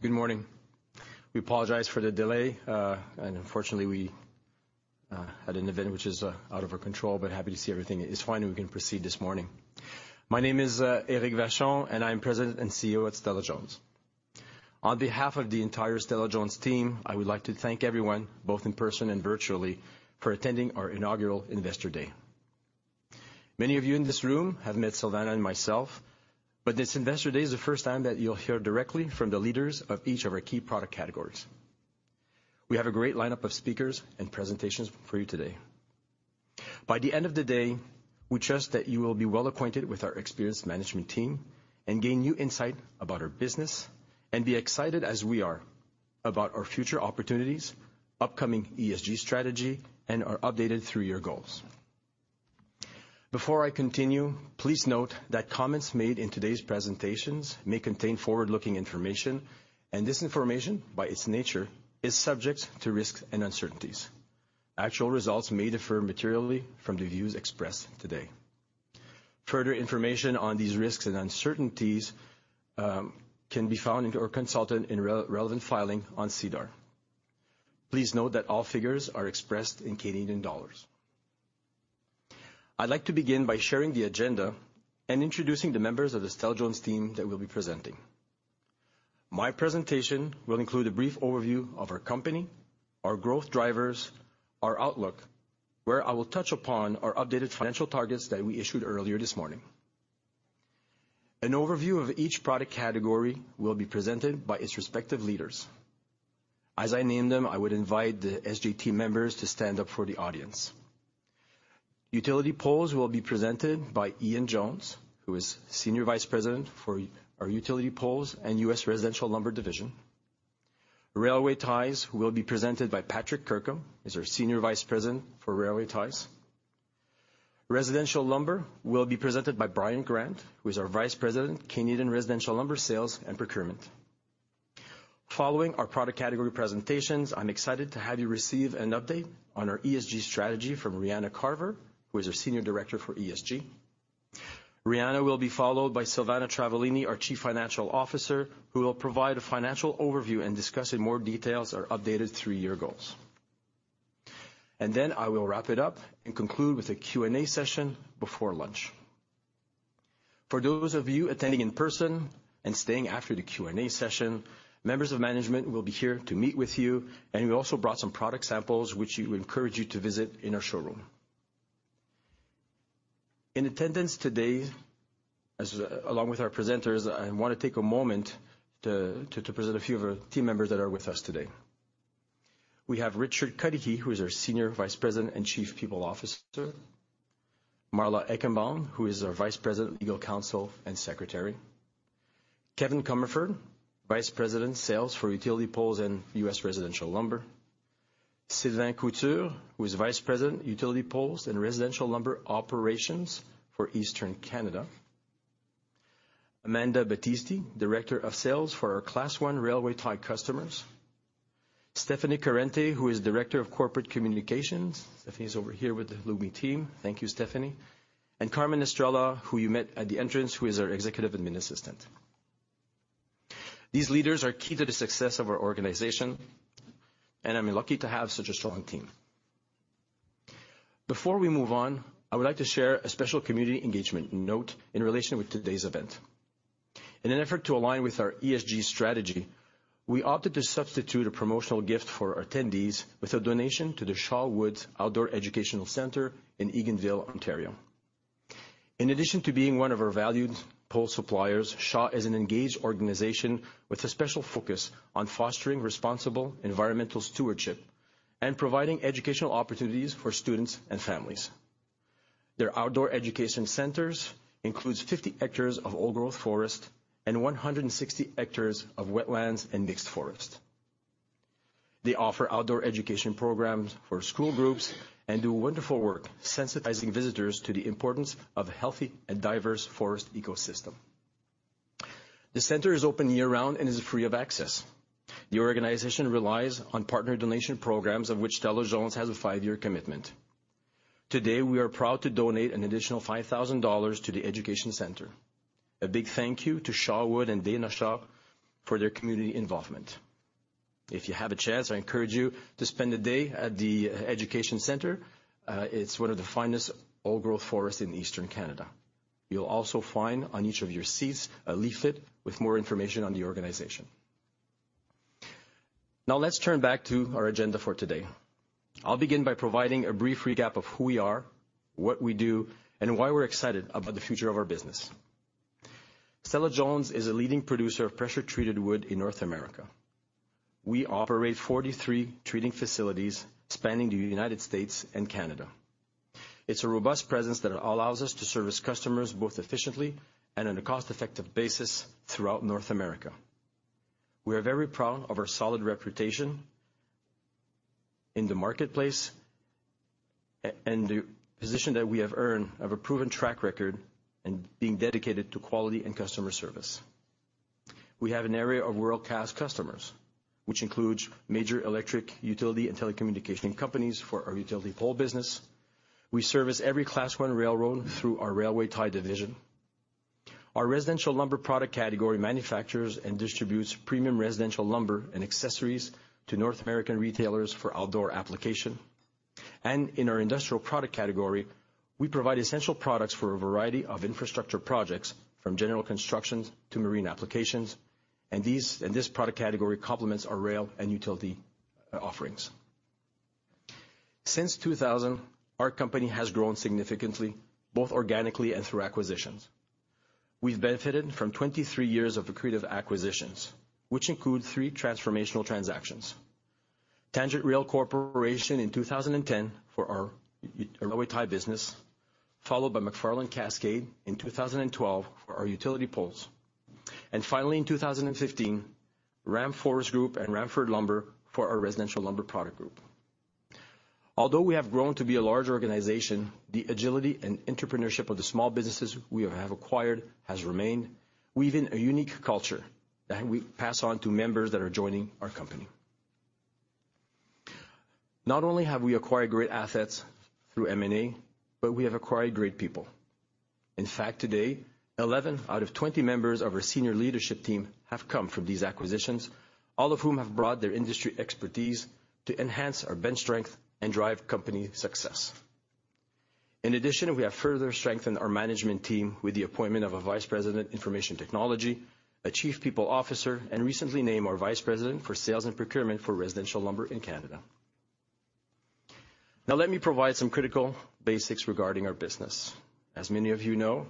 Good morning. We apologize for the delay. Unfortunately, we had an event which is out of our control, but happy to see everything is fine, and we can proceed this morning. My name is Éric Vachon, and I am President and CEO at Stella-Jones. On behalf of the entire Stella-Jones team, I would like to thank everyone, both in person and virtually, for attending our inaugural Investor Day. Many of you in this room have met Silvana and myself. This Investor Day is the first time that you'll hear directly from the leaders of each of our key product categories. We have a great lineup of speakers and presentations for you today. By the end of the day, we trust that you will be well-acquainted with our experienced management team and gain new insight about our business, and be excited as we are about our future opportunities, upcoming ESG strategy, and our updated 3-year goals. Before I continue, please note that comments made in today's presentations may contain forward-looking information. This information, by its nature, is subject to risks and uncertainties. Actual results may differ materially from the views expressed today. Further information on these risks and uncertainties can be found or consulted in relevant filing on SEDAR. Please note that all figures are expressed in Canadian dollars. I'd like to begin by sharing the agenda and introducing the members of the Stella-Jones team that will be presenting. My presentation will include a brief overview of our company, our growth drivers, our outlook, where I will touch upon our updated financial targets that we issued earlier this morning. An overview of each product category will be presented by its respective leaders. As I name them, I would invite the SJ team members to stand up for the audience. Utility poles will be presented by Ian Jones, who is Senior Vice President for our Utility Poles and U.S. Residential Lumber division. Railway ties will be presented by Patrick Kirkham. He's our Senior Vice President for Railway Ties. Residential lumber will be presented by Brian Grant, who is our Vice President, Canadian Residential Lumber Sales and Procurement. Following our product category presentations, I'm excited to have you receive an update on our ESG strategy from Rhéa Carver, who is our Senior Director for ESG. Rhéa will be followed by Silvana Travaglini, our Chief Financial Officer, who will provide a financial overview and discuss in more details our updated three-year goals. Then I will wrap it up and conclude with a Q&A session before lunch. For those of you attending in person and staying after the Q&A session, members of management will be here to meet with you, and we also brought some product samples, which we encourage you to visit in our showroom. In attendance today, as along with our presenters, I want to take a moment to present a few of our team members that are with us today. We have Richard Cudahy, who is our Senior Vice President and Chief People Officer. Marla Eichenbaum, who is our Vice President, Legal Counsel, and Secretary. Kevin Comerford, Vice President, Sales for Utility Poles and U.S. Residential Lumber. Sylvain Couture, who is Vice-President, Utility Pole and Residential Lumber Operations for Eastern Canada. Amanda Battisti, Director of Sales for our Class I Railway Tie customers. Stephanie Corrente, who is Director, Corporate Communications. Stephanie is over here with the Lumi team. Thank you, Stephanie. Carmen Estrella, who you met at the entrance, who is our Executive Admin Assistant. These leaders are key to the success of our organization, and I'm lucky to have such a strong team. Before we move on, I would like to share a special community engagement note in relation with today's event. In an effort to align with our ESG strategy, we opted to substitute a promotional gift for attendees with a donation to the Shaw Woods Outdoor Education Centre in Eganville, Ontario. In addition to being one of our valued pole suppliers, Shaw is an engaged organization with a special focus on fostering responsible environmental stewardship and providing educational opportunities for students and families. Their outdoor education centers includes 50 hectares of old-growth forest and 160 hectares of wetlands and mixed forest. They offer outdoor education programs for school groups and do wonderful work sensitizing visitors to the importance of a healthy and diverse forest ecosystem. The center is open year-round and is free of access. The organization relies on partner donation programs, of which Stella-Jones has a 5-year commitment. Today, we are proud to donate an additional 5,000 dollars to the education center. A big thank you to Shaw Woods and Dana Shaw for their community involvement. If you have a chance, I encourage you to spend a day at the education center. It's one of the finest old-growth forests in Eastern Canada. You'll also find on each of your seats a leaflet with more information on the organization. Let's turn back to our agenda for today. I'll begin by providing a brief recap of who we are, what we do, and why we're excited about the future of our business. Stella-Jones is a leading producer of pressure-treated wood in North America. We operate 43 treating facilities spanning the United States and Canada. It's a robust presence that allows us to service customers both efficiently and on a cost-effective basis throughout North America. We are very proud of our solid reputation in the marketplace and the position that we have earned, of a proven track record in being dedicated to quality and customer service. We have an array of world-class customers, which includes major electric, utility, and telecommunication companies for our utility pole business. We service every Class I railroad through our railway tie division. Our residential lumber product category manufactures and distributes premium residential lumber and accessories to North American retailers for outdoor application. In our industrial product category, we provide essential products for a variety of infrastructure projects, from general constructions to marine applications, and this product category complements our rail and utility offerings. Since 2000, our company has grown significantly, both organically and through acquisitions. We've benefited from 23 years of accretive acquisitions, which include three transformational transactions. Tangent Rail Corporation in 2010 for our railway tie business, followed by McFarland Cascade in 2012 for our utility poles. Finally, in 2015, Ram Forest Group Inc. and RAMFOR Lumber for our residential lumber product group. Although we have grown to be a large organization, the agility and entrepreneurship of the small businesses we have acquired has remained, weaving a unique culture that we pass on to members that are joining our company. Not only have we acquired great assets through M&A, but we have acquired great people. In fact, today, 11 out of 20 members of our senior leadership team have come from these acquisitions, all of whom have brought their industry expertise to enhance our bench strength and drive company success. In addition, we have further strengthened our management team with the appointment of a vice president, Information Technology, a chief people officer, and recently named our vice president for sales and procurement for residential lumber in Canada. Let me provide some critical basics regarding our business. As many of you know,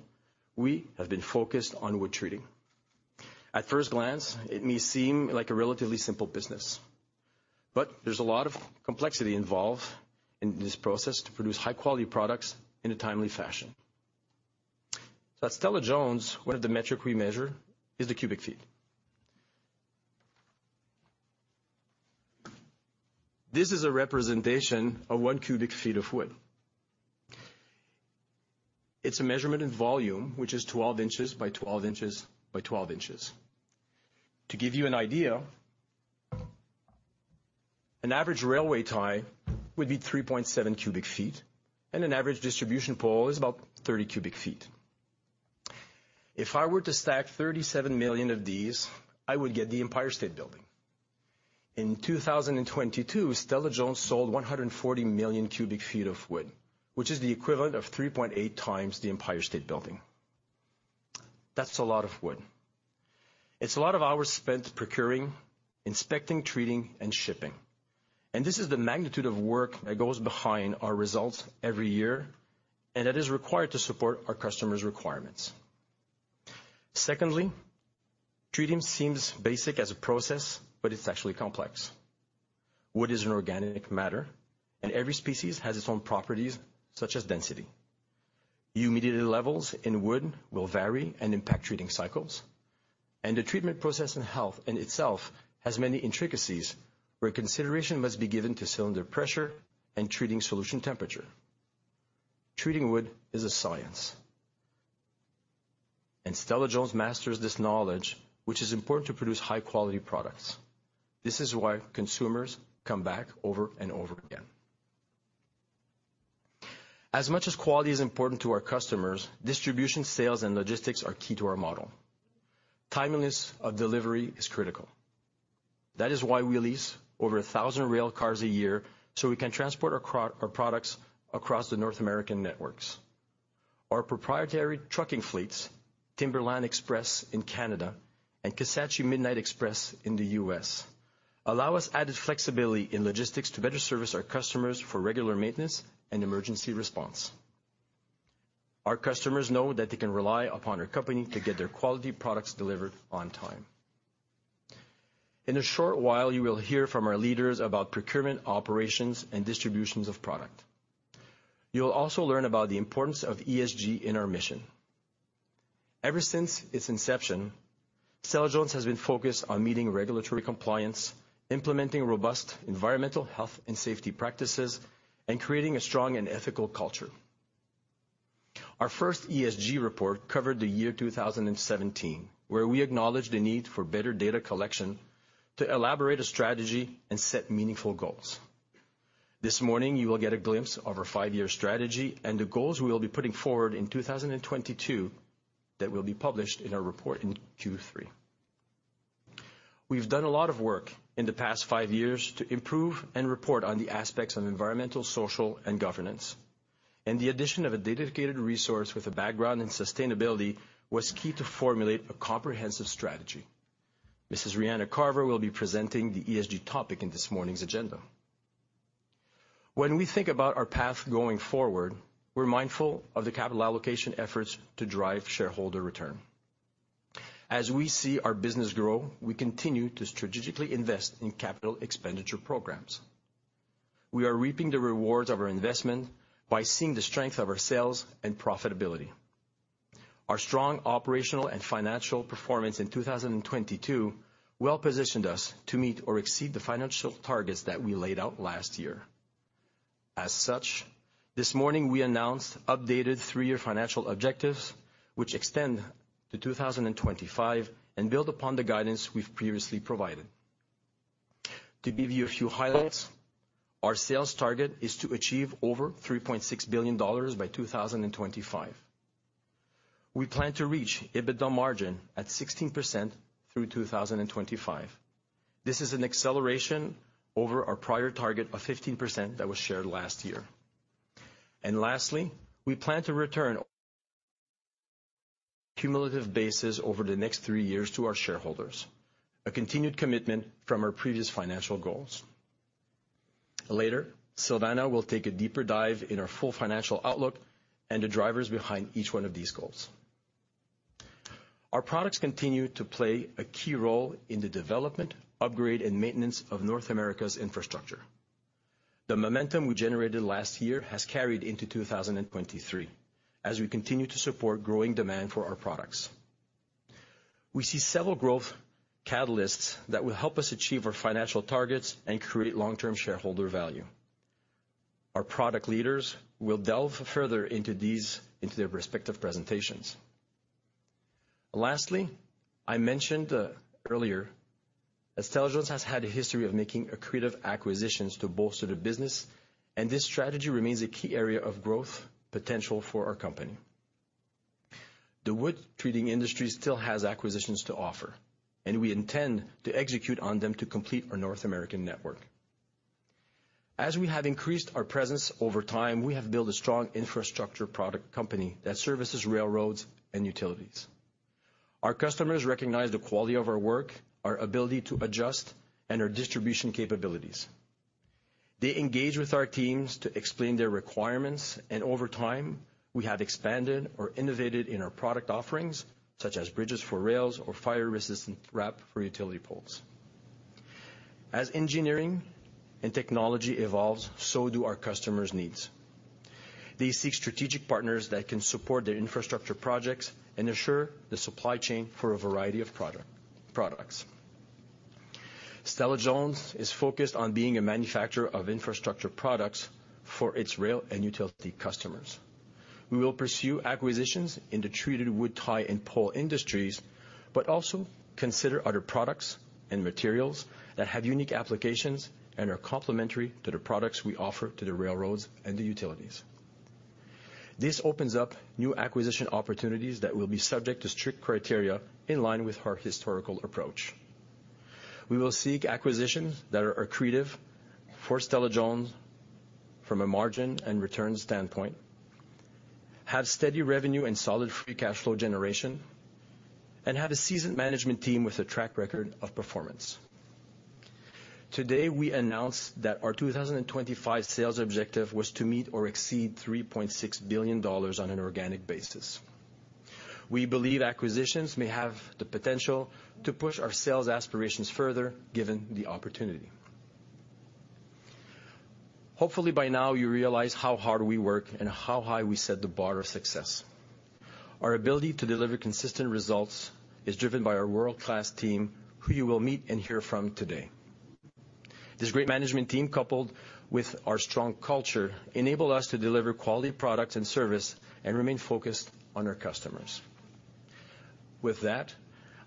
we have been focused on wood treating. At first glance, it may seem like a relatively simple business, there's a lot of complexity involved in this process to produce high-quality products in a timely fashion. At Stella-Jones, one of the metric we measure is the cubic feet. This is a representation of one cubic feet of wood. It's a measurement in volume, which is 12 inches by 12 inches by 12 inches. To give you an idea, an average railway tie would be 3.7 cubic feet, and an average distribution pole is about 30 cubic feet. If I were to stack 37 million of these, I would get the Empire State Building. In 2022, Stella-Jones sold 140 million cubic feet of wood, which is the equivalent of 3.8 times the Empire State Building. That's a lot of wood. It's a lot of hours spent procuring, inspecting, treating, and shipping. This is the magnitude of work that goes behind our results every year, and that is required to support our customers' requirements. Secondly, treating seems basic as a process, but it's actually complex. Wood is an organic matter, and every species has its own properties, such as density. Humidity levels in wood will vary and impact treating cycles, and the treatment process in health in itself has many intricacies, where consideration must be given to cylinder pressure and treating solution temperature. Treating wood is a science, and Stella-Jones masters this knowledge, which is important to produce high-quality products. This is why consumers come back over and over again. As much as quality is important to our customers, distribution, sales, and logistics are key to our model. Timeliness of delivery is critical. That is why we lease over 1,000 rail cars a year, so we can transport our products across the North American networks. Our proprietary trucking fleets, Timberline Express in Canada and Kisatchie Midnight Express in the U.S., allow us added flexibility in logistics to better service our customers for regular maintenance and emergency response. Our customers know that they can rely upon our company to get their quality products delivered on time. In a short while, you will hear from our leaders about procurement, operations, and distributions of product. You'll also learn about the importance of ESG in our mission. Ever since its inception, Stella-Jones has been focused on meeting regulatory compliance, implementing robust environmental, health, and safety practices, and creating a strong and ethical culture. Our first ESG report covered the year 2017, where we acknowledged the need for better data collection to elaborate a strategy and set meaningful goals. This morning, you will get a glimpse of our 5-year strategy and the goals we will be putting forward in 2022, that will be published in our report in Q3. We've done a lot of work in the past 5 years to improve and report on the aspects of environmental, social, and governance, the addition of a dedicated resource with a background in sustainability was key to formulate a comprehensive strategy. Mrs. Rhéa Carver will be presenting the ESG topic in this morning's agenda. When we think about our path going forward, we're mindful of the capital allocation efforts to drive shareholder return. As we see our business grow, we continue to strategically invest in capital expenditure programs. We are reaping the rewards of our investment by seeing the strength of our sales and profitability. Our strong operational and financial performance in 2022 well positioned us to meet or exceed the financial targets that we laid out last year. This morning, we announced updated three-year financial objectives, which extend to 2025 and build upon the guidance we've previously provided. To give you a few highlights, our sales target is to achieve over 3.6 billion dollars by 2025. We plan to reach EBITDA margin at 16% through 2025. This is an acceleration over our prior target of 15% that was shared last year. Lastly, we plan to return cumulative basis over the next three years to our shareholders, a continued commitment from our previous financial goals. Later, Silvana will take a deeper dive in our full financial outlook and the drivers behind each one of these goals. Our products continue to play a key role in the development, upgrade, and maintenance of North America's infrastructure. The momentum we generated last year has carried into 2023, as we continue to support growing demand for our products. We see several growth catalysts that will help us achieve our financial targets and create long-term shareholder value. Our product leaders will delve further into these, into their respective presentations. Lastly, I mentioned earlier, as Stella-Jones has had a history of making accretive acquisitions to bolster the business. This strategy remains a key area of growth potential for our company. The wood treating industry still has acquisitions to offer. We intend to execute on them to complete our North American network. As we have increased our presence over time, we have built a strong infrastructure product company that services railroads and utilities. Our customers recognize the quality of our work, our ability to adjust, and our distribution capabilities. They engage with our teams to explain their requirements. Over time, we have expanded or innovated in our product offerings, such as bridges for rails or fire-resistant wrap for utility poles. As engineering and technology evolves, so do our customers' needs. They seek strategic partners that can support their infrastructure projects and assure the supply chain for a variety of products. Stella-Jones is focused on being a manufacturer of infrastructure products for its rail and utility customers. We will pursue acquisitions in the treated wood tie and pole industries, but also consider other products and materials that have unique applications and are complementary to the products we offer to the railroads and the utilities. This opens up new acquisition opportunities that will be subject to strict criteria in line with our historical approach. We will seek acquisitions that are accretive for Stella-Jones from a margin and return standpoint, have steady revenue and solid free cash flow generation, and have a seasoned management team with a track record of performance. Today, we announced that our 2025 sales objective was to meet or exceed $3.6 billion on an organic basis. We believe acquisitions may have the potential to push our sales aspirations further, given the opportunity. Hopefully, by now, you realize how hard we work and how high we set the bar of success. Our ability to deliver consistent results is driven by our world-class team, who you will meet and hear from today. This great management team, coupled with our strong culture, enable us to deliver quality products and service and remain focused on our customers. With that,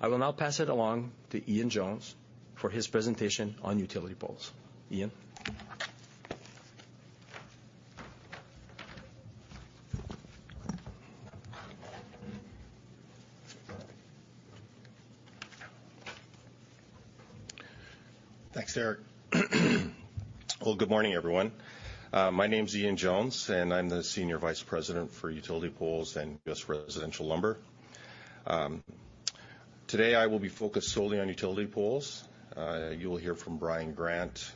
I will now pass it along to Ian Jones for his presentation on utility poles. Ian? Thanks, Éric. Well, good morning, everyone. My name is Ian Jones, and I'm the Senior Vice President for Utility Poles and U.S. Residential Lumber. Today, I will be focused solely on utility poles. You will hear from Brian Grant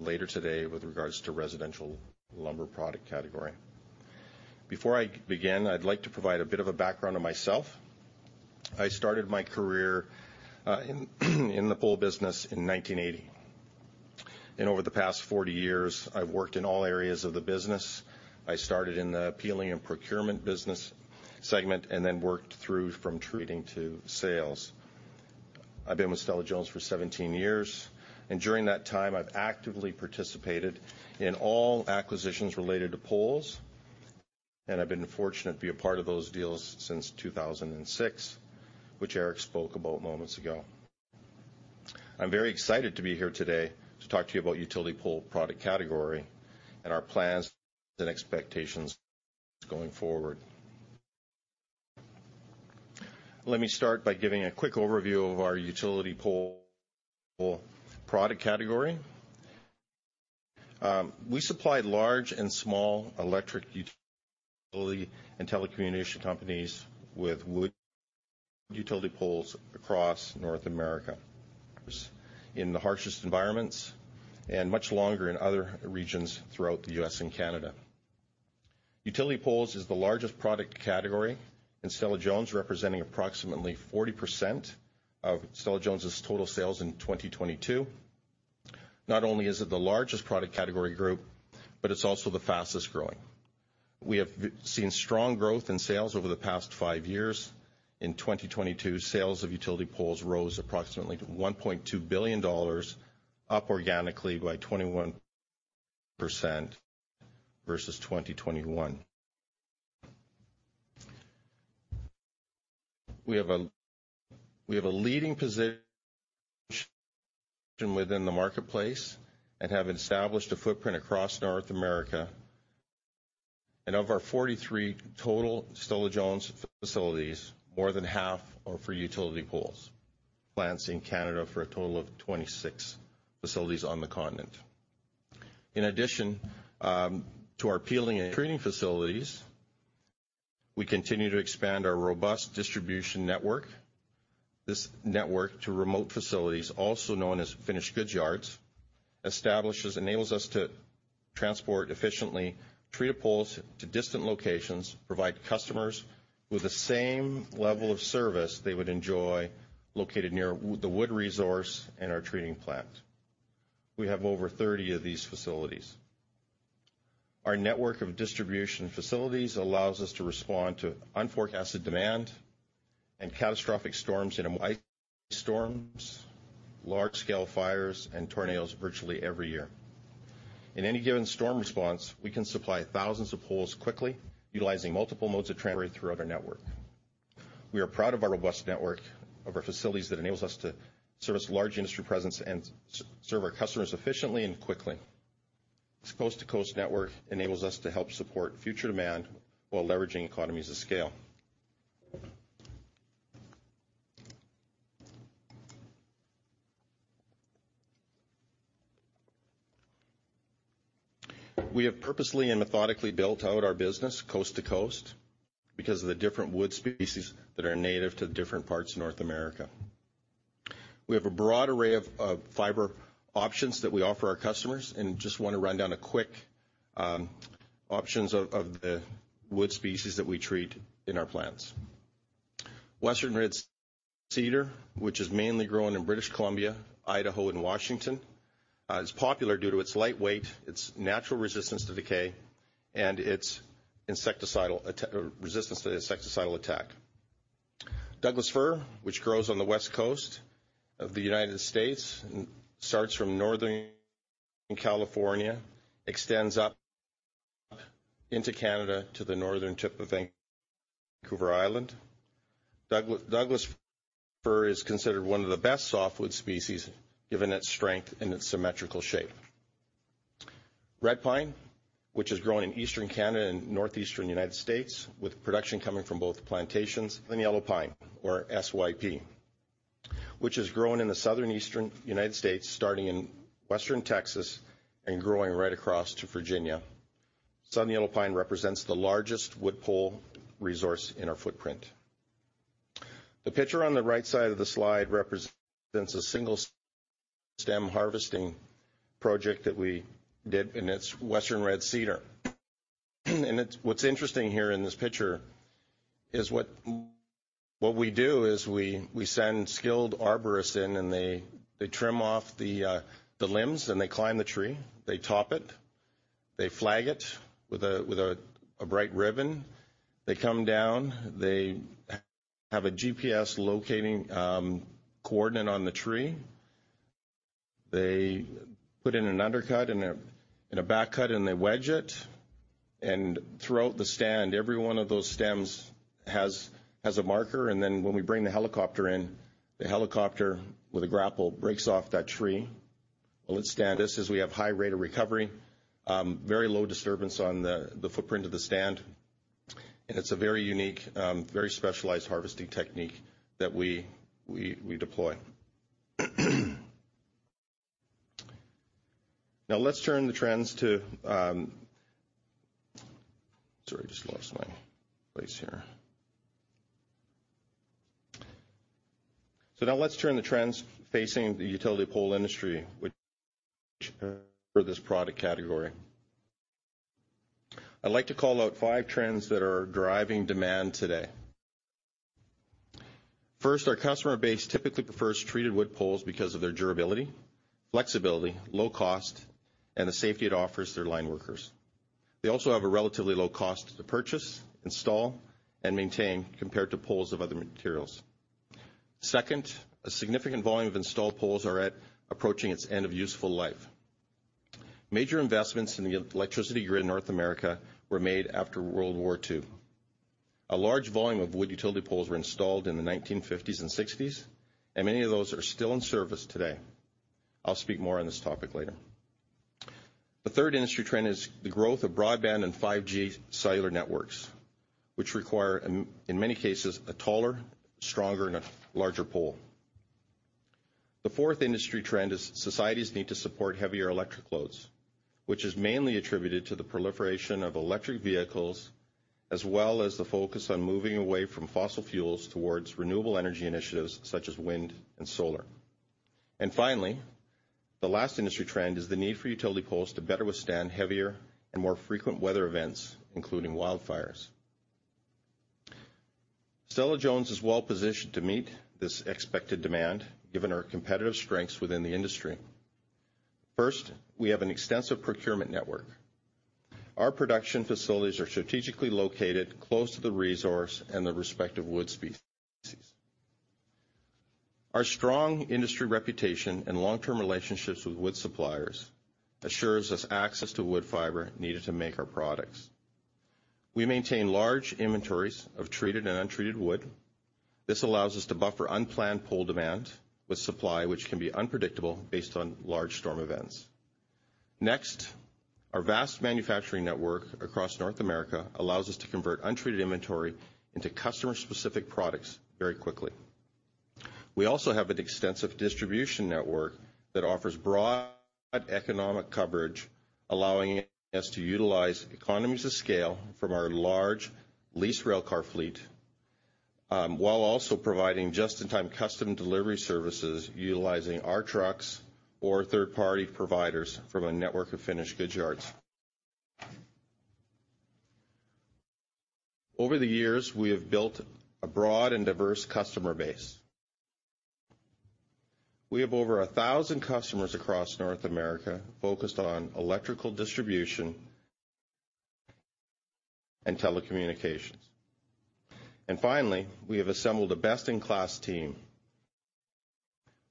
later today with regards to residential lumber product category. Before I begin, I'd like to provide a bit of a background on myself. I started my career in the pole business in 1980. Over the past 40 years, I've worked in all areas of the business. I started in the peeling and procurement business segment, and then worked through from treating to sales. I've been with Stella-Jones for 17 years. During that time, I've actively participated in all acquisitions related to poles. I've been fortunate to be a part of those deals since 2006, which Éric spoke about moments ago. I'm very excited to be here today to talk to you about utility pole product category and our plans and expectations going forward. Let me start by giving a quick overview of our utility pole product category. We supply large and small electric utility and telecommunication companies with wood utility poles across North America. In the harshest environments and much longer in other regions throughout the U.S. and Canada. Utility poles is the largest product category in Stella-Jones, representing approximately 40% of Stella-Jones's total sales in 2022. Not only is it the largest product category group, it's also the fastest-growing. We have seen strong growth in sales over the past five years. In 2022, sales of utility poles rose approximately to $1.2 billion, up organically by 21% versus 2021. We have a leading position within the marketplace and have established a footprint across North America. Of our 43 total Stella-Jones facilities, more than half are for utility poles. Plants in Canada for a total of 26 facilities on the continent. In addition to our peeling and treating facilities, we continue to expand our robust distribution network. This network to remote facilities, also known as finished goods yards, enables us to transport efficiently treated poles to distant locations, provide customers with the same level of service they would enjoy located near the wood resource and our treating plant. We have over 30 of these facilities. Our network of distribution facilities allows us to respond to unforecasted demand and catastrophic storms and ice storms, large-scale fires, and tornadoes virtually every year. In any given storm response, we can supply thousands of poles quickly, utilizing multiple modes of transport throughout our network. We are proud of our robust network, of our facilities that enables us to service large industry presence and serve our customers efficiently and quickly. This coast-to-coast network enables us to help support future demand while leveraging economies of scale. We have purposely and methodically built out our business coast to coast because of the different wood species that are native to the different parts of North America. We have a broad array of fiber options that we offer our customers, and just want to run down a quick options of the wood species that we treat in our plants. Western Red Cedar, which is mainly grown in British Columbia, Idaho, and Washington, is popular due to its light weight, its natural resistance to decay, and its resistance to insecticidal attack. Douglas fir, which grows on the West Coast of the United States, starts from Northern California, extends up into Canada to the northern tip of Vancouver Island. Douglas fir is considered one of the best softwood species, given its strength and its symmetrical shape. Red pine, which is grown in Eastern Canada and Northeastern United States, with production coming from both plantations. Yellow Pine, or SYP, which is grown in the Southeastern United States, starting in Western Texas and growing right across to Virginia. Southern Yellow Pine represents the largest wood pole resource in our footprint. The picture on the right side of the slide represents a single-stem harvesting project that we did. It's Western Red Cedar. What's interesting here in this picture is what we do is we send skilled arborists in, and they trim off the limbs, and they climb the tree. They top it. They flag it with a bright ribbon. They come down, they have a GPS locating coordinate on the tree. They put in an undercut and a back cut, and they wedge it. Throughout the stand, every one of those stems has a marker, and then, when we bring the helicopter in, the helicopter with a grapple breaks off that tree. We have high rate of recovery, very low disturbance on the footprint of the stand, and it's a very unique, very specialized harvesting technique that we deploy. Let's turn the trends to. Sorry, I just lost my place here. Let's turn the trends facing the utility pole industry, which for this product category. I'd like to call out 5 trends that are driving demand today. First, our customer base typically prefers treated wood poles because of their durability, flexibility, low cost, and the safety it offers their line workers. They also have a relatively low cost to purchase, install, and maintain compared to poles of other materials. Second, a significant volume of installed poles are approaching its end of useful life. Major investments in the electricity grid in North America were made after World War II. A large volume of wood utility poles were installed in the 1950s and 1960s, and many of those are still in service today. I'll speak more on this topic later. The third industry trend is the growth of broadband and 5G cellular networks, which require, in many cases, a taller, stronger, and a larger pole. The fourth industry trend is society's need to support heavier electric loads, which is mainly attributed to the proliferation of electric vehicles, as well as the focus on moving away from fossil fuels towards renewable energy initiatives such as wind and solar. Finally, the last industry trend is the need for utility poles to better withstand heavier and more frequent weather events, including wildfires. Stella-Jones is well-positioned to meet this expected demand, given our competitive strengths within the industry. First, we have an extensive procurement network. Our production facilities are strategically located close to the resource and the respective wood species. Our strong industry reputation and long-term relationships with wood suppliers assures us access to wood fiber needed to make our products. We maintain large inventories of treated and untreated wood. This allows us to buffer unplanned pole demand with supply, which can be unpredictable based on large storm events. Next, our vast manufacturing network across North America allows us to convert untreated inventory into customer-specific products very quickly. We also have an extensive distribution network that offers broad economic coverage, allowing us to utilize economies of scale from our large leased railcar fleet, while also providing just-in-time custom delivery services, utilizing our trucks or third-party providers from a network of finished goods yards. Over the years, we have built a broad and diverse customer base. We have over 1,000 customers across North America focused on electrical distribution and telecommunications. Finally, we have assembled a best-in-class team,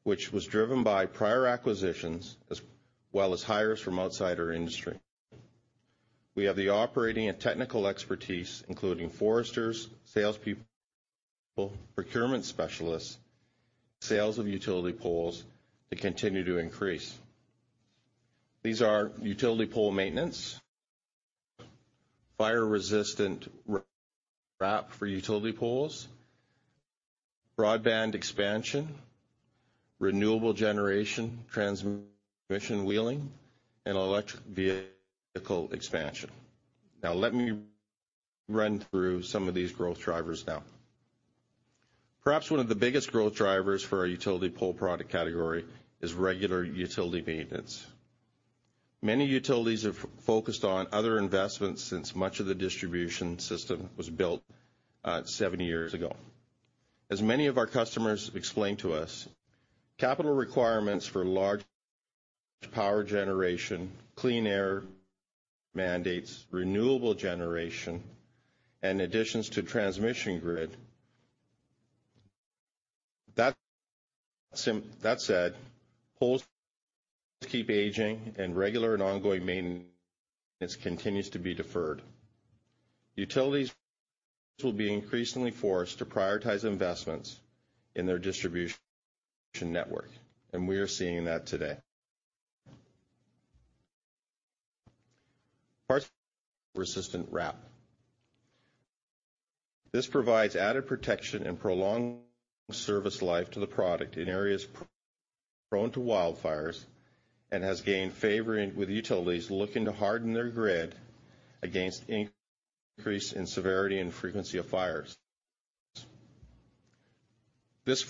which was driven by prior acquisitions, as well as hires from outside our industry. We have the operating and technical expertise, including foresters, salespeople, procurement specialists, sales of utility poles that continue to increase. These are utility pole maintenance, fire-resistant wrap for utility poles, broadband expansion, renewable generation, transmission, wheeling, and electric vehicle expansion. Let me run through some of these growth drivers now. Perhaps one of the biggest growth drivers for our utility pole product category is regular utility maintenance. Many utilities have focused on other investments since much of the distribution system was built, 70 years ago. As many of our customers explained to us, capital requirements for large power generation, clean air mandates, renewable generation, and additions to transmission grid. That said, poles keep aging, and regular and ongoing maintenance continues to be deferred. Utilities will be increasingly forced to prioritize investments in their distribution network, and we are seeing that today. Fire-resistant wrap. This provides added protection and prolongs service life to the product in areas prone to wildfires and has gained favor with utilities looking to harden their grid against increase in severity and frequency of fires. This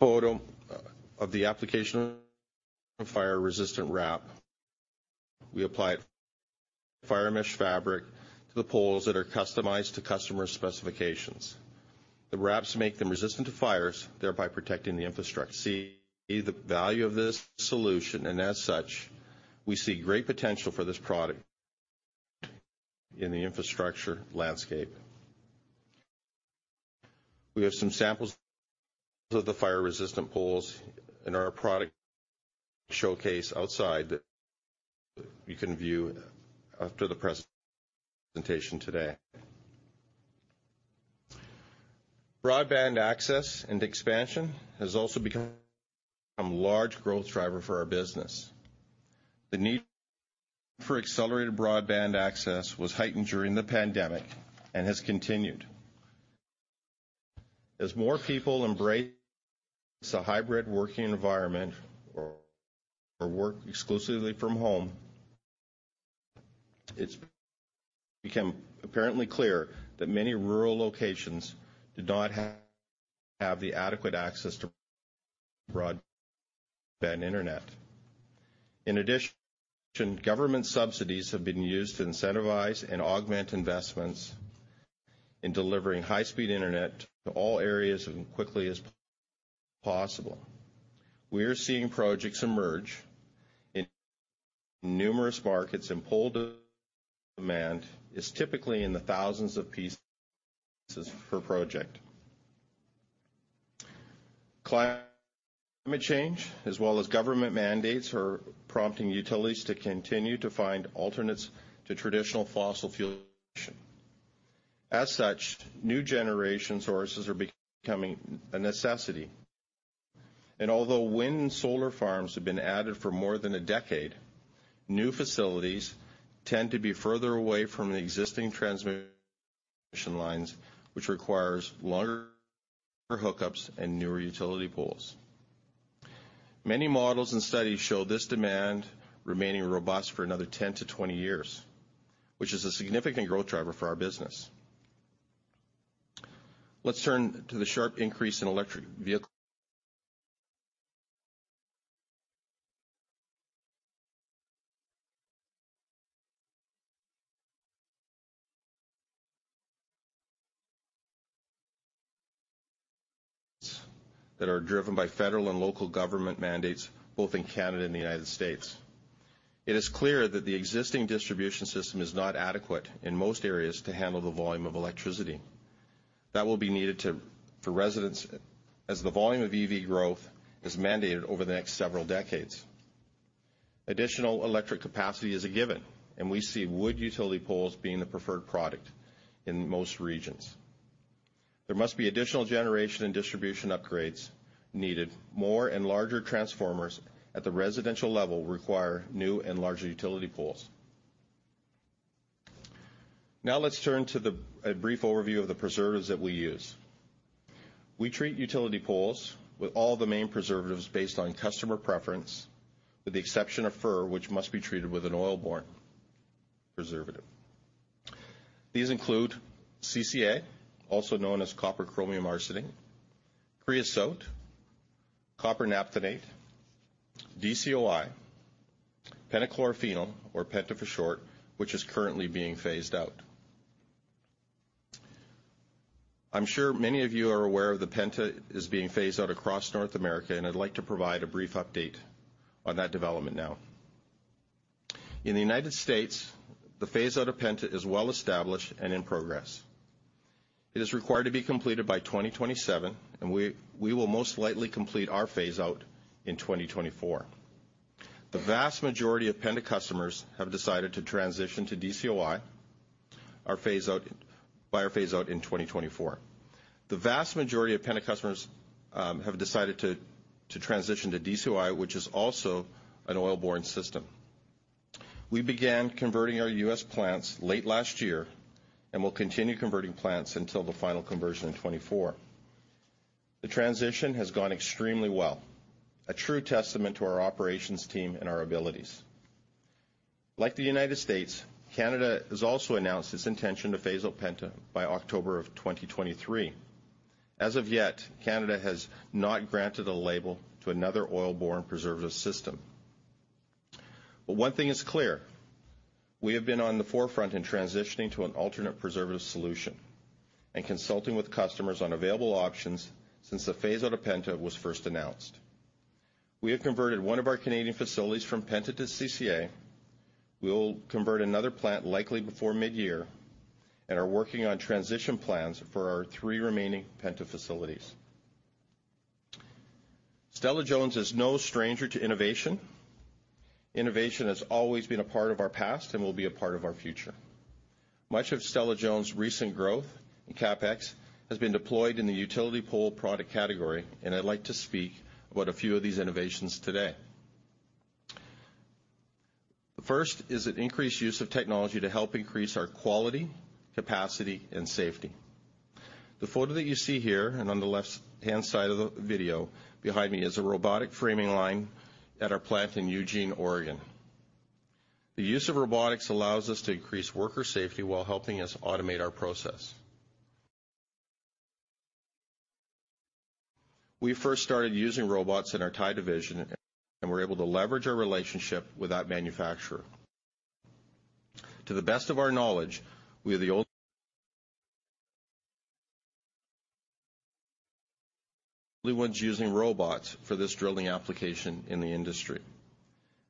photo of the application of fire-resistant wrap, we apply FireMesh fabric to the poles that are customized to customer specifications. The wraps make them resistant to fires, thereby protecting the infrastructure. As such, we see great potential for this product in the infrastructure landscape. We have some samples of the fire-resistant poles in our product showcase outside that you can view after the presentation today. Broadband access and expansion has also become a large growth driver for our business. The need for accelerated broadband access was heightened during the pandemic and has continued. As more people embrace a hybrid working environment or work exclusively from home, it's become apparently clear that many rural locations do not have the adequate access to broadband internet. In addition, government subsidies have been used to incentivize and augment investments in delivering high-speed internet to all areas as quickly as possible. We are seeing projects emerge in numerous markets. Pole demand is typically in the thousands of pieces per project. Climate change, as well as government mandates, are prompting utilities to continue to find alternates to traditional fossil fuel. New generation sources are becoming a necessity. Although wind and solar farms have been added for more than a decade, new facilities tend to be further away from the existing transmission lines, which requires longer hookups and newer utility poles. Many models and studies show this demand remaining robust for another 10-20 years, which is a significant growth driver for our business. Let's turn to the sharp increase in electric vehicle- that are driven by federal and local government mandates, both in Canada and the United States. It is clear that the existing distribution system is not adequate in most areas to handle the volume of electricity that will be needed for residents as the volume of EV growth is mandated over the next several decades. Additional electric capacity is a given, and we see wood utility poles being the preferred product in most regions. There must be additional generation and distribution upgrades needed. More and larger transformers at the residential level require new and larger utility poles. Now let's turn to a brief overview of the preservatives that we use. We treat utility poles with all the main preservatives based on customer preference, with the exception of fir, which must be treated with an oil-borne preservative. These include CCA, also known as Chromated Copper Arsenate, creosote, Copper Naphthenate, DCOI, pentachlorophenol or penta for short, which is currently being phased out. I'm sure many of you are aware the penta is being phased out across North America, and I'd like to provide a brief update on that development now. In the United States, the phaseout of penta is well established and in progress. It is required to be completed by 2027, and we will most likely complete our phaseout in 2024. The vast majority of penta customers have decided to transition to DCOI. Our phaseout in 2024. The vast majority of penta customers have decided to transition to DCOI, which is also an oil-borne system. We began converting our U.S. plants late last year and will continue converting plants until the final conversion in 2024. The transition has gone extremely well, a true testament to our operations team and our abilities. Like the United States, Canada has also announced its intention to phase out penta by October of 2023. As of yet, Canada has not granted a label to another oil-borne preservative system. One thing is clear, we have been on the forefront in transitioning to an alternate preservative solution and consulting with customers on available options since the phaseout of penta was first announced. We have converted 1 of our Canadian facilities from penta to CCA. We will convert another plant likely before mid-year and are working on transition plans for our 3 remaining penta facilities. Stella-Jones is no stranger to innovation. Innovation has always been a part of our past and will be a part of our future. Much of Stella-Jones' recent growth in CapEx has been deployed in the utility pole product category, and I'd like to speak about a few of these innovations today. The first is an increased use of technology to help increase our quality, capacity, and safety. The photo that you see here, and on the left-hand side of the video behind me, is a robotic framing line at our plant in Eugene, Oregon. The use of robotics allows us to increase worker safety while helping us automate our process. We first started using robots in our tie division, and we're able to leverage our relationship with that manufacturer. To the best of our knowledge, we are the only ones using robots for this drilling application in the industry.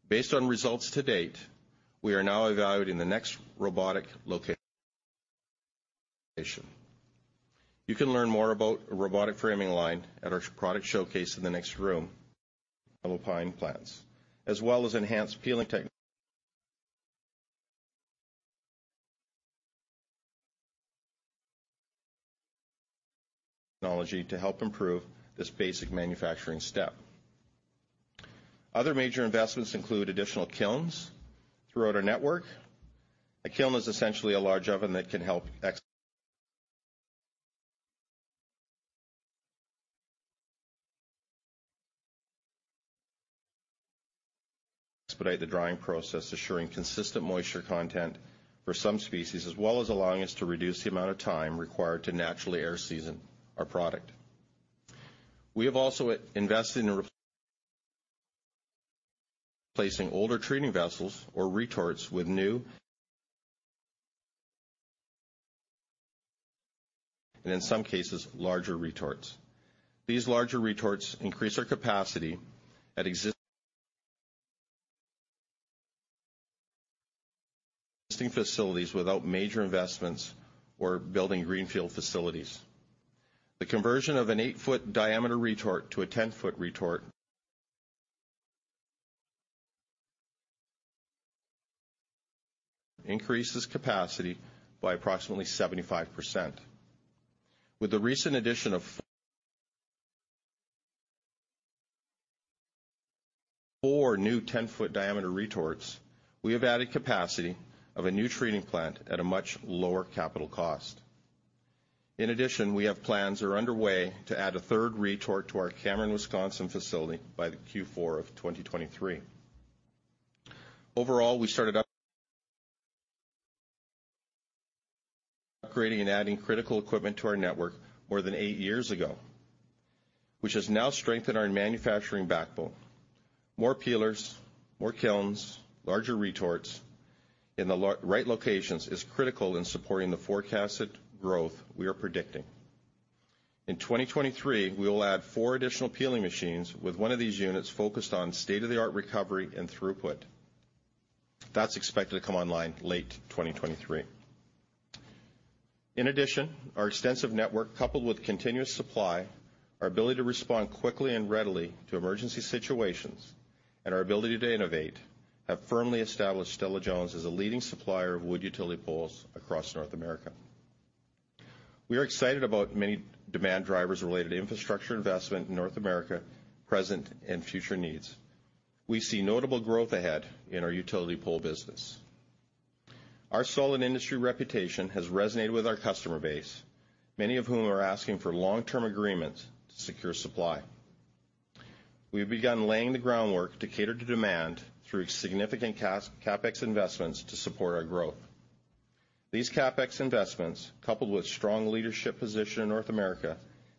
Based on results to date, we are now evaluating the next robotic location. You can learn more about a robotic framing line at our product showcase in the next room, our pine plants, as well as enhanced peeling technology to help improve this basic manufacturing step. Other major investments include additional kilns throughout our network. A kiln is essentially a large oven that can help expedite the drying process, assuring consistent moisture content for some species, as well as allowing us to reduce the amount of time required to naturally air season our product. We have also invested in replacing older treating vessels or retorts with new, and in some cases, larger retorts. These larger retorts increase our capacity at existing facilities without major investments or building greenfield facilities. The conversion of an 8-foot diameter retort to a 10-foot retort increases capacity by approximately 75%. With the recent addition of four new 10-foot diameter retorts, we have added capacity of a new treating plant at a much lower capital cost. In addition, plans are underway to add a third retort to our Cameron, Wisconsin, facility by the Q4 of 2023. Overall, we started up upgrading and adding critical equipment to our network more than eight years ago, which has now strengthened our manufacturing backbone. More peelers, more kilns, larger retorts in the right locations is critical in supporting the forecasted growth we are predicting. In 2023, we will add four additional peeling machines, with one of these units focused on state-of-the-art recovery and throughput. That's expected to come online late 2023. In addition, our extensive network, coupled with continuous supply, our ability to respond quickly and readily to emergency situations, and our ability to innovate, have firmly established Stella-Jones as a leading supplier of wood utility poles across North America. We are excited about many demand drivers related to infrastructure investment in North America, present and future needs. We see notable growth ahead in our utility pole business. Our solid industry reputation has resonated with our customer base, many of whom are asking for long-term agreements to secure supply. We've begun laying the groundwork to cater to demand through significant CapEx investments to support our growth. These CapEx investments, coupled with strong leadership position in North America,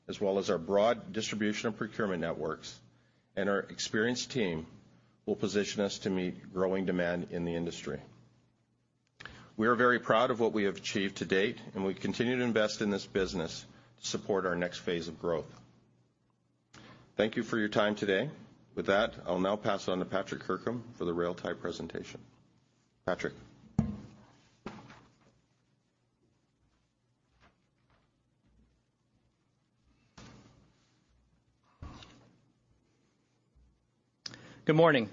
as well as our broad distribution and procurement networks and our experienced team, will position us to meet growing demand in the industry. We are very proud of what we have achieved to date, and we continue to invest in this business to support our next phase of growth. Thank you for your time today. With that, I'll now pass it on to Patrick Kirkham for the Railway Tie presentation. Patrick? Good morning.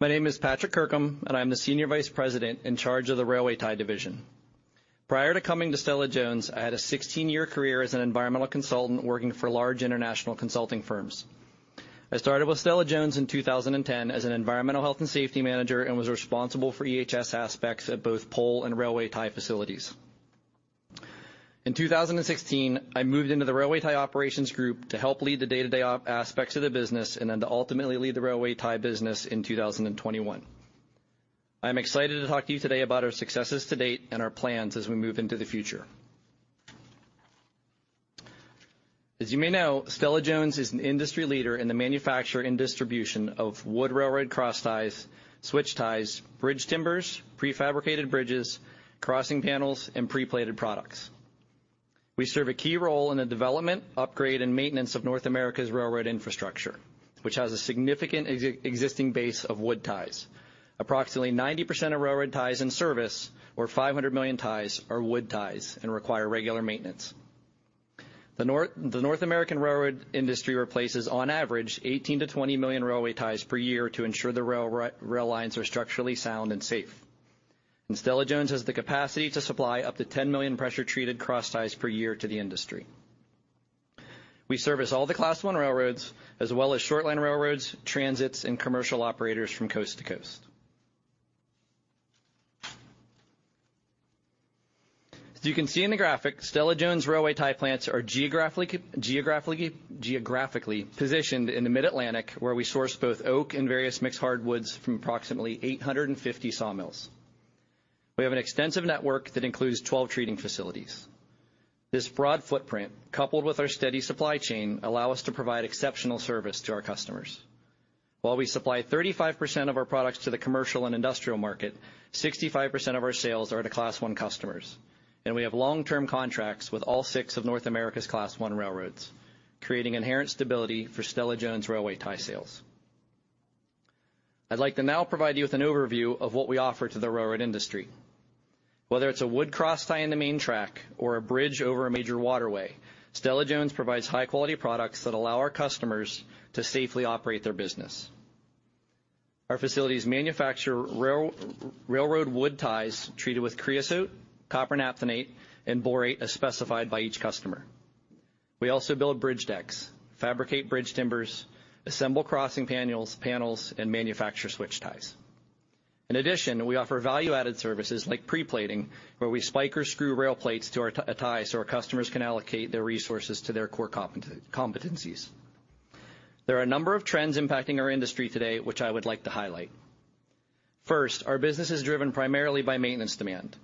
My name is Patrick Kirkham, I'm the Senior Vice President in charge of the Railway Tie division. Prior to coming to Stella-Jones, I had a 16-year career as an environmental consultant working for large international consulting firms. I started with Stella-Jones in 2010 as an environmental health and safety manager and was responsible for EHS aspects at both pole and Railway Tie facilities. In 2016, I moved into the Railway Tie operations group to help lead the day-to-day aspects of the business to ultimately lead the Railway Tie business in 2021. I'm excited to talk to you today about our successes to date and our plans as we move into the future. As you may know, Stella-Jones is an industry leader in the manufacture and distribution of wood railroad cross ties, switch ties, bridge timbers, prefabricated bridges, crossing panels, and pre-plated products. We serve a key role in the development, upgrade, and maintenance of North America's railroad infrastructure, which has a significant existing base of wood ties. Approximately 90% of railroad ties in service, or 500 million ties, are wood ties and require regular maintenance. The North American railroad industry replaces, on average, 18-20 million railway ties per year to ensure the rail lines are structurally sound and safe. Stella-Jones has the capacity to supply up to 10 million pressure-treated cross ties per year to the industry. We service all the Class I railroads, as well as short line railroads, transits, and commercial operators from coast to coast. As you can see in the graphic, Stella-Jones railway tie plants are geographically positioned in the Mid-Atlantic, where we source both oak and various mixed hardwoods from approximately 850 sawmills. We have an extensive network that includes 12 treating facilities. This broad footprint, coupled with our steady supply chain, allow us to provide exceptional service to our customers. While we supply 35% of our products to the commercial and industrial market, 65% of our sales are to Class I customers, and we have long-term contracts with all six of North America's Class I railroads, creating inherent stability for Stella-Jones railway tie sales. I'd like to now provide you with an overview of what we offer to the railroad industry. Whether it's a wood cross tie in the main track or a bridge over a major waterway, Stella-Jones provides high-quality products that allow our customers to safely operate their business. Our facilities manufacture rail, railroad wood ties treated with creosote, copper naphthenate, and borate, as specified by each customer. We also build bridge decks, fabricate bridge timbers, assemble crossing panels, and manufacture switch ties. In addition, we offer value-added services like pre-plating, where we spike or screw rail plates to our ties so our customers can allocate their resources to their core competencies. There are a number of trends impacting our industry today, which I would like to highlight. First, our business is driven primarily by maintenance demand.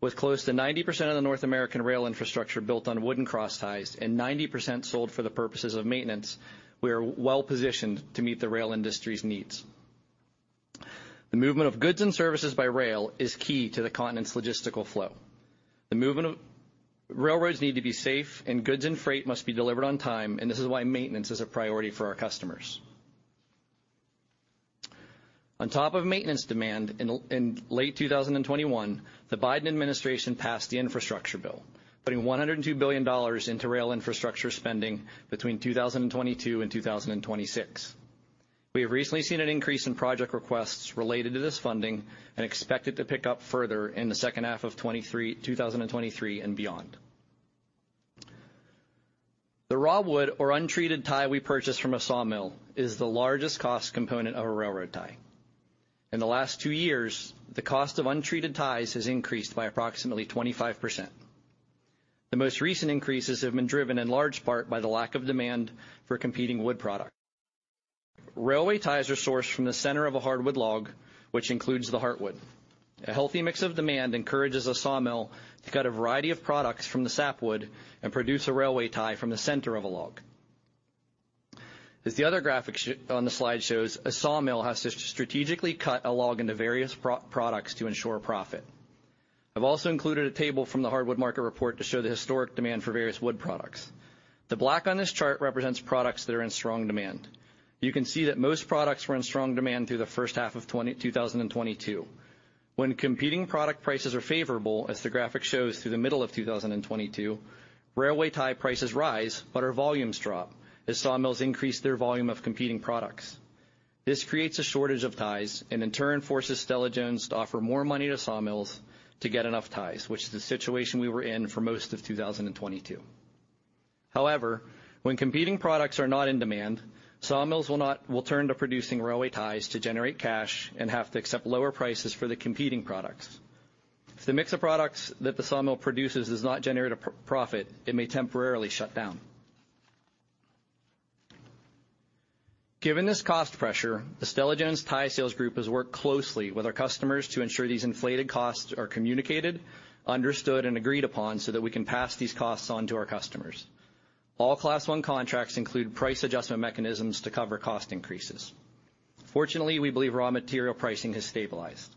With close to 90% of the North American rail infrastructure built on wooden cross ties and 90% sold for the purposes of maintenance, we are well-positioned to meet the rail industry's needs. The movement of goods and services by rail is key to the continent's logistical flow. Railroads need to be safe, and goods and freight must be delivered on time, and this is why maintenance is a priority for our customers. On top of maintenance demand, in late 2021, the Biden administration passed the infrastructure bill, putting $102 billion into rail infrastructure spending between 2022 and 2026. We have recently seen an increase in project requests related to this funding and expect it to pick up further in the second half of 2023 and beyond. The raw wood or untreated tie we purchase from a sawmill is the largest cost component of a railroad tie. In the last two years, the cost of untreated ties has increased by approximately 25%. The most recent increases have been driven in large part by the lack of demand for competing wood products. Railway ties are sourced from the center of a hardwood log, which includes the heartwood. A healthy mix of demand encourages a sawmill to cut a variety of products from the sapwood and produce a railway tie from the center of a log. As the other graphic on the slide shows, a sawmill has to strategically cut a log into various products to ensure profit. I've also included a table from the Hardwood Market Report to show the historic demand for various wood products. The black on this chart represents products that are in strong demand. You can see that most products were in strong demand through the first half of 2022. When competing product prices are favorable, as the graphic shows through the middle of 2022, railway tie prices rise, our volumes drop as sawmills increase their volume of competing products. This creates a shortage of ties, and in turn, forces Stella-Jones to offer more money to sawmills to get enough ties, which is the situation we were in for most of 2022. When competing products are not in demand, sawmills will turn to producing railway ties to generate cash and have to accept lower prices for the competing products. If the mix of products that the sawmill produces does not generate a profit, it may temporarily shut down. Given this cost pressure, the Stella-Jones Tie Sales Group has worked closely with our customers to ensure these inflated costs are communicated, understood, and agreed upon so that we can pass these costs on to our customers. All Class 1 contracts include price adjustment mechanisms to cover cost increases. Fortunately, we believe raw material pricing has stabilized.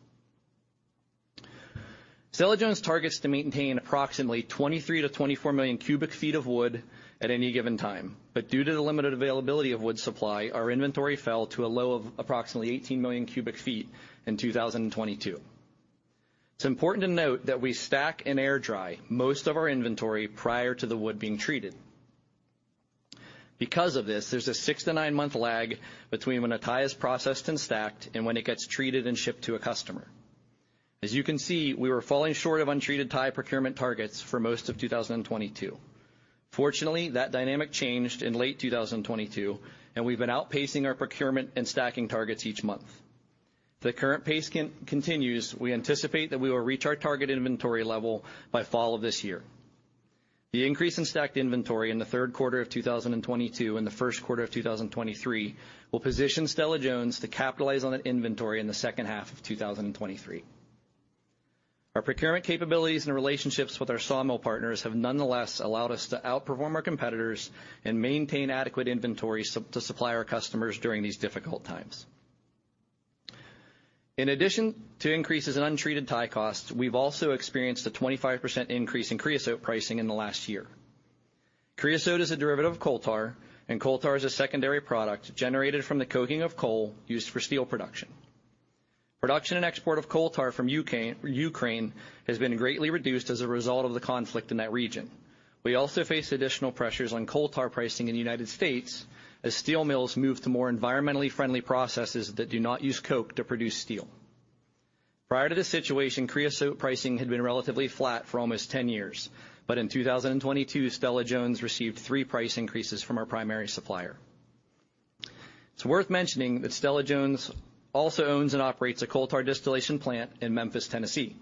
Stella-Jones targets to maintain approximately 23 million-24 million cubic feet of wood at any given time, but due to the limited availability of wood supply, our inventory fell to a low of approximately 18 million cubic feet in 2022. It's important to note that we stack and air-dry most of our inventory prior to the wood being treated. Because of this, there's a 6-9 month lag between when a tie is processed and stacked and when it gets treated and shipped to a customer. As you can see, we were falling short of untreated tie procurement targets for most of 2022. Fortunately, that dynamic changed in late 2022, and we've been outpacing our procurement and stacking targets each month. If the current pace continues, we anticipate that we will reach our target inventory level by fall of this year. The increase in stacked inventory in the 3rd quarter of 2022 and the 1st quarter of 2023, will position Stella-Jones to capitalize on that inventory in the 2nd half of 2023. Our procurement capabilities and relationships with our sawmill partners have nonetheless allowed us to outperform our competitors and maintain adequate inventory to supply our customers during these difficult times. In addition to increases in untreated tie costs, we've also experienced a 25% increase in creosote pricing in the last year. Creosote is a derivative of coal tar, and coal tar is a secondary product generated from the coking of coal used for steel production. Production and export of coal tar from Ukraine has been greatly reduced as a result of the conflict in that region. We also face additional pressures on coal tar pricing in the United States as steel mills move to more environmentally friendly processes that do not use coke to produce steel. Prior to this situation, creosote pricing had been relatively flat for almost 10 years, but in 2022, Stella-Jones received 3 price increases from our primary supplier. It's worth mentioning that Stella-Jones also owns and operates a coal tar distillation plant in Memphis, Tennessee.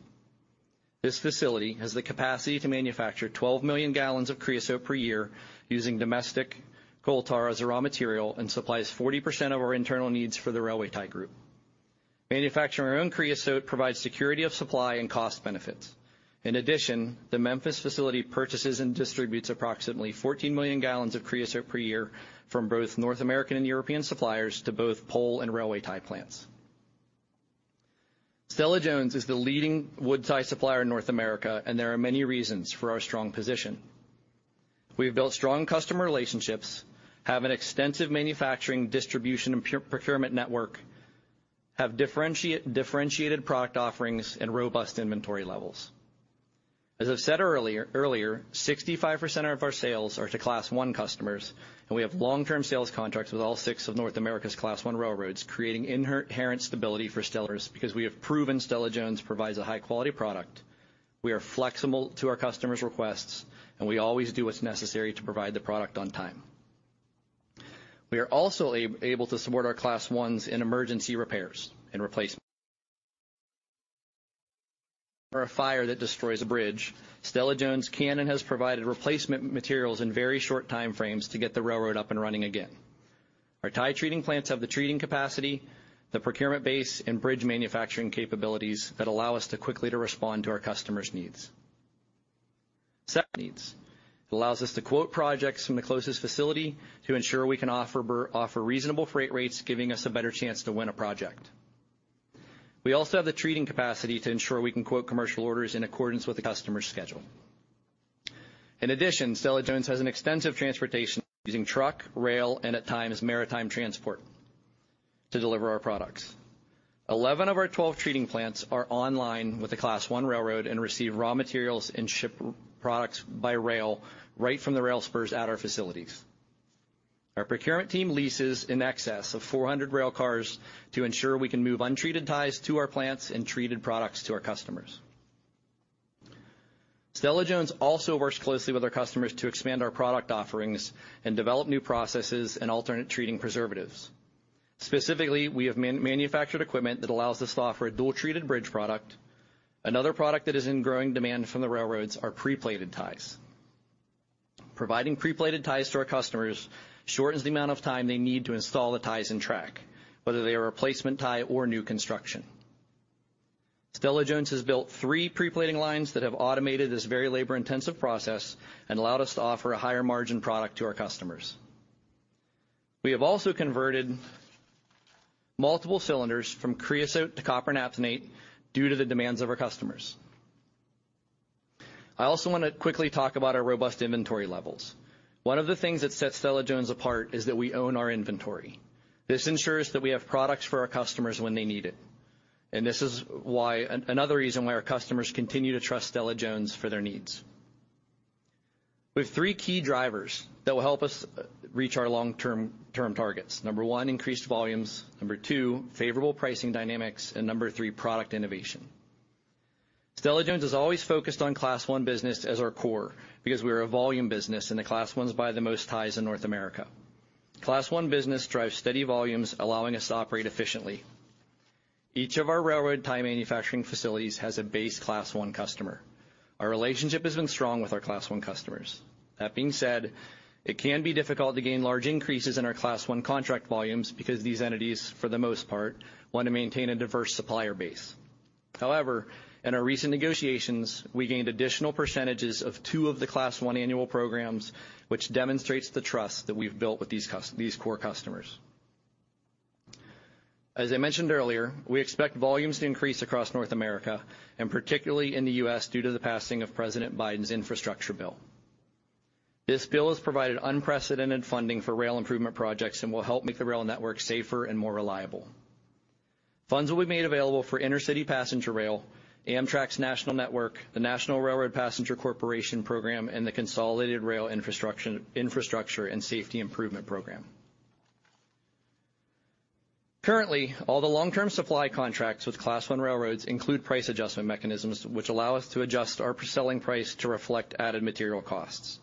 This facility has the capacity to manufacture 12 million gallons of creosote per year using domestic coal tar as a raw material and supplies 40% of our internal needs for the railway tie group. Manufacturing our own creosote provides security of supply and cost benefits. In addition, the Memphis facility purchases and distributes approximately 14 million gallons of creosote per year from both North American and European suppliers to both pole and railway tie plants. Stella-Jones is the leading wood tie supplier in North America, and there are many reasons for our strong position. We have built strong customer relationships, have an extensive manufacturing, distribution, and procurement network, have differentiated product offerings, and robust inventory levels. As I've said earlier, 65% of our sales are to Class I customers, and we have long-term sales contracts with all six of North America's Class I railroads, creating inherent stability for Stella-Jones because we have proven Stella-Jones provides a high-quality product, we are flexible to our customers' requests, and we always do what's necessary to provide the product on time. We are also able to support our Class I in emergency repairs and replacements. A fire that destroys a bridge, Stella-Jones can and has provided replacement materials in very short time frames to get the railroad up and running again. Our tie treating plants have the treating capacity, the procurement base, and bridge manufacturing capabilities that allow us to quickly to respond to our customers' needs. Second, needs. It allows us to quote projects from the closest facility to ensure we can offer reasonable freight rates, giving us a better chance to win a project. We also have the treating capacity to ensure we can quote commercial orders in accordance with the customer's schedule. In addition, Stella-Jones has an extensive transportation using truck, rail, and at times, maritime transport to deliver our products. 11 of our 12 treating plants are online with the Class 1 railroad and receive raw materials and ship products by rail right from the rail spurs at our facilities. Our procurement team leases in excess of 400 rail cars to ensure we can move untreated ties to our plants and treated products to our customers. Stella-Jones also works closely with our customers to expand our product offerings and develop new processes and alternate treating preservatives. Specifically, we have manufactured equipment that allows us to offer a dual-treated bridge product. Another product that is in growing demand from the railroads are pre-plated ties. Providing pre-plated ties to our customers shortens the amount of time they need to install the ties and track, whether they are a replacement tie or new construction. Stella-Jones has built 3 pre-plating lines that have automated this very labor-intensive process and allowed us to offer a higher margin product to our customers. We have also converted multiple cylinders from Creosote to Copper Naphthenate due to the demands of our customers. I also want to quickly talk about our robust inventory levels. One of the things that sets Stella-Jones apart is that we own our inventory. This ensures that we have products for our customers when they need it, and this is why another reason why our customers continue to trust Stella-Jones for their needs. We have three key drivers that will help us reach our long-term targets: number one, increased volumes, number two, favorable pricing dynamics, and number three, product innovation. Stella-Jones has always focused on Class 1 business as our core, because we are a volume business, and the Class 1's buy the most ties in North America. Class 1 business drives steady volumes, allowing us to operate efficiently. Each of our railroad tie manufacturing facilities has a base Class 1 customer. Our relationship has been strong with our Class 1 customers. That being said, it can be difficult to gain large increases in our Class 1 contract volumes because these entities, for the most part, want to maintain a diverse supplier base. However, in our recent negotiations, we gained additional percentages of two of the Class 1 annual programs, which demonstrates the trust that we've built with these core customers. As I mentioned earlier, we expect volumes to increase across North America, and particularly in the U.S., due to the passing of President Biden's infrastructure bill. This bill has provided unprecedented funding for rail improvement projects and will help make the rail network safer and more reliable. Funds will be made available for intercity passenger rail, Amtrak's national network, the National Railroad Passenger Corporation program, and the Consolidated Rail Infrastructure and Safety Improvement program. Currently, all the long-term supply contracts with Class I railroads include price adjustment mechanisms, which allow us to adjust our selling price to reflect added material costs.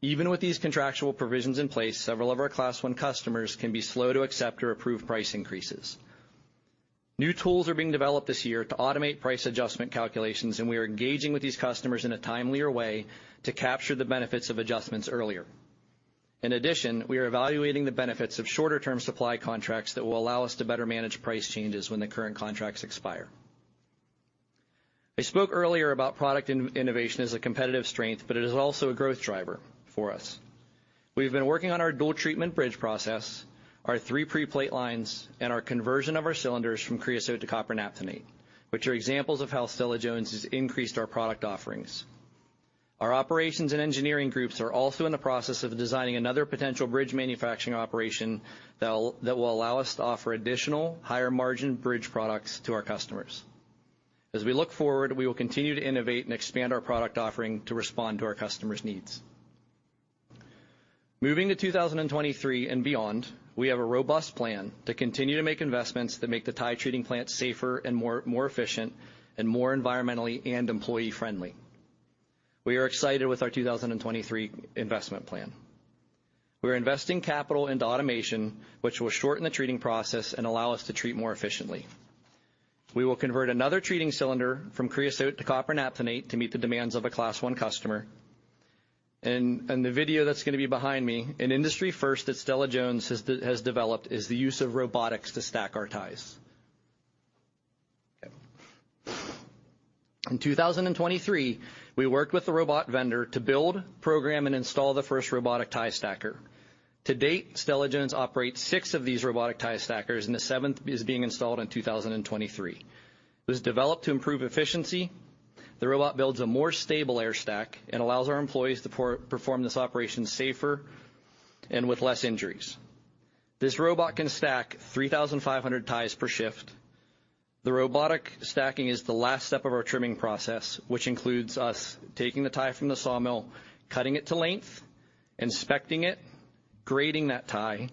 Even with these contractual provisions in place, several of our Class I customers can be slow to accept or approve price increases. New tools are being developed this year to automate price adjustment calculations. We are engaging with these customers in a timelier way to capture the benefits of adjustments earlier. In addition, we are evaluating the benefits of shorter-term supply contracts that will allow us to better manage price changes when the current contracts expire. I spoke earlier about product innovation as a competitive strength. It is also a growth driver for us. We've been working on our dual treatment bridge process, our three pre-plate lines, and our conversion of our cylinders from creosote to Copper Naphthenate, which are examples of how Stella-Jones has increased our product offerings. Our operations and engineering groups are also in the process of designing another potential bridge manufacturing operation that will allow us to offer additional higher-margin bridge products to our customers. We look forward, we will continue to innovate and expand our product offering to respond to our customers' needs. Moving to 2023 and beyond, we have a robust plan to continue to make investments that make the tie treating plants safer and more efficient and more environmentally and employee-friendly. We are excited with our 2023 investment plan. We are investing capital into automation, which will shorten the treating process and allow us to treat more efficiently. We will convert another treating cylinder from creosote to Copper Naphthenate to meet the demands of a Class I customer. The video that's gonna be behind me, an industry first that Stella-Jones has developed, is the use of robotics to stack our ties. In 2023, we worked with the robot vendor to build, program, and install the first robotic tie stacker. To date, Stella-Jones operates 6 of these robotic tie stackers, and the 7th is being installed in 2023. It was developed to improve efficiency. The robot builds a more stable air stack and allows our employees to perform this operation safer and with less injuries. This robot can stack 3,500 ties per shift. The robotic stacking is the last step of our trimming process, which includes us taking the tie from the sawmill, cutting it to length, inspecting it, grading that tie,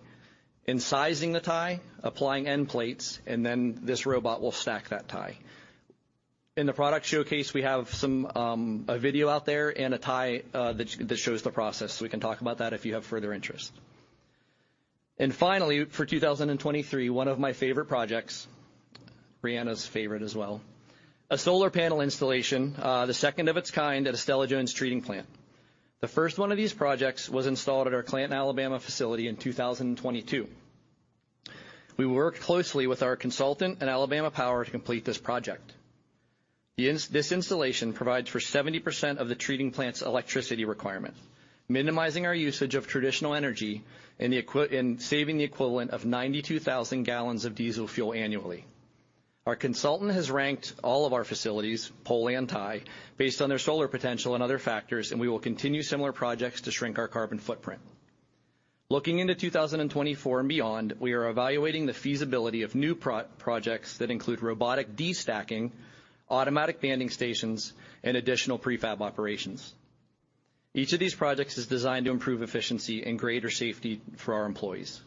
and sizing the tie, applying end plates, and then this robot will stack that tie. In the product showcase, we have some a video out there and a tie that shows the process. We can talk about that if you have further interest. Finally, for 2023, one of my favorite projects, Rhéa's favorite as well, a solar panel installation, the second of its kind at a Stella-Jones treating plant. The first one of these projects was installed at our Clanton, Alabama facility in 2022. We worked closely with our consultant and Alabama Power to complete this project. This installation provides for 70% of the treating plant's electricity requirement, minimizing our usage of traditional energy and saving the equivalent of 92,000 gallons of diesel fuel annually. Our consultant has ranked all of our facilities, pole and tie, based on their solar potential and other factors, we will continue similar projects to shrink our carbon footprint. Looking into 2024 and beyond, we are evaluating the feasibility of new projects that include robotic destacking, automatic banding stations, and additional prefab operations. Each of these projects is designed to improve efficiency and greater safety for our employees.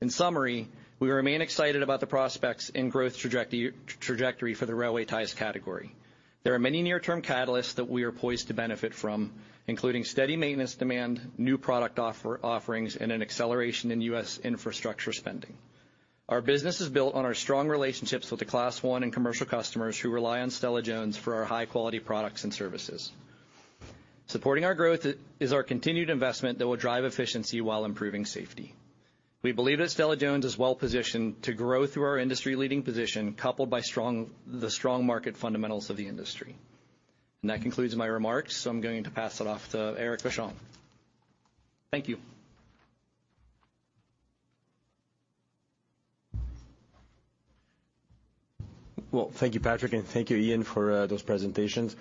In summary, we remain excited about the prospects and growth trajectory for the railway ties category. There are many near-term catalysts that we are poised to benefit from, including steady maintenance demand, new product offerings, and an acceleration in US infrastructure spending. Our business is built on our strong relationships with the Class 1 and commercial customers who rely on Stella-Jones for our high-quality products and services. Supporting our growth is our continued investment that will drive efficiency while improving safety. We believe that Stella-Jones is well-positioned to grow through our industry-leading position, coupled by the strong market fundamentals of the industry. That concludes my remarks. I'm going to pass it off to Éric Vachon. Thank you. Well, thank you, Patrick, and thank you, Ian, for those presentations.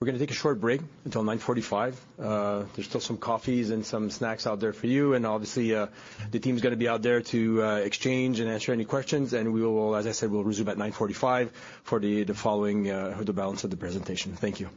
We're gonna take a short break until 9:45. There's still some coffees and some snacks out there for you. Obviously, the team's gonna be out there to exchange and answer any questions. We will, as I said, we'll resume at 9:45 for the following, or the balance of the presentation. Thank you.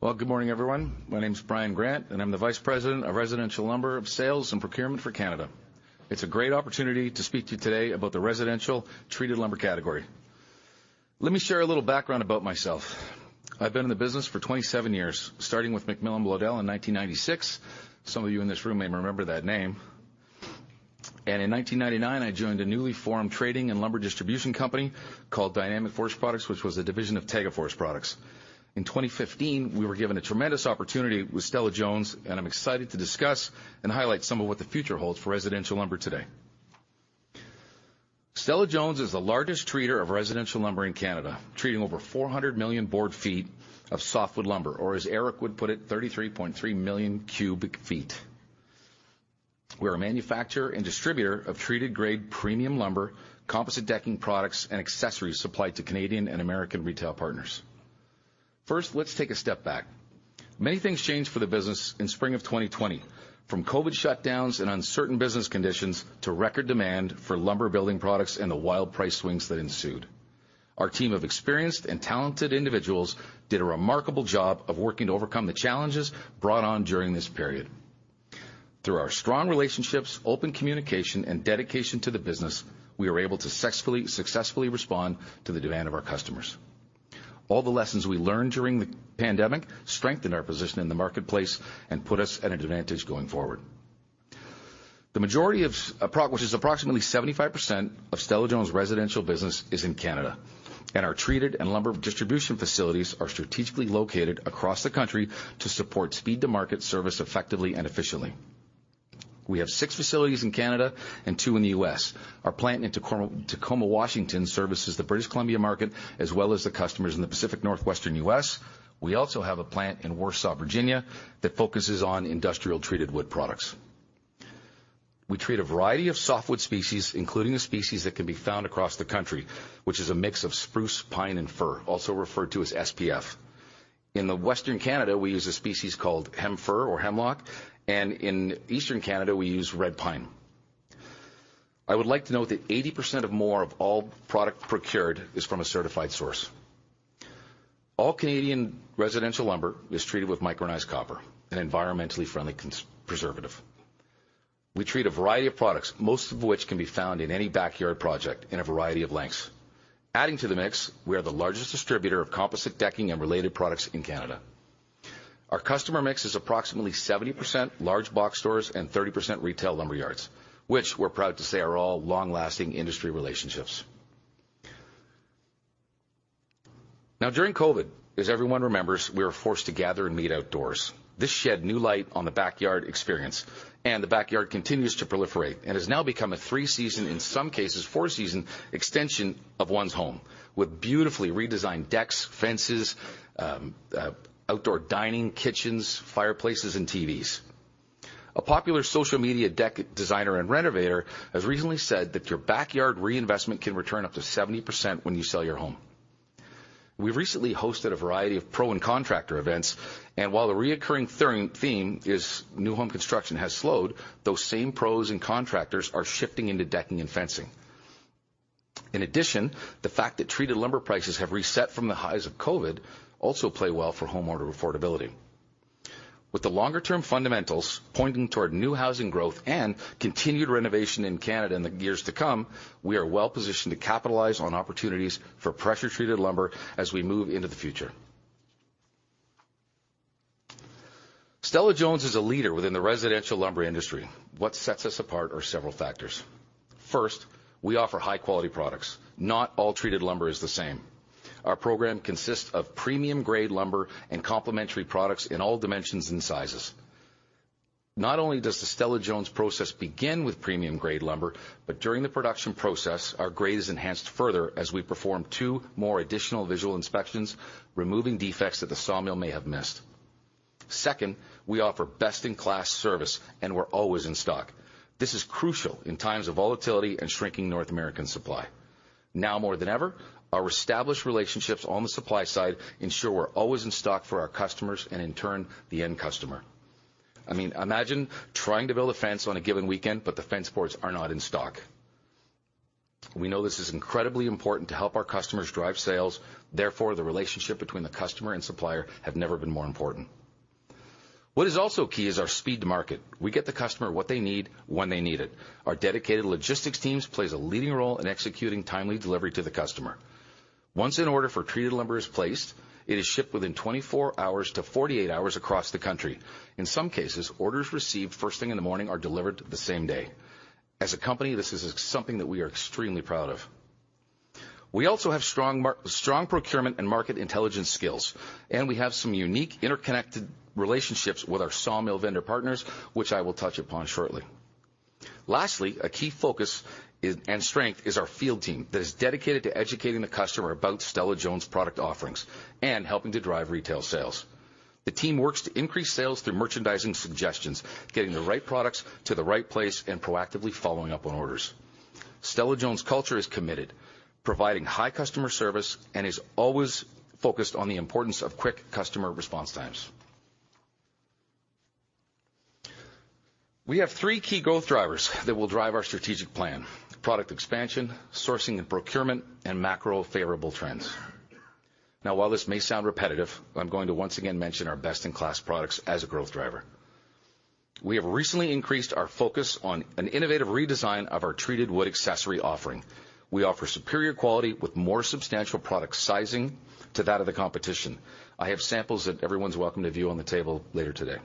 Well, good morning, everyone. My name is Brian Grant, and I'm the Vice President of Residential Lumber of Sales and Procurement for Canada. It's a great opportunity to speak to you today about the residential treated lumber category. Let me share a little background about myself. I've been in the business for 27 years, starting with MacMillan Bloedel in 1996. Some of you in this room may remember that name. In 1999, I joined a newly formed trading and lumber distribution company called Dynamic Forest Products, which was a division of Tembec Forest Products. In 2015, we were given a tremendous opportunity with Stella-Jones, and I'm excited to discuss and highlight some of what the future holds for residential lumber today. Stella-Jones is the largest treater of residential lumber in Canada, treating over 400 million board feet of softwood lumber, or as Eric would put it, 33.3 million cubic feet. We're a manufacturer and distributor of treated grade premium lumber, composite decking products, and accessories supplied to Canadian and American retail partners. Let's take a step back. Many things changed for the business in spring of 2020, from COVID shutdowns and uncertain business conditions to record demand for lumber building products and the wild price swings that ensued. Our team of experienced and talented individuals did a remarkable job of working to overcome the challenges brought on during this period. Through our strong relationships, open communication, and dedication to the business, we were able to successfully respond to the demand of our customers. All the lessons we learned during the pandemic strengthened our position in the marketplace and put us at an advantage going forward. The majority of, which is approximately 75% of Stella-Jones residential business, is in Canada, and our treated and lumber distribution facilities are strategically located across the country to support speed-to-market service effectively and efficiently. We have 6 facilities in Canada and 2 in the U.S. Our plant in Tacoma, Washington, services the British Columbia market, as well as the customers in the Pacific Northwestern U.S. We also have a plant in Warsaw, Virginia, that focuses on industrial treated wood products. We treat a variety of softwood species, including the species that can be found across the country, which is a mix of spruce, pine, and fir, also referred to as SPF. In the Western Canada, we use a species called hem-fir or hemlock, and in Eastern Canada, we use red pine. I would like to note that 80% or more of all product procured is from a certified source. All Canadian residential lumber is treated with micronized copper, an environmentally friendly preservative. We treat a variety of products, most of which can be found in any backyard project in a variety of lengths. Adding to the mix, we are the largest distributor of composite decking and related products in Canada. Our customer mix is approximately 70% large box stores and 30% retail lumber yards, which we're proud to say are all long-lasting industry relationships. During COVID, as everyone remembers, we were forced to gather and meet outdoors. This shed new light on the backyard experience, and the backyard continues to proliferate, and has now become a 3-season, in some cases, 4-season extension of one's home, with beautifully redesigned decks, fences, outdoor dining, kitchens, fireplaces, and TVs. A popular social media deck designer and renovator has recently said that your backyard reinvestment can return up to 70% when you sell your home. We've recently hosted a variety of pro and contractor events, and while the reoccurring theme is new home construction has slowed, those same pros and contractors are shifting into decking and fencing. In addition, the fact that treated lumber prices have reset from the highs of COVID also play well for homeowner affordability. With the longer-term fundamentals pointing toward new housing growth and continued renovation in Canada in the years to come, we are well positioned to capitalize on opportunities for pressure-treated lumber as we move into the future. Stella-Jones is a leader within the residential lumber industry. What sets us apart are several factors. First, we offer high-quality products. Not all treated lumber is the same. Our program consists of premium-grade lumber and complementary products in all dimensions and sizes. Not only does the Stella-Jones process begin with premium-grade lumber, but during the production process, our grade is enhanced further as we perform two more additional visual inspections, removing defects that the sawmill may have missed. Second, we offer best-in-class service, and we're always in stock. This is crucial in times of volatility and shrinking North American supply. Now more than ever, our established relationships on the supply side ensure we're always in stock for our customers and, in turn, the end customer. I mean, imagine trying to build a fence on a given weekend, but the fence boards are not in stock. We know this is incredibly important to help our customers drive sales; therefore, the relationship between the customer and supplier have never been more important. What is also key is our speed to market. We get the customer what they need, when they need it. Our dedicated logistics teams plays a leading role in executing timely delivery to the customer. Once an order for treated lumber is placed, it is shipped within 24 hours to 48 hours across the country. In some cases, orders received first thing in the morning are delivered the same day. As a company, this is something that we are extremely proud of. We also have strong procurement and market intelligence skills. We have some unique, interconnected relationships with our sawmill vendor partners, which I will touch upon shortly. Lastly, a key focus is, and strength is our field team that is dedicated to educating the customer about Stella-Jones' product offerings and helping to drive retail sales. The team works to increase sales through merchandising suggestions, getting the right products to the right place, and proactively following up on orders. Stella-Jones' culture is committed, providing high customer service and is always focused on the importance of quick customer response times. We have three key growth drivers that will drive our strategic plan: product expansion, sourcing and procurement, and macro favorable trends. While this may sound repetitive, I'm going to once again mention our best-in-class products as a growth driver. We have recently increased our focus on an innovative redesign of our treated wood accessory offering. We offer superior quality with more substantial product sizing to that of the competition. I have samples that everyone's welcome to view on the table later today.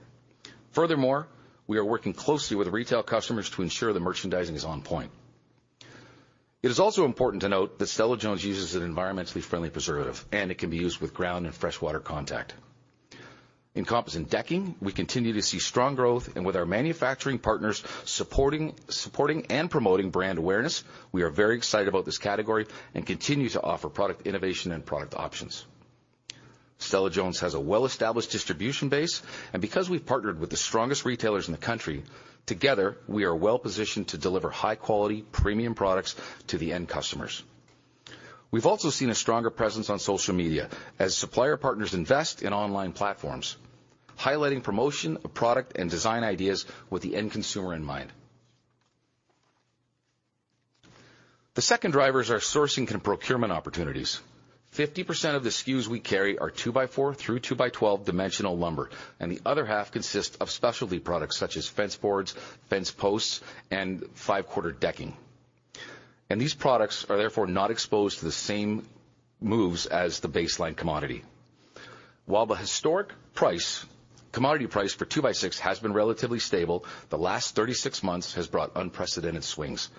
We are working closely with retail customers to ensure the merchandising is on point. It is also important to note that Stella-Jones uses an environmentally friendly preservative, and it can be used with ground and freshwater contact. In composite decking, we continue to see strong growth, and with our manufacturing partners supporting and promoting brand awareness, we are very excited about this category and continue to offer product innovation and product options. Stella-Jones has a well-established distribution base, and because we've partnered with the strongest retailers in the country, together, we are well positioned to deliver high-quality, premium products to the end customers. We've also seen a stronger presence on social media as supplier partners invest in online platforms, highlighting promotion of product and design ideas with the end consumer in mind. The second drivers are sourcing and procurement opportunities. 50% of the SKUs we carry are 2x4 through 2x12 dimensional lumber, and the other half consists of specialty products such as fence boards, fence posts, and 5-quarter decking. These products are therefore not exposed to the same moves as the baseline commodity. While the historic price, commodity price for 2x6 has been relatively stable, the last 36 months has brought unprecedented swings.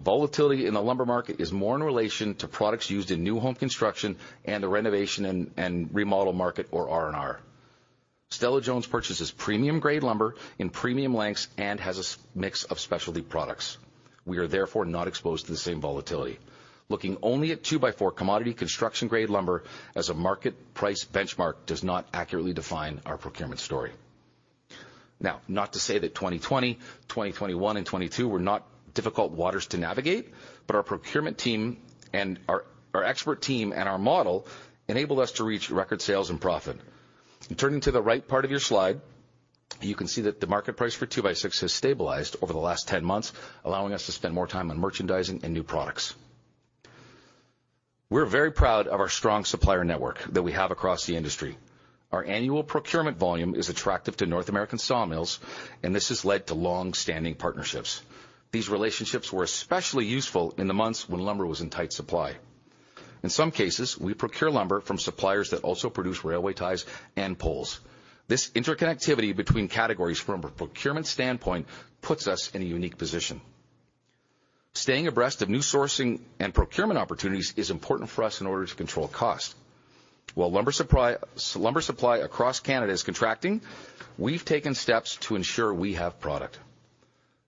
Volatility in the lumber market is more in relation to products used in new home construction and the renovation and remodel market, or R&R. Stella-Jones purchases premium-grade lumber in premium lengths and has a mix of specialty products. We are therefore not exposed to the same volatility. Looking only at 2x4 commodity construction-grade lumber as a market price benchmark does not accurately define our procurement story. Not to say that 2020, 2021, and 2022 were not difficult waters to navigate, our procurement team and our expert team and our model enabled us to reach record sales and profit. Turning to the right part of your slide, you can see that the market price for 2x6 has stabilized over the last 10 months, allowing us to spend more time on merchandising and new products. We're very proud of our strong supplier network that we have across the industry. Our annual procurement volume is attractive to North American sawmills. This has led to long-standing partnerships. These relationships were especially useful in the months when lumber was in tight supply. In some cases, we procure lumber from suppliers that also produce railway ties and poles. This interconnectivity between categories from a procurement standpoint puts us in a unique position. Staying abreast of new sourcing and procurement opportunities is important for us in order to control cost. While lumber supply across Canada is contracting, we've taken steps to ensure we have product.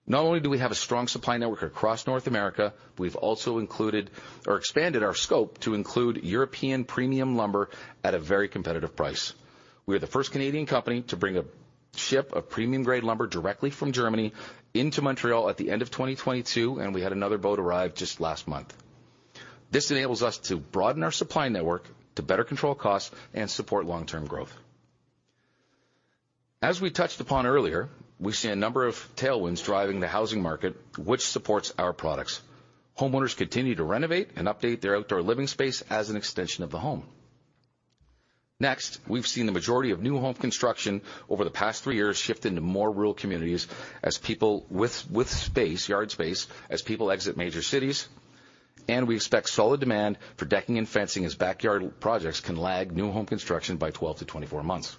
Not only do we have a strong supply network across North America, we've also included or expanded our scope to include European premium lumber at a very competitive price. We are the first Canadian company to bring a ship of premium-grade lumber directly from Germany into Montreal at the end of 2022. We had another boat arrive just last month. This enables us to broaden our supply network, to better control costs, and support long-term growth. As we touched upon earlier, we see a number of tailwinds driving the housing market, which supports our products. Homeowners continue to renovate and update their outdoor living space as an extension of the home. Next, we've seen the majority of new home construction over the past 3 years shift into more rural communities as people with space, yard space, as people exit major cities. We expect solid demand for decking and fencing, as backyard projects can lag new home construction by 12-24 months.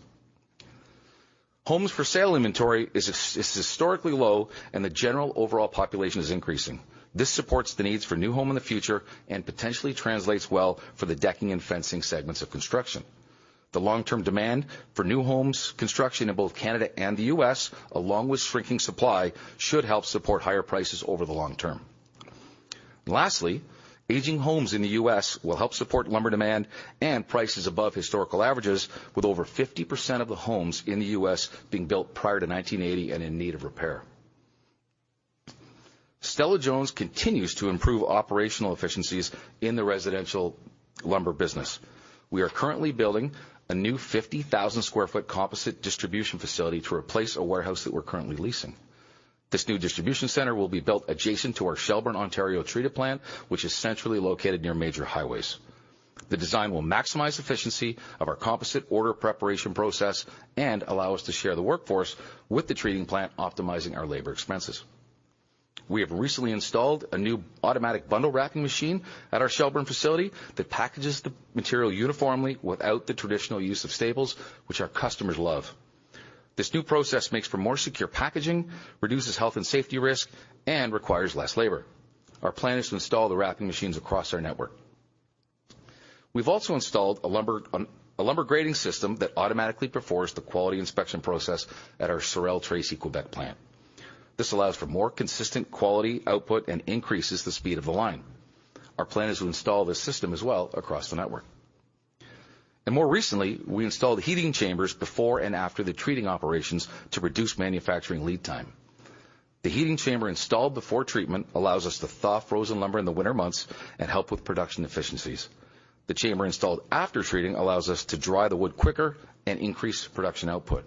Homes for sale inventory is historically low, and the general overall population is increasing. This supports the needs for new home in the future and potentially translates well for the decking and fencing segments of construction. The long-term demand for new homes construction in both Canada and the US, along with shrinking supply, should help support higher prices over the long term. Lastly, aging homes in the US will help support lumber demand and prices above historical averages, with over 50% of the homes in the US being built prior to 1980 and in need of repair. Stella-Jones continues to improve operational efficiencies in the residential lumber business. We are currently building a new 50,000 sq ft composite distribution facility to replace a warehouse that we're currently leasing. This new distribution center will be built adjacent to our Shelburne, Ontario, treated plant, which is centrally located near major highways. The design will maximize efficiency of our composite order preparation process and allow us to share the workforce with the treating plant, optimizing our labor expenses. We have recently installed a new automatic bundle wrapping machine at our Shelburne facility that packages the material uniformly without the traditional use of staples, which our customers love. This new process makes for more secure packaging, reduces health and safety risk, and requires less labor. Our plan is to install the wrapping machines across our network. We've also installed a lumber grading system that automatically performs the quality inspection process at our Sorel-Tracy, Quebec, plant. This allows for more consistent quality output and increases the speed of the line. Our plan is to install this system as well across the network. More recently, we installed heating chambers before and after the treating operations to reduce manufacturing lead time. The heating chamber installed before treatment allows us to thaw frozen lumber in the winter months and help with production efficiencies. The chamber installed after treating allows us to dry the wood quicker and increase production output.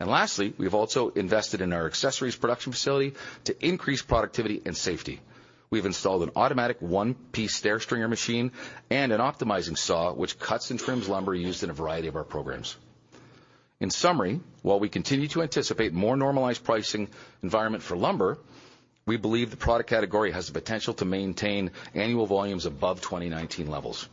Lastly, we've also invested in our accessories production facility to increase productivity and safety. We've installed an automatic one-piece stair stringer machine and an optimizing saw, which cuts and trims lumber used in a variety of our programs. In summary, while we continue to anticipate more normalized pricing environment for lumber, we believe the product category has the potential to maintain annual volumes above 2019 levels.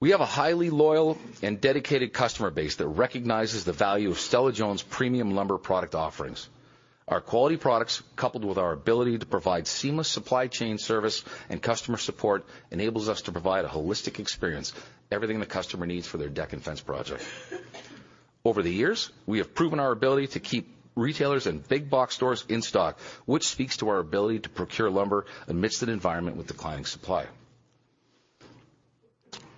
We have a highly loyal and dedicated customer base that recognizes the value of Stella-Jones' premium lumber product offerings. Our quality products, coupled with our ability to provide seamless supply chain service and customer support, enables us to provide a holistic experience, everything the customer needs for their deck and fence project. Over the years, we have proven our ability to keep retailers and big box stores in stock, which speaks to our ability to procure lumber amidst an environment with declining supply.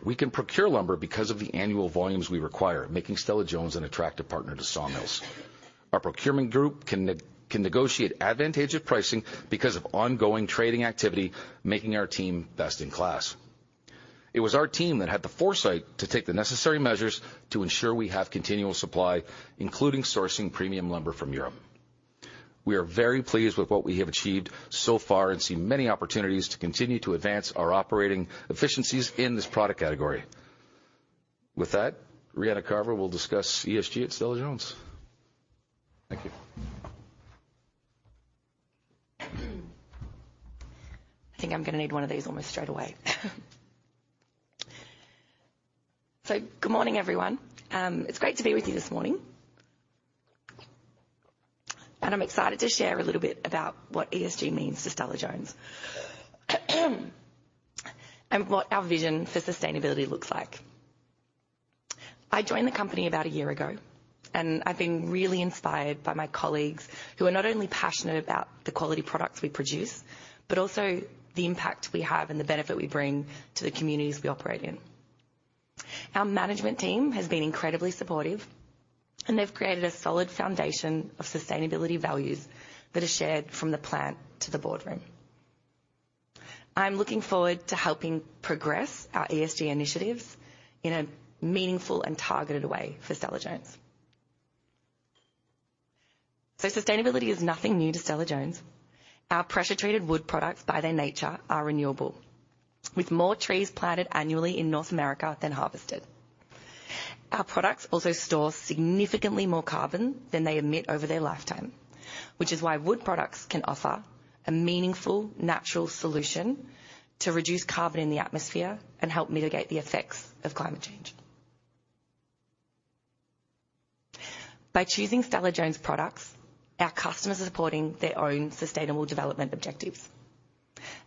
We can procure lumber because of the annual volumes we require, making Stella-Jones an attractive partner to sawmills. Our procurement group can negotiate advantageous pricing because of ongoing trading activity, making our team best-in-class. It was our team that had the foresight to take the necessary measures to ensure we have continual supply, including sourcing premium lumber from Europe. We are very pleased with what we have achieved so far and see many opportunities to continue to advance our operating efficiencies in this product category. With that, Rhéa Carver will discuss ESG at Stella-Jones. Thank you. I think I'm gonna need one of these almost straight away. Good morning, everyone. It's great to be with you this morning, and I'm excited to share a little bit about what ESG means to Stella-Jones, and what our vision for sustainability looks like. I joined the company about a year ago, and I've been really inspired by my colleagues, who are not only passionate about the quality products we produce, but also the impact we have and the benefit we bring to the communities we operate in. Our management team has been incredibly supportive, and they've created a solid foundation of sustainability values that are shared from the plant to the boardroom. I'm looking forward to helping progress our ESG initiatives in a meaningful and targeted way for Stella-Jones. Sustainability is nothing new to Stella-Jones. Our pressure-treated wood products, by their nature, are renewable, with more trees planted annually in North America than harvested. Our products also store significantly more carbon than they emit over their lifetime, which is why wood products can offer a meaningful, natural solution to reduce carbon in the atmosphere and help mitigate the effects of climate change. By choosing Stella-Jones products, our customers are supporting their own sustainable development objectives.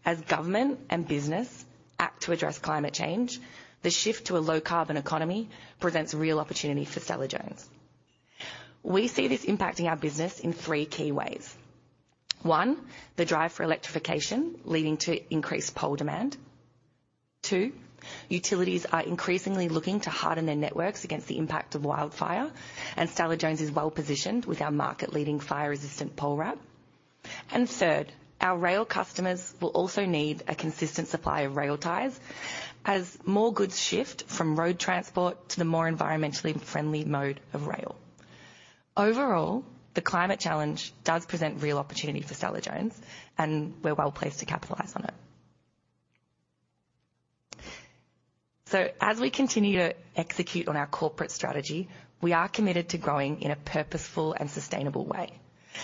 As government and business act to address climate change, the shift to a low carbon economy presents real opportunity for Stella-Jones. We see this impacting our business in three key ways. One, the drive for electrification leading to increased pole demand. Two, utilities are increasingly looking to harden their networks against the impact of wildfire, and Stella-Jones is well-positioned with our market-leading fire-resistant pole wrap. Third, our rail customers will also need a consistent supply of rail ties as more goods shift from road transport to the more environmentally friendly mode of rail. Overall, the climate challenge does present real opportunity for Stella-Jones, and we're well-placed to capitalize on it. As we continue to execute on our corporate strategy, we are committed to growing in a purposeful and sustainable way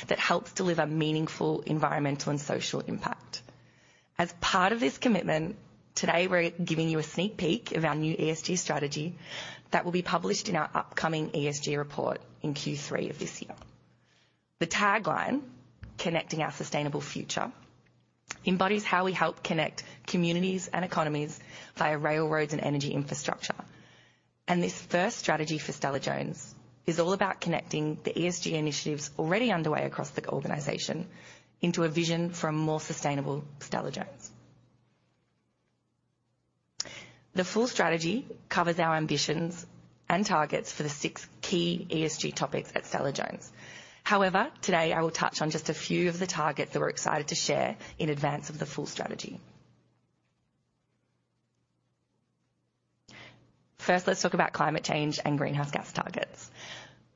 that helps deliver meaningful environmental and social impact. As part of this commitment, today, we're giving you a sneak peek of our new ESG strategy that will be published in our upcoming ESG report in Q3 of this year. The tagline, "Connecting our Sustainable Future," embodies how we help connect communities and economies via railroads and energy infrastructure. This first strategy for Stella-Jones is all about connecting the ESG initiatives already underway across the organization into a vision for a more sustainable Stella-Jones. The full strategy covers our ambitions and targets for the six key ESG topics at Stella-Jones. Today I will touch on just a few of the targets that we're excited to share in advance of the full strategy. Let's talk about climate change and greenhouse gas targets.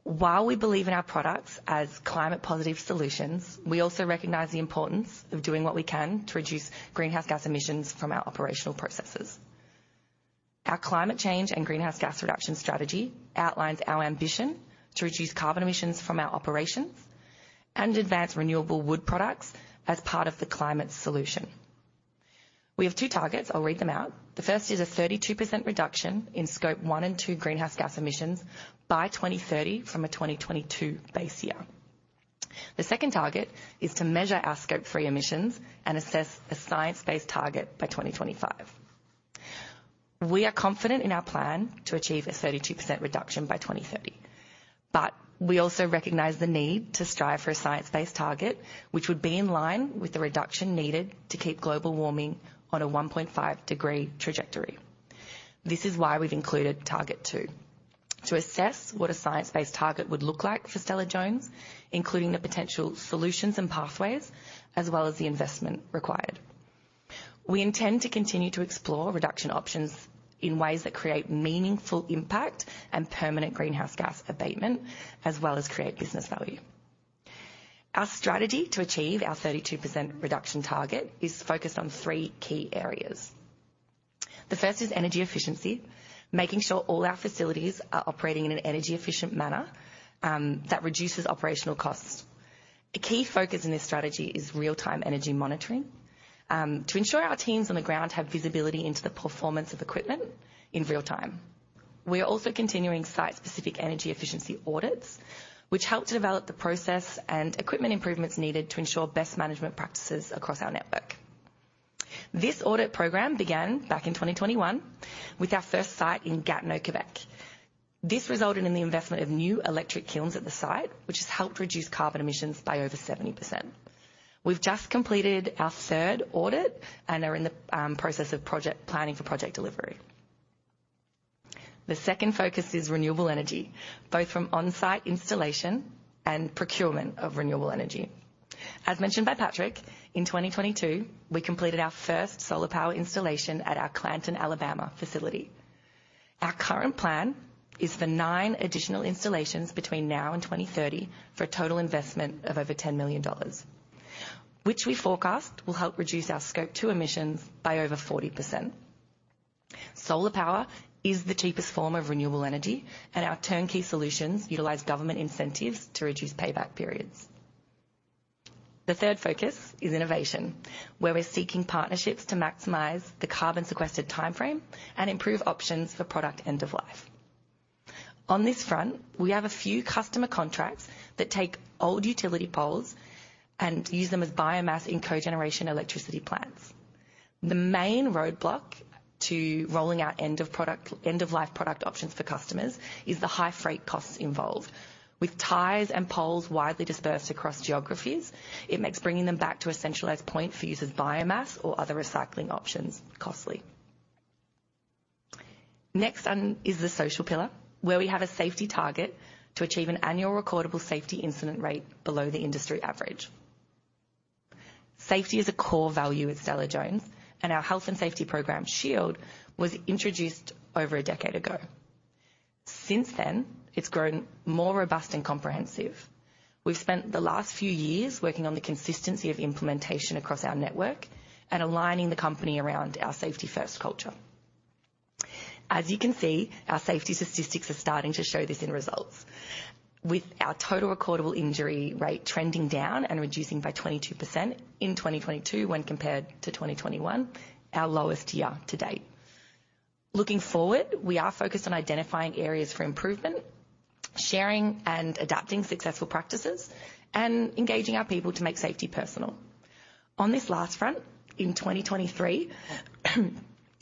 While we believe in our products as climate positive solutions, we also recognize the importance of doing what we can to reduce greenhouse gas emissions from our operational processes. Our climate change and greenhouse gas reduction strategy outlines our ambition to reduce carbon emissions from our operations and advance renewable wood products as part of the climate solution. We have two targets. I'll read them out. The first is a 32% reduction in Scope 1 and 2 greenhouse gas emissions by 2030 from a 2022 base year. The second target is to measure our Scope 3 emissions and assess a science-based target by 2025. We are confident in our plan to achieve a 32% reduction by 2030, but we also recognize the need to strive for a science-based target, which would be in line with the reduction needed to keep global warming on a 1.5 degree trajectory. This is why we've included Target 2, to assess what a science-based target would look like for Stella-Jones, including the potential solutions and pathways, as well as the investment required. We intend to continue to explore reduction options in ways that create meaningful impact and permanent greenhouse gas abatement, as well as create business value. Our strategy to achieve our 32% reduction target is focused on three key areas. The first is energy efficiency, making sure all our facilities are operating in an energy efficient manner, that reduces operational costs. A key focus in this strategy is real-time energy monitoring, to ensure our teams on the ground have visibility into the performance of equipment in real time. We are also continuing site-specific energy efficiency audits, which help to develop the process and equipment improvements needed to ensure best management practices across our network. This audit program began back in 2021 with our first site in Gatineau, Quebec. This resulted in the investment of new electric kilns at the site, which has helped reduce carbon emissions by over 70%. We've just completed our third audit and are in the process of project planning for project delivery. The second focus is renewable energy, both from on-site installation and procurement of renewable energy. As mentioned by Patrick, in 2022, we completed our first solar power installation at our Clanton, Alabama, facility. Our current plan is for 9 additional installations between now and 2030, for a total investment of over $10 million.... which we forecast will help reduce our Scope 2 emissions by over 40%. Our turnkey solutions utilize government incentives to reduce payback periods. The third focus is innovation, where we're seeking partnerships to maximize the carbon sequestered timeframe and improve options for product end of life. On this front, we have a few customer contracts that take old utility poles and use them as biomass in cogeneration electricity plants. The main roadblock to rolling out end of life product options for customers is the high freight costs involved. With ties and poles widely dispersed across geographies, it makes bringing them back to a centralized point for use of biomass or other recycling options costly. Next, is the social pillar, where we have a safety target to achieve an annual recordable safety incident rate below the industry average. Safety is a core value at Stella-Jones, and our health and safety program, SHIELD, was introduced over a decade ago. Since then, it's grown more robust and comprehensive. We've spent the last few years working on the consistency of implementation across our network and aligning the company around our safety-first culture. As you can see, our safety statistics are starting to show this in results, with our total recordable injury rate trending down and reducing by 22% in 2022 when compared to 2021, our lowest year to date. Looking forward, we are focused on identifying areas for improvement, sharing and adapting successful practices, and engaging our people to make safety personal. On this last front, in 2023,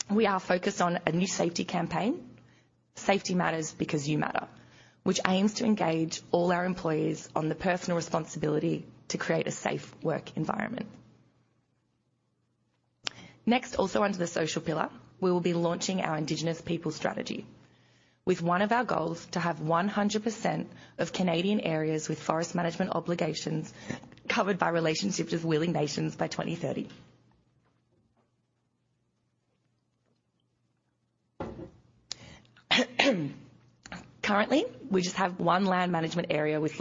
we are focused on a new safety campaign, Safety Matters Because You Matter, which aims to engage all our employees on the personal responsibility to create a safe work environment. Also under the social pillar, we will be launching our Indigenous People Strategy, with one of our goals to have 100% of Canadian areas with forest management obligations covered by relationships with willing nations by 2030. Currently, we just have one land management area with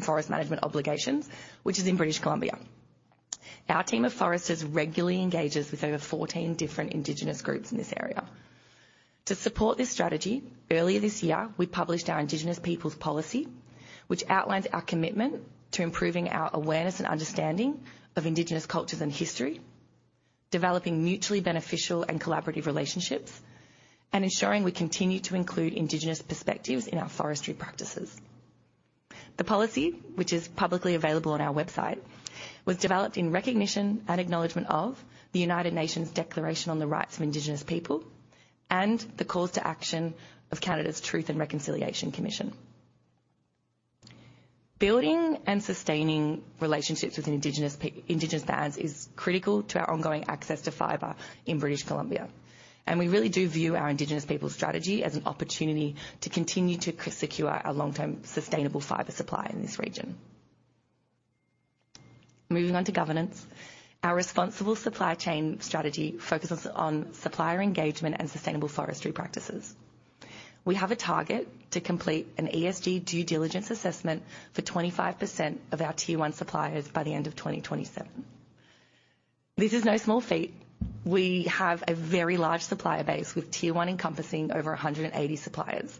forest management obligations, which is in British Columbia. Our team of foresters regularly engages with over 14 different Indigenous groups in this area. To support this strategy, earlier this year, we published our Indigenous Peoples Policy, which outlines our commitment to improving our awareness and understanding of Indigenous cultures and history, developing mutually beneficial and collaborative relationships, and ensuring we continue to include Indigenous perspectives in our forestry practices. The policy, which is publicly available on our website, was developed in recognition and acknowledgment of the United Nations Declaration on the Rights of Indigenous Peoples and the calls to action of Canada's Truth and Reconciliation Commission. Building and sustaining relationships with Indigenous bands is critical to our ongoing access to fiber in British Columbia. We really do view our Indigenous people strategy as an opportunity to continue to secure a long-term, sustainable fiber supply in this region. Moving on to governance. Our responsible supply chain strategy focuses on supplier engagement and sustainable forestry practices. We have a target to complete an ESG due diligence assessment for 25% of our tier one suppliers by the end of 2027. This is no small feat. We have a very large supplier base, with tier one encompassing over 180 suppliers.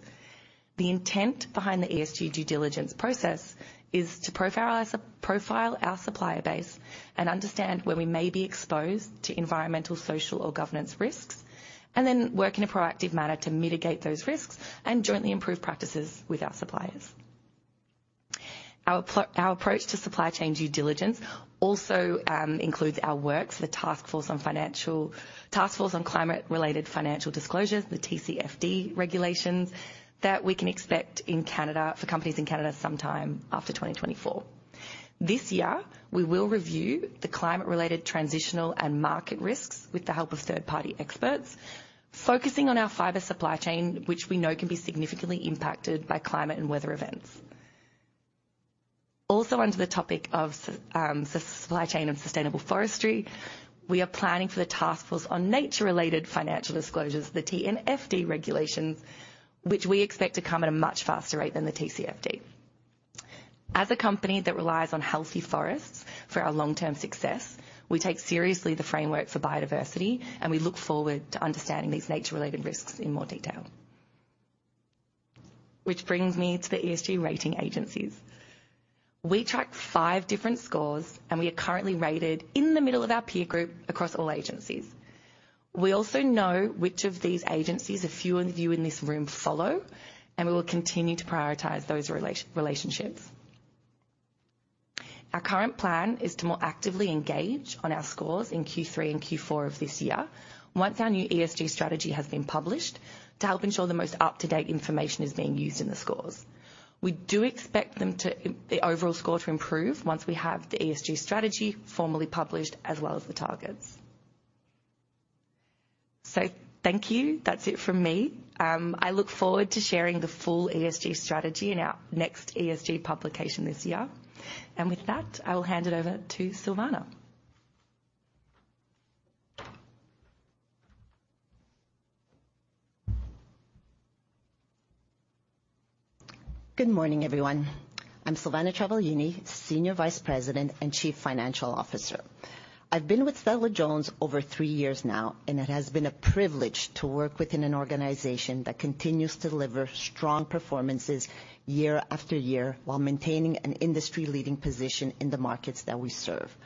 The intent behind the ESG due diligence process is to profile our supplier base and understand where we may be exposed to environmental, social, or governance risks, and then work in a proactive manner to mitigate those risks and jointly improve practices with our suppliers. Our approach to supply chain due diligence also includes our work for the Task Force on Climate-related Financial Disclosures, the TCFD regulations that we can expect in Canada, for companies in Canada, sometime after 2024. This year, we will review the climate-related transitional and market risks with the help of third-party experts, focusing on our fiber supply chain, which we know can be significantly impacted by climate and weather events. Also, under the topic of supply chain and sustainable forestry, we are planning for the Task Force on Nature-related Financial Disclosures, the TNFD regulations, which we expect to come at a much faster rate than the TCFD. As a company that relies on healthy forests for our long-term success, we take seriously the framework for biodiversity, and we look forward to understanding these nature-related risks in more detail. Which brings me to the ESG rating agencies. We track 5 different scores, and we are currently rated in the middle of our peer group across all agencies. We also know which of these agencies a few of you in this room follow, and we will continue to prioritize those relationships. Our current plan is to more actively engage on our scores in Q3 and Q4 of this year, once our new ESG strategy has been published, to help ensure the most up-to-date information is being used in the scores. We do expect the overall score to improve once we have the ESG strategy formally published, as well as the targets. Thank you. That's it from me. I look forward to sharing the full ESG strategy in our next ESG publication this year. With that, I will hand it over to Silvana. Good morning, everyone. I'm Silvana Travaglini, Senior Vice President and Chief Financial Officer. I've been with Stella-Jones over three years now, and it has been a privilege to work within an organization that continues to deliver strong performances year after year, while maintaining an industry-leading position in the markets that we serve.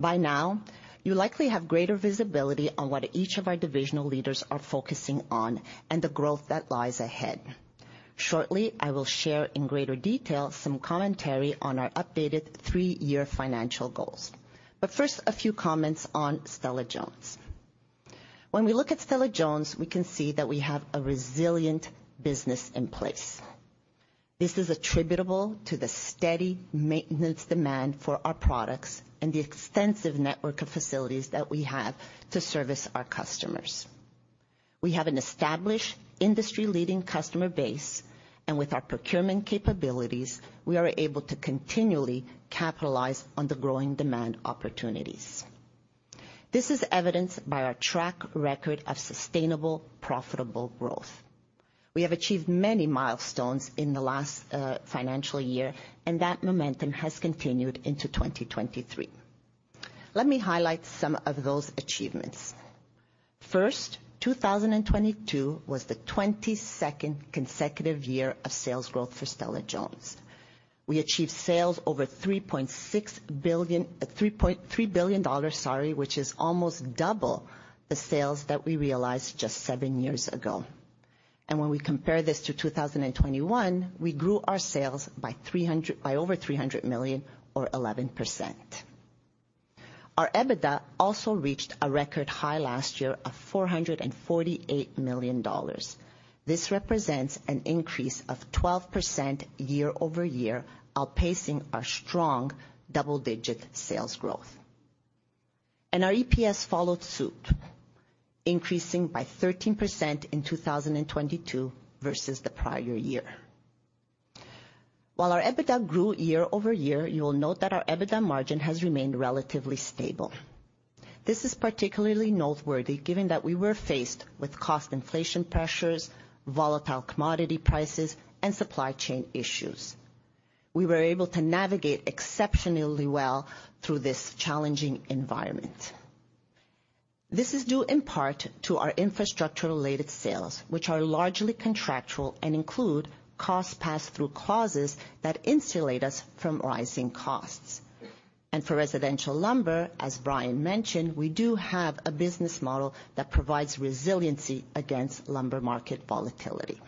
By now, you likely have greater visibility on what each of our divisional leaders are focusing on and the growth that lies ahead. Shortly, I will share in greater detail some commentary on our updated three-year financial goals. First, a few comments on Stella-Jones. When we look at Stella-Jones, we can see that we have a resilient business in place. This is attributable to the steady maintenance demand for our products and the extensive network of facilities that we have to service our customers. We have an established, industry-leading customer base. With our procurement capabilities, we are able to continually capitalize on the growing demand opportunities. This is evidenced by our track record of sustainable, profitable growth. We have achieved many milestones in the last financial year. That momentum has continued into 2023. Let me highlight some of those achievements. First, 2022 was the 22nd consecutive year of sales growth for Stella-Jones. We achieved sales over $3 billion, which is almost double the sales that we realized just 7 years ago. When we compare this to 2021, we grew our sales by over $300 million or 11%. Our EBITDA also reached a record high last year of $448 million. This represents an increase of 12% year-over-year, outpacing our strong double-digit sales growth. Our EPS followed suit, increasing by 13% in 2022 versus the prior year. While our EBITDA grew year-over-year, you will note that our EBITDA margin has remained relatively stable. This is particularly noteworthy given that we were faced with cost inflation pressures, volatile commodity prices, and supply chain issues. We were able to navigate exceptionally well through this challenging environment. This is due in part to our infrastructure-related sales, which are largely contractual and include cost pass-through clauses that insulate us from rising costs. For residential lumber, as Brian mentioned, we do have a business model that provides resiliency against lumber market volatility.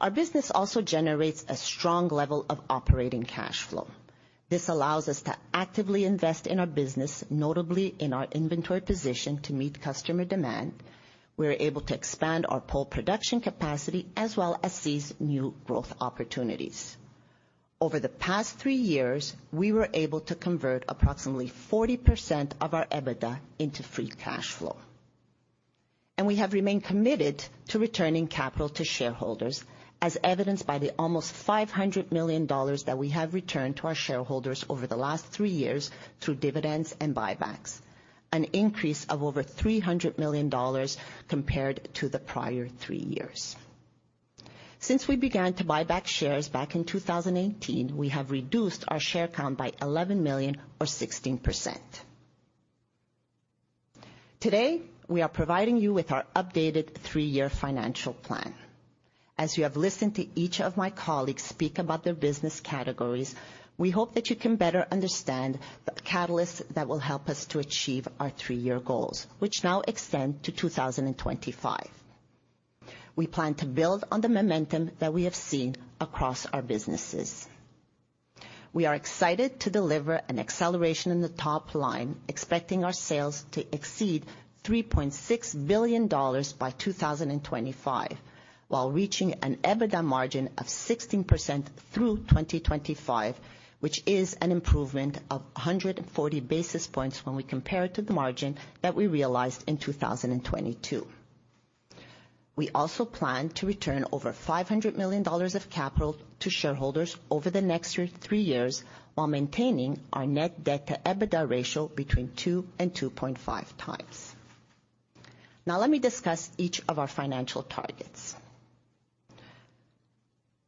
Our business also generates a strong level of operating cash flow. This allows us to actively invest in our business, notably in our inventory position, to meet customer demand. We are able to expand our pole production capacity as well as seize new growth opportunities. Over the past three years, we were able to convert approximately 40% of our EBITDA into free cash flow. We have remained committed to returning capital to shareholders, as evidenced by the almost 500 million dollars that we have returned to our shareholders over the last three years through dividends and buybacks, an increase of over 300 million dollars compared to the prior three years. Since we began to buy back shares back in 2018, we have reduced our share count by 11 million or 16%. Today, we are providing you with our updated three-year financial plan. As you have listened to each of my colleagues speak about their business categories, we hope that you can better understand the catalysts that will help us to achieve our three-year goals, which now extend to 2025. We plan to build on the momentum that we have seen across our businesses. We are excited to deliver an acceleration in the top line, expecting our sales to exceed 3.6 billion dollars by 2025, while reaching an EBITDA margin of 16% through 2025, which is an improvement of 140 basis points when we compare it to the margin that we realized in 2022. We also plan to return over CAD 500 million of capital to shareholders over the next 3 years, while maintaining our net debt to EBITDA ratio between 2 and 2.5 times. Let me discuss each of our financial targets.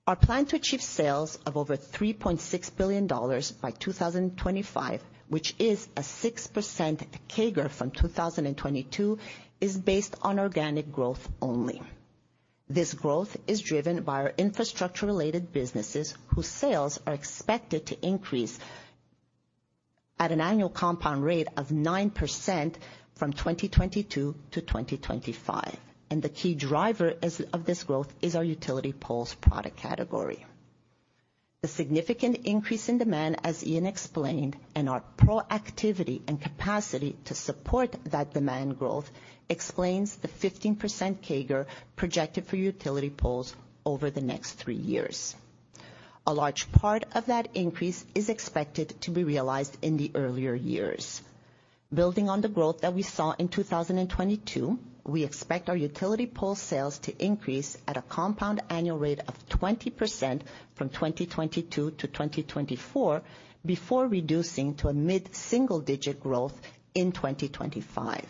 Our plan to achieve sales of over 3.6 billion dollars by 2025, which is a 6% CAGR from 2022, is based on organic growth only. This growth is driven by our infrastructure-related businesses, whose sales are expected to increase at an annual compound rate of 9% from 2022 to 2025. The key driver of this growth is our utility poles product category. The significant increase in demand, as Ian explained, and our proactivity and capacity to support that demand growth, explains the 15% CAGR projected for utility poles over the next three years. A large part of that increase is expected to be realized in the earlier years. Building on the growth that we saw in 2022, we expect our utility pole sales to increase at a compound annual rate of 20% from 2022 to 2024, before reducing to a mid-single digit growth in 2025.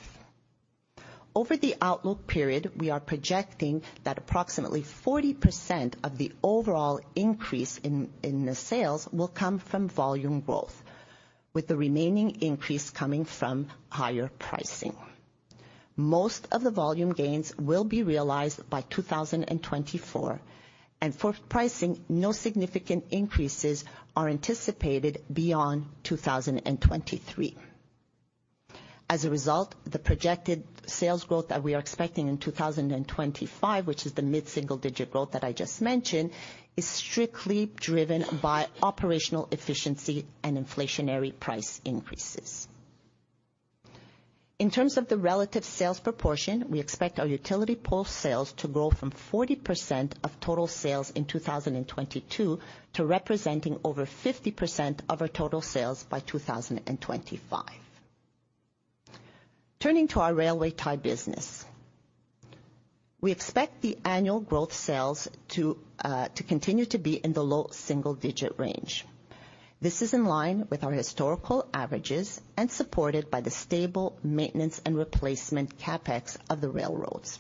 Over the outlook period, we are projecting that approximately 40% of the overall increase in the sales will come from volume growth, with the remaining increase coming from higher pricing. Most of the volume gains will be realized by 2024, and for pricing, no significant increases are anticipated beyond 2023. As a result, the projected sales growth that we are expecting in 2025, which is the mid-single-digit growth that I just mentioned, is strictly driven by operational efficiency and inflationary price increases. In terms of the relative sales proportion, we expect our utility pole sales to grow from 40% of total sales in 2022, to representing over 50% of our total sales by 2025. Turning to our railway tie business. We expect the annual growth sales to continue to be in the low single-digit range. This is in line with our historical averages and supported by the stable maintenance and replacement CapEx of the railroads.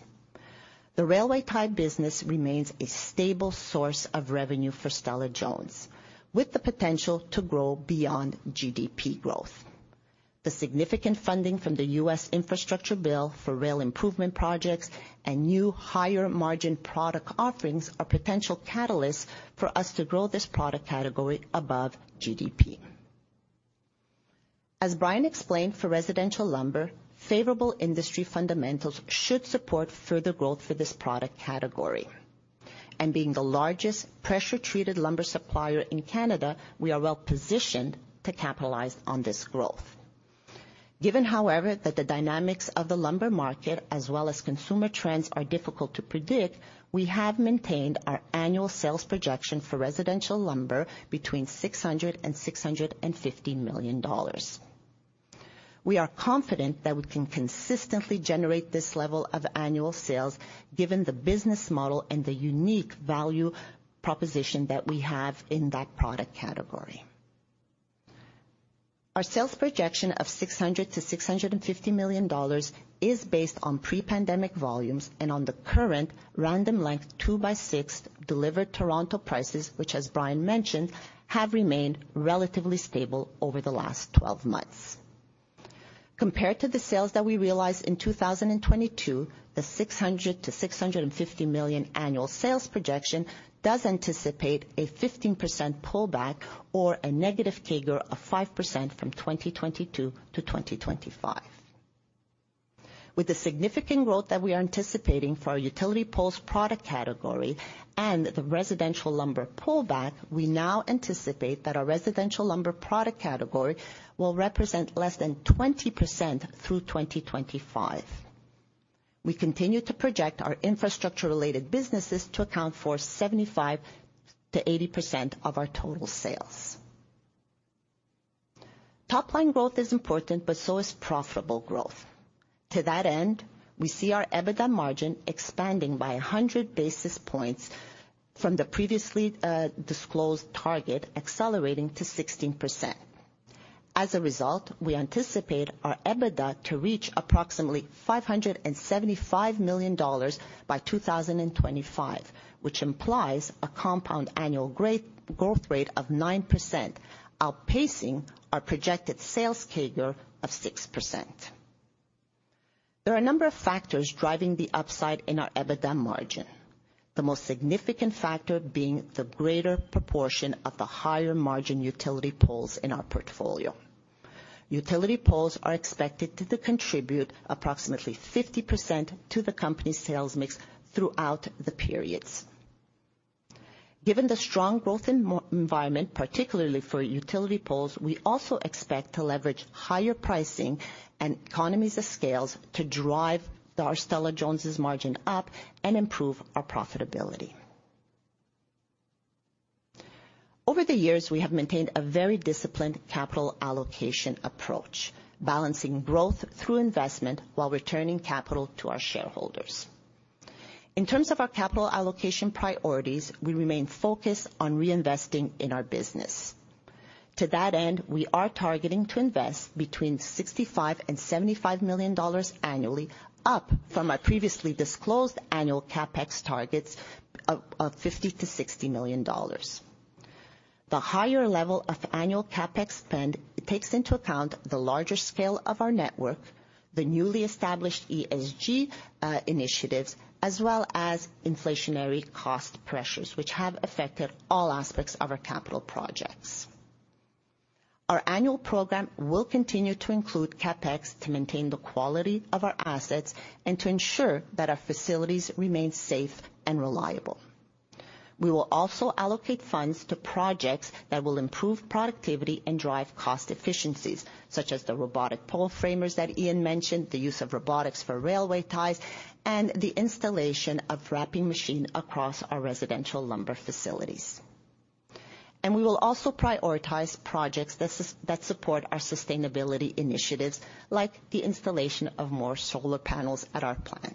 The railway tie business remains a stable source of revenue for Stella-Jones, with the potential to grow beyond GDP growth. The significant funding from the U.S. Infrastructure Bill for rail improvement projects and new higher-margin product offerings, are potential catalysts for us to grow this product category above GDP. As Brian explained, for residential lumber, favorable industry fundamentals should support further growth for this product category. Being the largest pressure-treated lumber supplier in Canada, we are well-positioned to capitalize on this growth. Given, however, that the dynamics of the lumber market as well as consumer trends are difficult to predict, we have maintained our annual sales projection for residential lumber between 600 million dollars and CAD 650 million. We are confident that we can consistently generate this level of annual sales, given the business model and the unique value proposition that we have in that product category. Our sales projection of 600 million-650 million dollars is based on pre-pandemic volumes and on the current random length 2x6 delivered Toronto prices, which, as Brian mentioned, have remained relatively stable over the last 12 months. Compared to the sales that we realized in 2022, the 600 million-650 million annual sales projection does anticipate a 15% pullback or a negative CAGR of 5% from 2022 to 2025. With the significant growth that we are anticipating for our utility poles product category and the residential lumber pullback, we now anticipate that our residential lumber product category will represent less than 20% through 2025. We continue to project our infrastructure-related businesses to account for 75%-80% of our total sales. Top line growth is important, but so is profitable growth. To that end, we see our EBITDA margin expanding by 100 basis points from the previously disclosed target, accelerating to 16%. We anticipate our EBITDA to reach approximately 575 million dollars by 2025, which implies a compound annual growth rate of 9%, outpacing our projected sales CAGR of 6%. There are a number of factors driving the upside in our EBITDA margin. The most significant factor being the greater proportion of the higher-margin utility poles in our portfolio. Utility poles are expected to contribute approximately 50% to the company's sales mix throughout the periods. Given the strong growth environment, particularly for utility poles, we also expect to leverage higher pricing and economies of scales to drive our Stella-Jones's margin up and improve our profitability. Over the years, we have maintained a very disciplined capital allocation approach, balancing growth through investment while returning capital to our shareholders. In terms of our capital allocation priorities, we remain focused on reinvesting in our business. To that end, we are targeting to invest between $65 million and $75 million annually, up from our previously disclosed annual CapEx targets of $50 million to $60 million. The higher level of annual CapEx spend takes into account the larger scale of our network, the newly established ESG initiatives, as well as inflationary cost pressures, which have affected all aspects of our capital projects. Our annual program will continue to include CapEx to maintain the quality of our assets and to ensure that our facilities remain safe and reliable. We will also allocate funds to projects that will improve productivity and drive cost efficiencies, such as the robotic pole framers that Ian mentioned, the use of robotics for railway ties, and the installation of wrapping machine across our residential lumber facilities. We will also prioritize projects that support our sustainability initiatives, like the installation of more solar panels at our plants.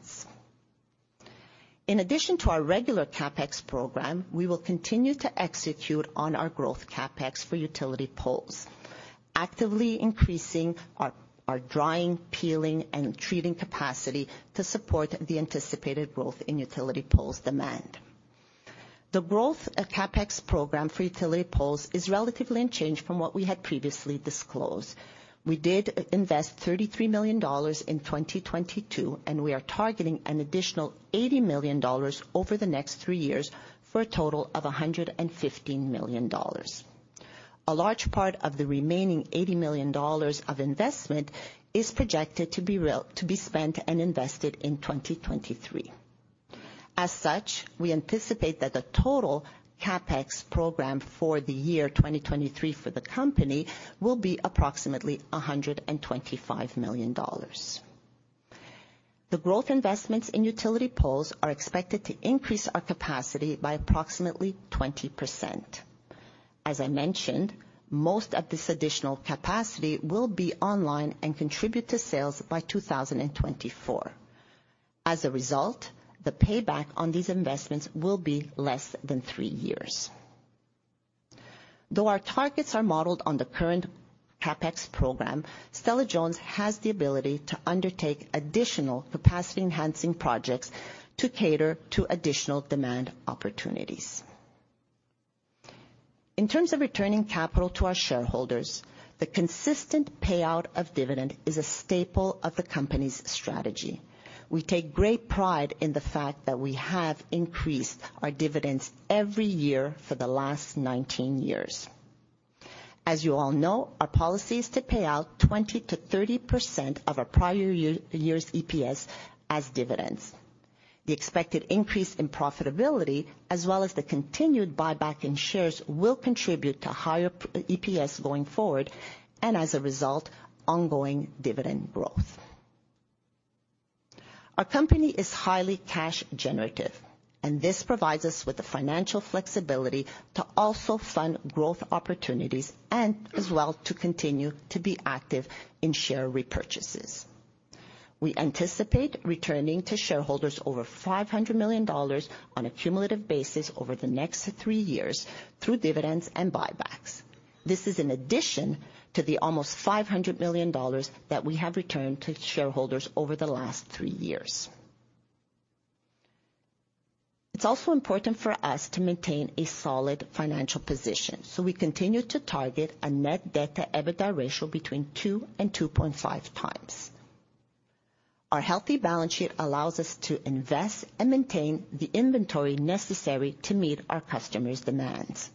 In addition to our regular CapEx program, we will continue to execute on our growth CapEx for utility poles, actively increasing our drying, peeling, and treating capacity to support the anticipated growth in utility poles demand. The growth of CapEx program for utility poles is relatively unchanged from what we had previously disclosed. We did invest 33 million dollars in 2022. We are targeting an additional 80 million dollars over the next 3 years for a total of 115 million dollars. A large part of the remaining 80 million dollars of investment is projected to be spent and invested in 2023. As such, we anticipate that the total CapEx program for the year 2023 for the company will be approximately 125 million dollars. The growth investments in utility poles are expected to increase our capacity by approximately 20%. As I mentioned, most of this additional capacity will be online and contribute to sales by 2024. As a result, the payback on these investments will be less than 3 years. Though our targets are modeled on the current CapEx program, Stella-Jones has the ability to undertake additional capacity-enhancing projects to cater to additional demand opportunities. In terms of returning capital to our shareholders, the consistent payout of dividend is a staple of the company's strategy. We take great pride in the fact that we have increased our dividends every year for the last 19 years. As you all know, our policy is to pay out 20%-30% of our prior year's EPS as dividends. The expected increase in profitability, as well as the continued buyback in shares, will contribute to higher EPS going forward, and as a result, ongoing dividend growth. Our company is highly cash generative, and this provides us with the financial flexibility to also fund growth opportunities and as well, to continue to be active in share repurchases. We anticipate returning to shareholders over 500 million dollars on a cumulative basis over the next three years through dividends and buybacks. This is in addition to the almost 500 million dollars that we have returned to shareholders over the last three years. It's also important for us to maintain a solid financial position, so we continue to target a net debt to EBITDA ratio between 2 and 2.5 times. Our healthy balance sheet allows us to invest and maintain the inventory necessary to meet our customers' demands.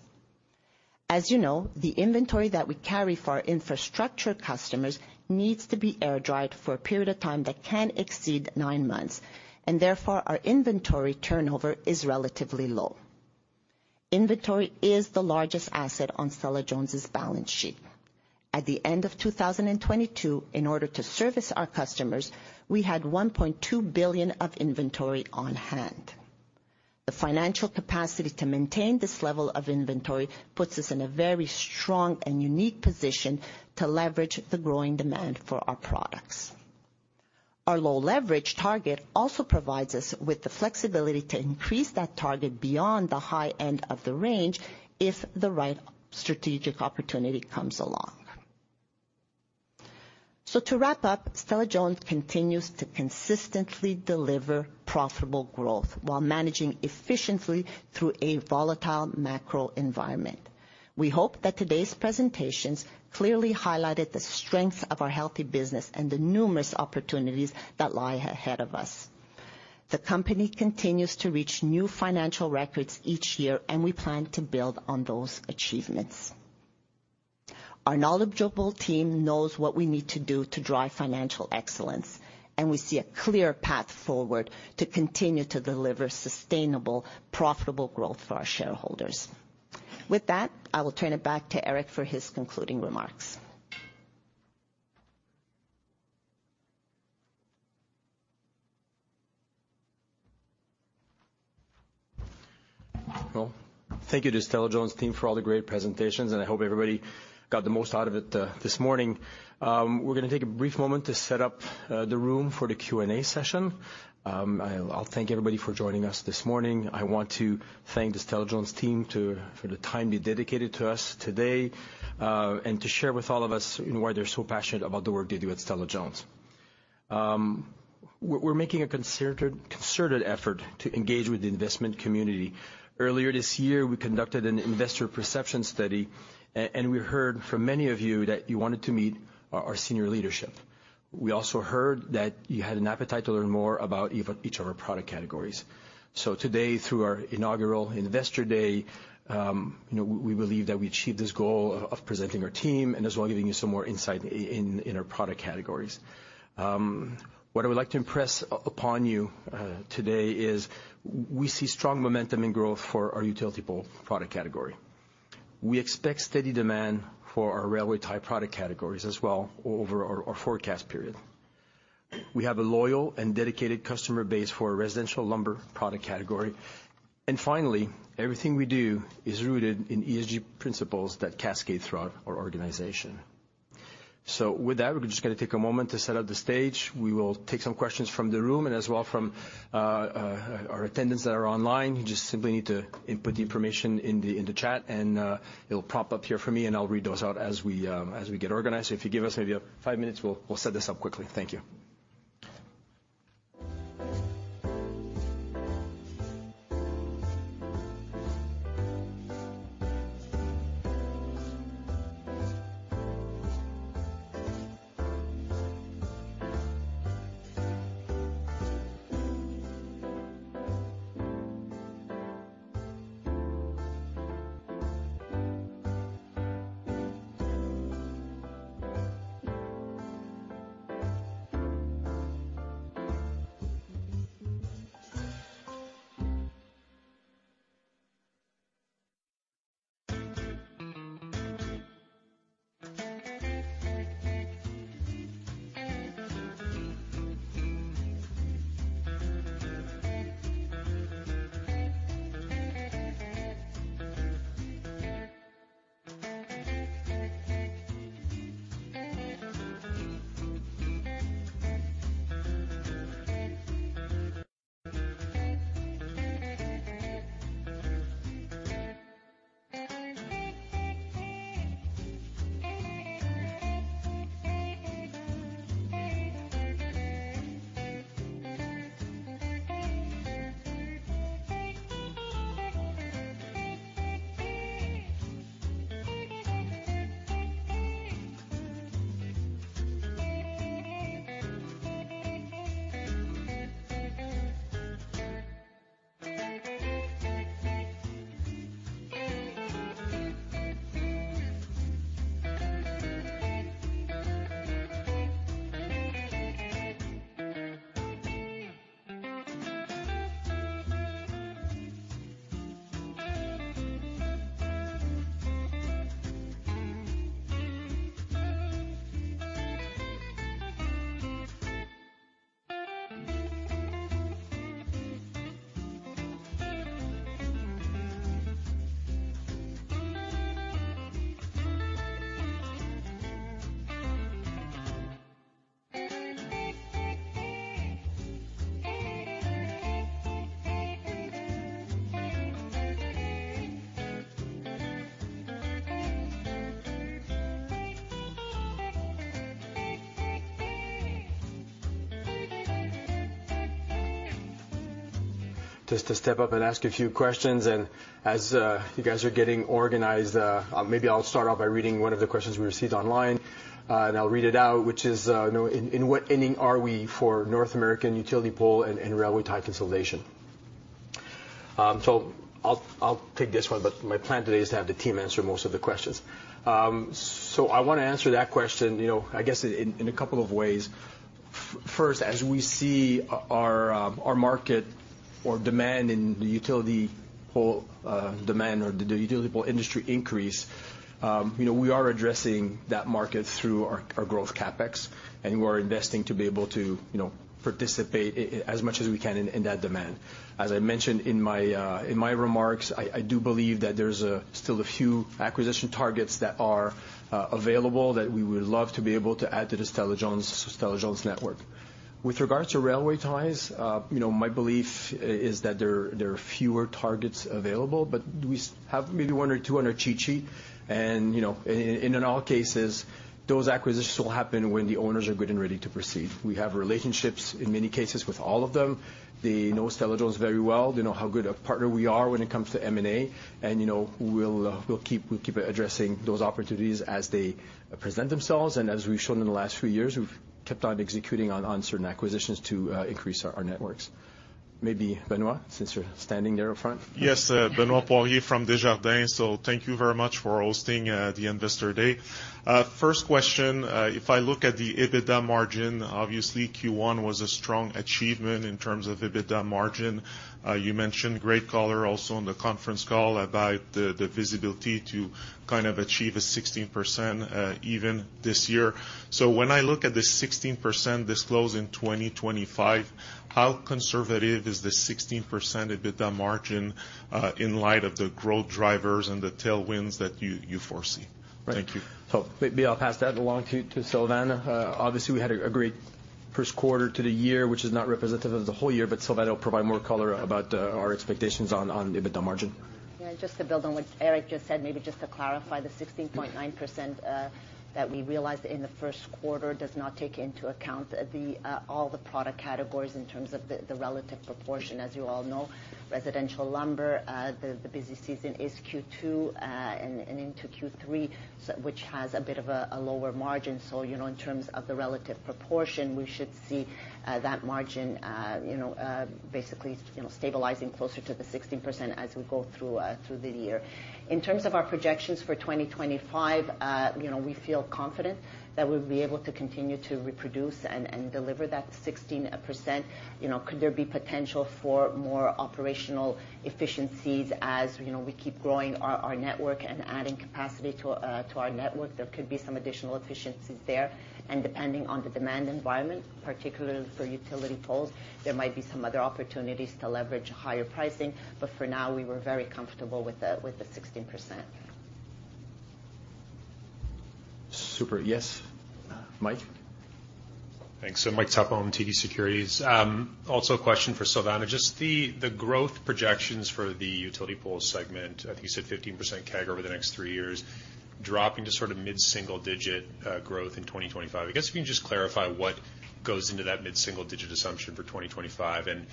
As you know, the inventory that we carry for our infrastructure customers needs to be air-dried for a period of time that can exceed nine months, and therefore, our inventory turnover is relatively low. Inventory is the largest asset on Stella-Jones's balance sheet. At the end of 2022, in order to service our customers, we had 1.2 billion of inventory on hand. The financial capacity to maintain this level of inventory puts us in a very strong and unique position to leverage the growing demand for our products. Our low leverage target also provides us with the flexibility to increase that target beyond the high end of the range, if the right strategic opportunity comes along. To wrap up, Stella-Jones continues to consistently deliver profitable growth while managing efficiently through a volatile macro environment. We hope that today's presentations clearly highlighted the strength of our healthy business and the numerous opportunities that lie ahead of us. The company continues to reach new financial records each year, and we plan to build on those achievements. Our knowledgeable team knows what we need to do to drive financial excellence. We see a clear path forward to continue to deliver sustainable, profitable growth for our shareholders. With that, I will turn it back to Éric for his concluding remarks. Well, thank you to the Stella-Jones team for all the great presentations. I hope everybody got the most out of it this morning. We're gonna take a brief moment to set up the room for the Q&A session. I'll thank everybody for joining us this morning. I want to thank the Stella-Jones team for the time they dedicated to us today to share with all of us, you know, why they're so passionate about the work they do at Stella-Jones. We're making a concerted effort to engage with the investment community. Earlier this year, we conducted an investor perception study. We heard from many of you that you wanted to meet our senior leadership. We also heard that you had an appetite to learn more about each of our product categories. Today, through our inaugural Investor Day, you know, we believe that we achieved this goal of presenting our team and as well, giving you some more insight in our product categories. What I would like to impress upon you today is we see strong momentum and growth for our utility pole product category. We expect steady demand for our railway tie product categories as well over our forecast period. We have a loyal and dedicated customer base for our residential lumber product category. Finally, everything we do is rooted in ESG principles that cascade throughout our organization. With that, we're just gonna take a moment to set up the stage. We will take some questions from the room and as well from our attendants that are online. You just simply need to input the information in the chat, and it'll pop up here for me, and I'll read those out as we get organized. If you give us maybe five minutes, we'll set this up quickly. Thank you. Just to step up and ask a few questions, and as you guys are getting organized, maybe I'll start off by reading one of the questions we received online, and I'll read it out, which is, "In what inning are we for North American utility pole and railway tie consolidation?" I'll take this one, but my plan today is to have the team answer most of the questions. I wanna answer that question, you know, I guess in a couple of ways. First, as we see our market or demand in the utility pole demand or the utility pole industry increase, you know, we are addressing that market through our growth CapEx. We're investing to be able to, you know, participate as much as we can in that demand. As I mentioned in my remarks, I do believe that there's still a few acquisition targets that are available that we would love to be able to add to the Stella-Jones network. With regards to railway ties, you know, my belief is that there are fewer targets available, but we have maybe one or two on our cheat sheet. In all cases, those acquisitions will happen when the owners are good and ready to proceed. We have relationships, in many cases, with all of them. They know Stella-Jones very well. They know how good a partner we are when it comes to M&A, and, you know, we'll keep addressing those opportunities as they present themselves. As we've shown in the last few years, we've kept on executing on certain acquisitions to increase our networks. Maybe Benoit, since you're standing there up front. Yes, Benoit Poirier from Desjardins. Thank you very much for hosting the Investor Day. First question: If I look at the EBITDA margin, obviously, Q1 was a strong achievement in terms of EBITDA margin. You mentioned great color also on the conference call about the visibility to kind of achieve a 16% even this year. When I look at the 16% disclosed in 2025, how conservative is the 16% EBITDA margin in light of the growth drivers and the tailwinds that you foresee? Thank you. Maybe I'll pass that along to Silvana. Obviously, we had a great first quarter to the year, which is not representative of the whole year, but Silvana will provide more color about our expectations on EBITDA margin. Yeah, just to build on what Éric just said, maybe just to clarify, the 16.9% that we realized in the first quarter does not take into account all the product categories in terms of the relative proportion. You all know, residential lumber, the busy season is Q2 and into Q3, which has a bit of a lower margin. In terms of the relative proportion, we should see that margin, you know, basically, you know, stabilizing closer to the 16% as we go through the year. In terms of our projections for 2025, you know, we feel confident that we'll be able to continue to reproduce and deliver that 16%. You know, could there be potential for more operational efficiencies as, you know, we keep growing our network and adding capacity to our network? There could be some additional efficiencies there. Depending on the demand environment, particularly for utility poles, there might be some other opportunities to leverage higher pricing, but for now, we were very comfortable with the 16%. Super. Yes, Mike? Michael Tupholme, TD Securities. Also a question for Silvana. Just the growth projections for the utility pole segment, I think you said 15% CAGR over the next 3 years, dropping to sort of mid-single digit growth in 2025. I guess if you can just clarify what goes into that mid-single digit assumption for 2025, and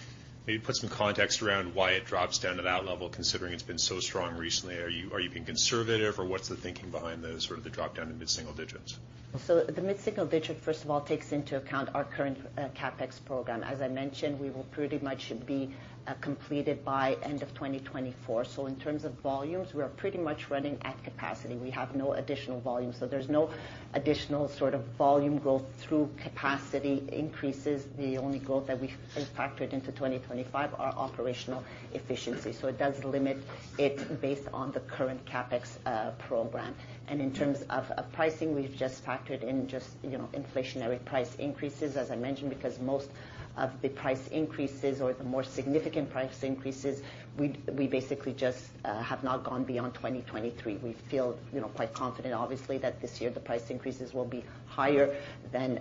maybe put some context around why it drops down to that level, considering it's been so strong recently. Are you being conservative, or what's the thinking behind the sort of the drop down to mid-single digits? The mid-single digit, first of all, takes into account our current CapEx program. As I mentioned, we will pretty much be completed by end of 2024. In terms of volumes, we are pretty much running at capacity. We have no additional volume, so there's no additional sort of volume growth through capacity increases. The only growth that we've factored into 2025 are operational efficiency, so it does limit it based on the current CapEx program. In terms of pricing, we've just factored in just, you know, inflationary price increases, as I mentioned, because most of the price increases or the more significant price increases, we basically just have not gone beyond 2023. We feel, you know, quite confident, obviously, that this year the price increases will be higher than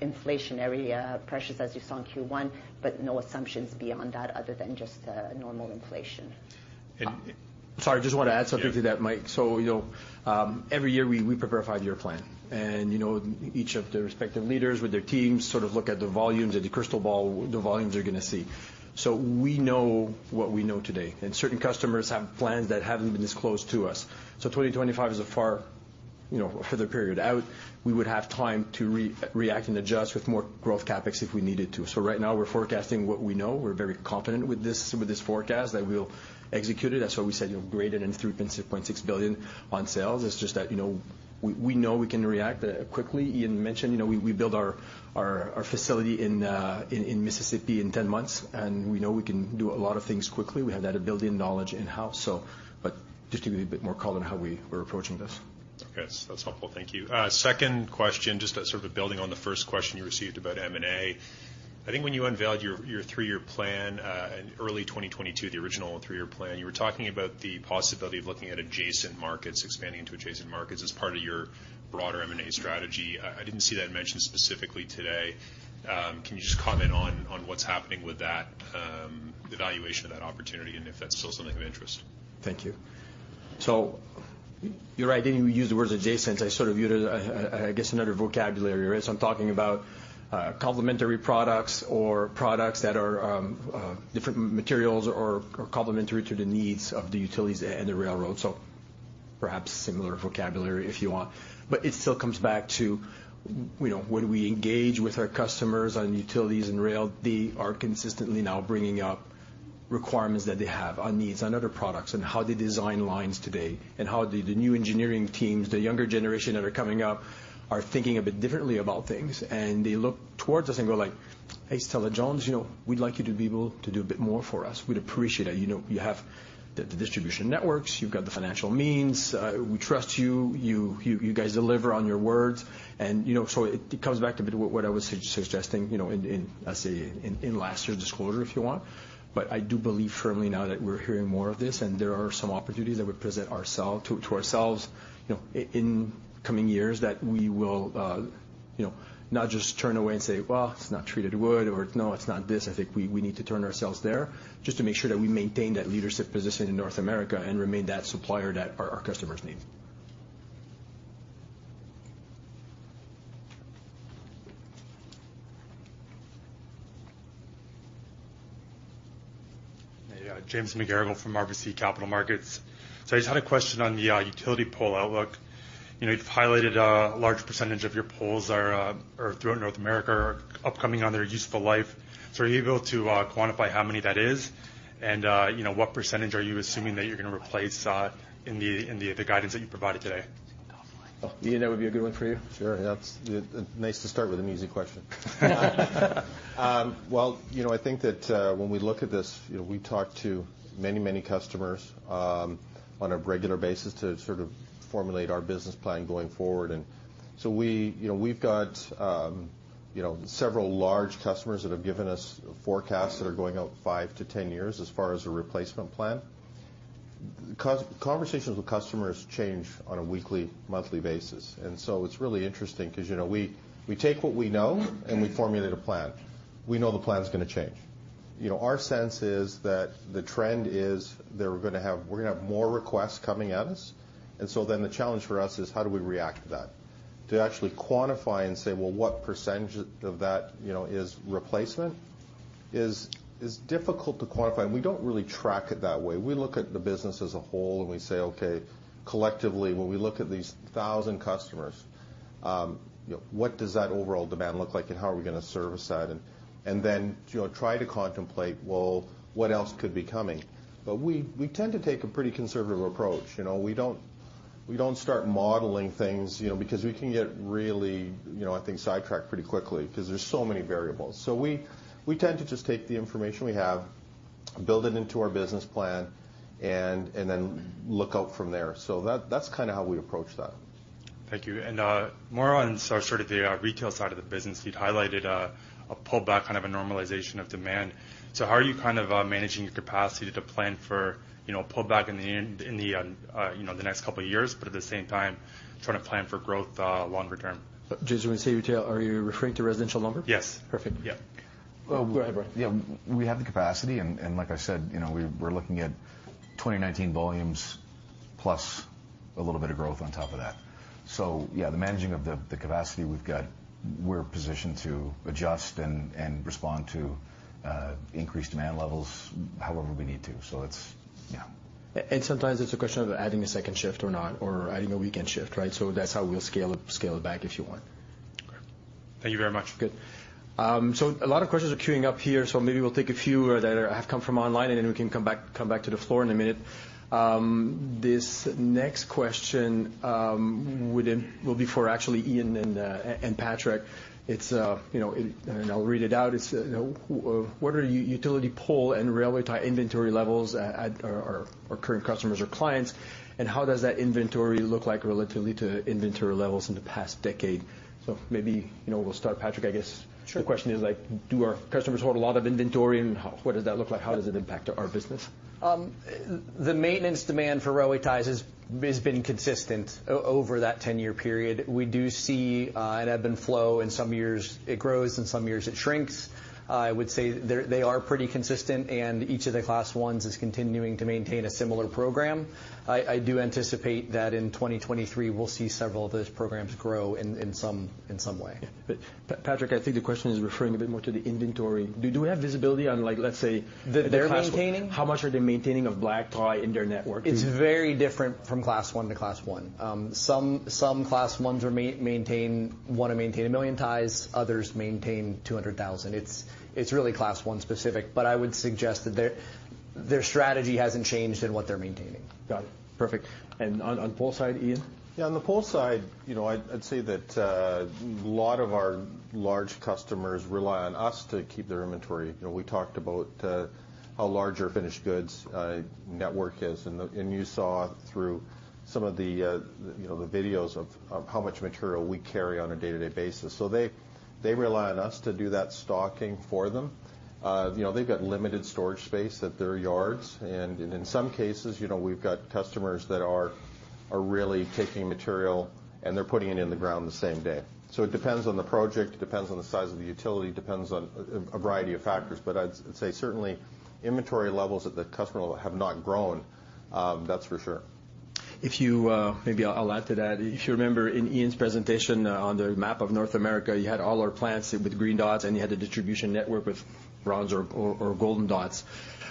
inflationary pressures, as you saw in Q1, but no assumptions beyond that, other than just normal inflation. Sorry, I just want to add something to that, Mike. Yeah. You know, every year we prepare a 5-year plan. You know, each of the respective leaders with their teams sort of look at the volumes and the crystal ball, the volumes they're gonna see. We know what we know today, and certain customers have plans that haven't been disclosed to us. 2025 is a far, you know, a further period out. We would have time to react and adjust with more growth CapEx if we needed to. Right now we're forecasting what we know. We're very confident with this, with this forecast, that we'll execute it. That's why we said, you know, graded and $3.6 billion on sales. It's just that, you know, we know we can react quickly. Ian mentioned, you know, we built our facility in Mississippi in 10 months. We know we can do a lot of things quickly. We have that ability and knowledge in-house, so. Just to be a bit more color on how we're approaching this. Okay. That's helpful. Thank you. Second question, just sort of building on the first question you received about M&A. I think when you unveiled your three-year plan, in early 2022, the original three-year plan, you were talking about the possibility of looking at adjacent markets, expanding into adjacent markets, as part of your broader M&A strategy. I didn't see that mentioned specifically today. Can you just comment on what's happening with that, the valuation of that opportunity, and if that's still something of interest? Thank you. You're right. I didn't use the word adjacent. I sort of used it, I guess, another vocabulary, right? I'm talking about, complementary products or products that are, different materials or complementary to the needs of the utilities and the railroads. Perhaps similar vocabulary, if you want. It still comes back to, you know, when we engage with our customers on utilities and rail, they are consistently now bringing up requirements that they have on needs, on other products, and how they design lines today, and how the new engineering teams, the younger generation that are coming up, are thinking a bit differently about things. They look towards us and go like: "Hey, Stella-Jones, you know, we'd like you to be able to do a bit more for us. We'd appreciate it. You know, you have the distribution networks, you've got the financial means, we trust you. You guys deliver on your words." You know, so it comes back to a bit what I was suggesting, you know, in, let's say, in last year's disclosure, if you want. I do believe firmly now that we're hearing more of this, and there are some opportunities that would present ourself, to ourselves, you know, in coming years, that we will, you know, not just turn away and say, "Well, it's not treated wood," or, "No, it's not this." I think we need to turn ourselves there just to make sure that we maintain that leadership position in North America and remain that supplier that our customers need. Hey, James McGarrigle from RBC Capital Markets. I just had a question on the utility pole outlook. You know, you've highlighted a large percentage of your poles are throughout North America, are upcoming on their useful life. Are you able to quantify how many that is? And, you know, what percentage are you assuming that you're going to replace in the guidance that you provided today? Ian, that would be a good one for you. Sure. That's... Nice to start with an easy question. Well, you know, I think that, when we look at this, you know, we talk to many, many customers, on a regular basis to sort of formulate our business plan going forward. We, you know, we've got, you know, several large customers that have given us forecasts that are going out 5-10 years as far as a replacement plan. Conversations with customers change on a weekly, monthly basis, it's really interesting because, you know, we take what we know, and we formulate a plan. We know the plan is gonna change. You know, our sense is that the trend is that we're gonna have more requests coming at us, the challenge for us is, how do we react to that? To actually quantify and say, well, what percentage of that, you know, is replacement, is difficult to quantify, and we don't really track it that way. We look at the business as a whole, and we say: Okay, collectively, when we look at these 1,000 customers, you know, what does that overall demand look like, and how are we going to service that? Then, you know, try to contemplate, well, what else could be coming? We, we tend to take a pretty conservative approach. You know, we don't, we don't start modeling things, you know, because we can get really, you know, I think, sidetracked pretty quickly because there's so many variables. We, we tend to just take the information we have, build it into our business plan, and then look out from there. That, that's kind of how we approach that. Thank you. More on sort of the retail side of the business, you'd highlighted a pullback, kind of a normalization of demand. How are you kind of managing your capacity to plan for, you know, a pullback in the end, in the next couple of years, but at the same time, trying to plan for growth longer term? Just when you say retail, are you referring to Residential Lumber? Yes. Perfect. Yeah. Well, go ahead, Brian. We have the capacity, and like I said, you know, we're looking at 2019 volumes, plus a little bit of growth on top of that. Yeah, the managing of the capacity we've got, we're positioned to adjust and respond to increased demand levels however we need to. It's. Yeah. Sometimes it's a question of adding a second shift or not, or adding a weekend shift, right? That's how we'll scale it back if you want. Thank you very much. Good. A lot of questions are queuing up here, maybe we'll take a few that have come from online, and then we can come back to the floor in a minute. This next question, within, will be for actually Ian and Patrick. It's, you know, and I'll read it out. It's, you know, what are your utility pole and railway tie inventory levels at our current customers or clients, and how does that inventory look like relatively to inventory levels in the past decade? Maybe, you know, we'll start, Patrick, I guess. Sure. The question is like, do our customers hold a lot of inventory, and what does that look like? How does it impact our business? The maintenance demand for railway ties has been consistent over that 10-year period. We do see an ebb and flow. In some years it grows, in some years it shrinks. I would say they are pretty consistent, and each of the Class Is is continuing to maintain a similar program. I do anticipate that in 2023, we'll see several of those programs grow in some way. Yeah. Patrick, I think the question is referring a bit more to the inventory. Do you have visibility on, like, let's say? That they're maintaining? How much are they maintaining of railway tie in their network? It's very different from Class I to Class I. some Class Is are want to maintain 1 million ties, others maintain 200,000. It's really Class I specific, but I would suggest that their strategy hasn't changed in what they're maintaining. Got it. Perfect. On pole side, Ian? Yeah, on the pole side, you know, I'd say that a lot of our large customers rely on us to keep their inventory. You know, we talked about how large our finished goods network is, and you saw through some of the, you know, the videos of how much material we carry on a day-to-day basis. They rely on us to do that stocking for them. You know, they've got limited storage space at their yards, and in some cases, you know, we've got customers that are really taking material, and they're putting it in the ground the same day. It depends on the project, it depends on the size of the utility, depends on a variety of factors. I'd say certainly inventory levels at the customer level have not grown, that's for sure. Maybe I'll add to that. If you remember in Ian's presentation on the map of North America, you had all our plants with green dots, and you had the distribution network with bronze or golden dots.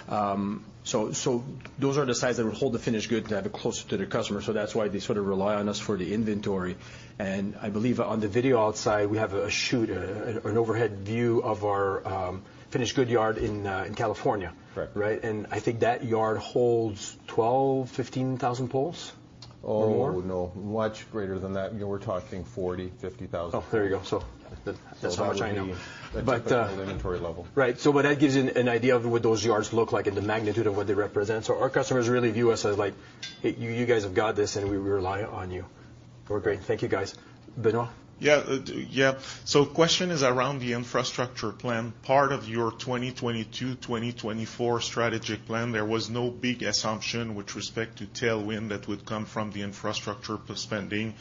Those are the sites that hold the finished goods to have it closer to the customer. That's why they sort of rely on us for the inventory. I believe on the video outside, we have a shoot, an overhead view of our finished good yard in California. Correct. Right? I think that yard holds 12, 15,000 poles or more? Oh, no, much greater than that. You know, we're talking 40,000, 50,000. Oh, there you go. That's how much I know. That's the inventory level. Right. That gives you an idea of what those yards look like and the magnitude of what they represent. Our customers really view us as, like, "You guys have got this, and we rely on you." We're great. Thank you, guys. Benoit? Question is around the infrastructure plan. Part of your 2022-2024 strategic plan, there was no big assumption with respect to tailwind that would come from the infrastructure spending.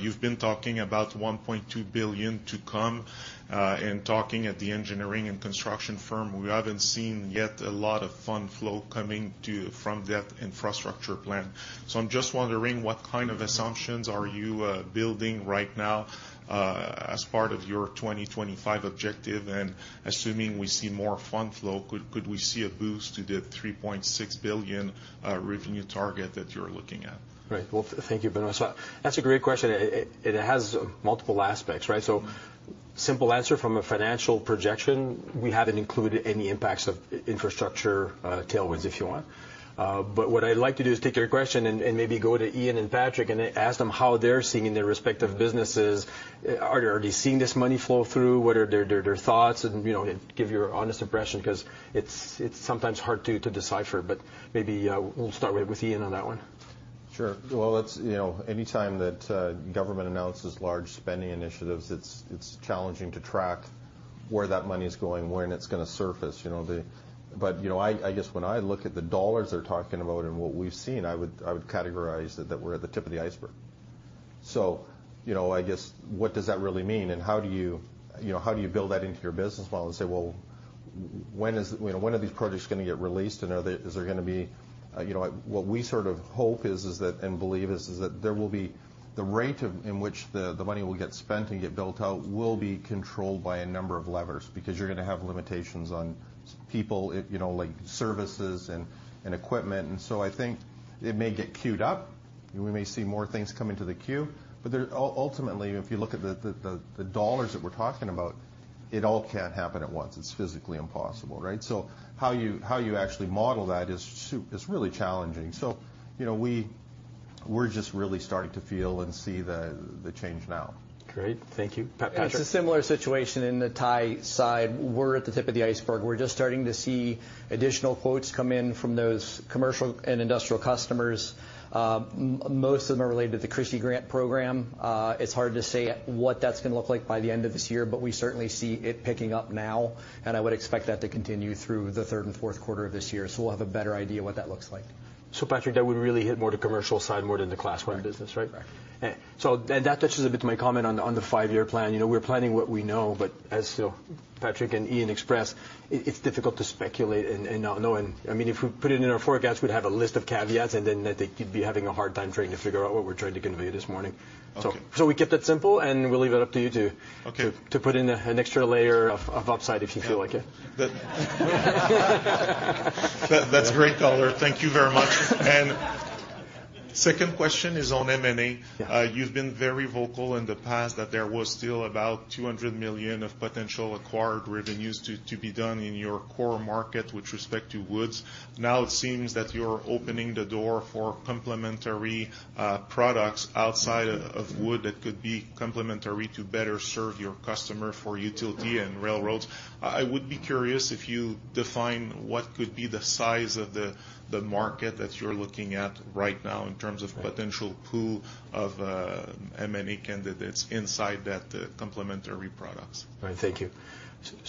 You've been talking about $1.2 billion to come, talking at the engineering and construction firm, we haven't seen yet a lot of fund flow coming from that infrastructure plan. I'm just wondering, what kind of assumptions are you building right now as part of your 2025 objective? Assuming we see more fund flow, could we see a boost to the $3.6 billion revenue target that you're looking at? Right. Well, thank you, Benoit. That's a great question. It has multiple aspects, right? Simple answer from a financial projection, we haven't included any impacts of infrastructure tailwinds, if you want. What I'd like to do is take your question and maybe go to Ian and Patrick and ask them how they're seeing in their respective businesses. Are they seeing this money flow through? What are their thoughts? You know, give your honest impression, 'cause it's sometimes hard to decipher. Maybe we'll start with Ian on that one. Sure. Well, that's, you know, anytime that government announces large spending initiatives, it's challenging to track where that money is going, when it's gonna surface, you know. You know, I guess when I look at the dollars they're talking about and what we've seen, I would, I would categorize that we're at the tip of the iceberg. You know, I guess, what does that really mean? How do you know, how do you build that into your business model and say, Well, when is, you know, when are these projects gonna get released, is there gonna be... you know, what we sort of hope is that, and believe is that there will be the rate of, in which the money will get spent and get built out, will be controlled by a number of levers. You're gonna have limitations on people, it, you know, like services and equipment. I think it may get queued up, and we may see more things come into the queue, but there ultimately, if you look at the dollars that we're talking about, it all can't happen at once. It's physically impossible, right? How you, how you actually model that is really challenging. you know, we're just really starting to feel and see the change now. Great. Thank you. Patrick? It's a similar situation in the tie side. We're at the tip of the iceberg. We're just starting to see additional quotes come in from those commercial and industrial customers. Most of them are related to the CRISI Grant program. It's hard to say what that's gonna look like by the end of this year, but we certainly see it picking up now, and I would expect that to continue through the third and fourth quarter of this year. We'll have a better idea what that looks like. Patrick, that would really hit more the commercial side, more than the Class I business, right? Right. That touches a bit to my comment on the five-year plan. You know, we're planning what we know, but as Patrick and Ian expressed, it's difficult to speculate and not knowing. I mean, if we put it in our forecast, we'd have a list of caveats, and then I think you'd be having a hard time trying to figure out what we're trying to convey this morning. Okay. We kept it simple, and we'll leave it up to you. Okay... to put in an extra layer of upside if you feel like it. That's great, Tyler. Thank you very much. Second question is on M&A. Yeah. You've been very vocal in the past that there was still about $200 million of potential acquired revenues to be done in your core market with respect to woods. Now, it seems that you're opening the door for complementary products outside of wood that could be complementary to better serve your customer for utility and railroads. I would be curious if you define what could be the size of the market that you're looking at right now in terms of- Right... potential pool of M&A candidates inside that complementary products. Right. Thank you.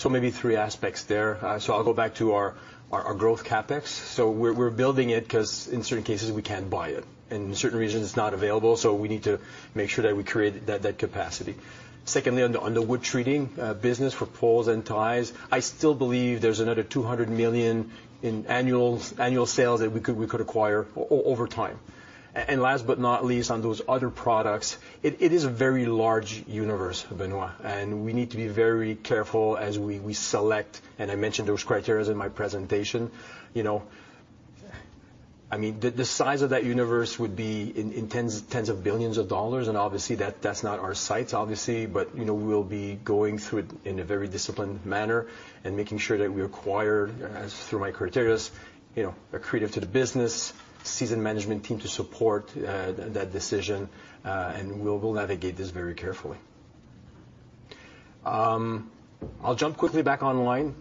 Maybe three aspects there. I'll go back to our growth CapEx. We're building it 'cause in certain cases, we can't buy it, and in certain regions, it's not available. We need to make sure that we create that capacity. Secondly, on the wood treating business for poles and ties, I still believe there's another $200 million in annual sales that we could acquire over time. Last but not least, on those other products, it is a very large universe, Benoit, and we need to be very careful as we select, and I mentioned those criteria in my presentation. You know, I mean, the size of that universe would be in tens of billions of dollars, and obviously, that's not our sites, obviously. You know, we'll be going through it in a very disciplined manner and making sure that we acquire, as through my criterias, you know, accretive to the business, seasoned management team to support that decision and we'll navigate this very carefully. I'll jump quickly back online.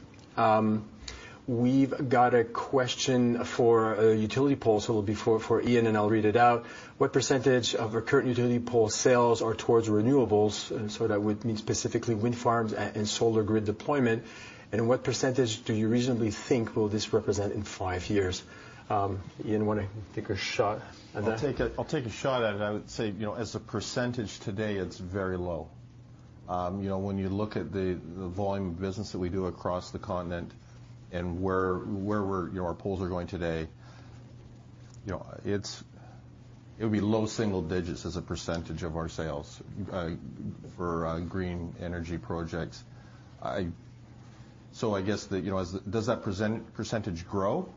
We've got a question for utility poles, so it'll be for Ian, and I'll read it out. What percentage of our current utility pole sales are towards renewables, that would mean specifically wind farms and solar grid deployment, and what percentage do you reasonably think will this represent in 5 years? Ian, wanna take a shot at that? I'll take a shot at it. I would say, you know, as a percentage today, it's very low. You know, when you look at the volume of business that we do across the continent and where we're, you know, our poles are going today, you know, it'll be low single digits as a percentage of our sales for green energy projects. I guess the, you know, as, does that percentage grow?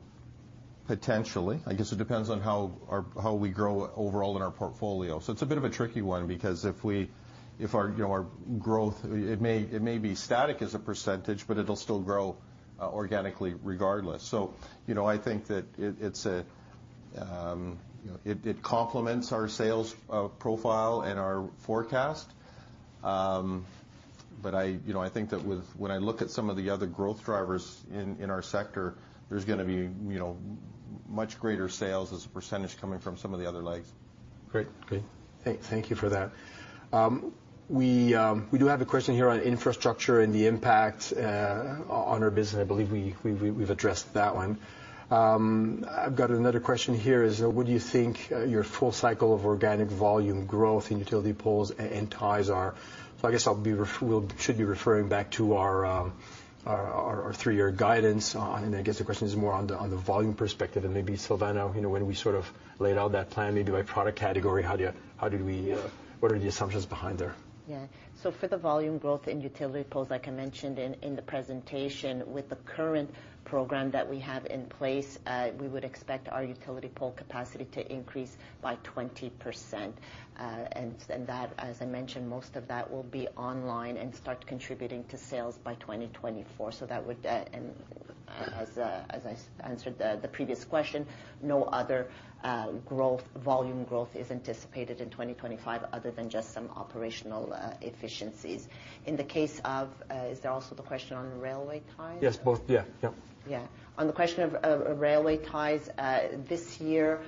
Potentially. I guess it depends on how our, how we grow overall in our portfolio. It's a bit of a tricky one because if we, if our, you know, our growth, it may be static as a percentage, but it'll still grow organically regardless. You know, I think that it's a, you know, it complements our sales profile and our forecast. I, you know, I think that with, when I look at some of the other growth drivers in our sector, there's gonna be, you know, much greater sales as a % coming from some of the other legs. Great. Thank you for that. We do have a question here on infrastructure and the impact on our business. I believe we've addressed that one. I've got another question here is: What do you think your full cycle of organic volume growth in utility poles and ties are? I guess I'll be referring back to our 3-year guidance. I guess the question is more on the volume perspective, and maybe Silvana, you know, when we sort of laid out that plan, maybe by product category, how do you, how do we... What are the assumptions behind there? For the volume growth in utility poles, like I mentioned in the presentation, with the current program that we have in place, we would expect our utility pole capacity to increase by 20%. That, as I mentioned, most of that will be online and start contributing to sales by 2024. That would, and as I answered the previous question, no other volume growth is anticipated in 2025 other than just some operational efficiencies. In the case of, is there also the question on railway ties? Yes, both. Yeah. Yeah. On the question of railway ties, this year,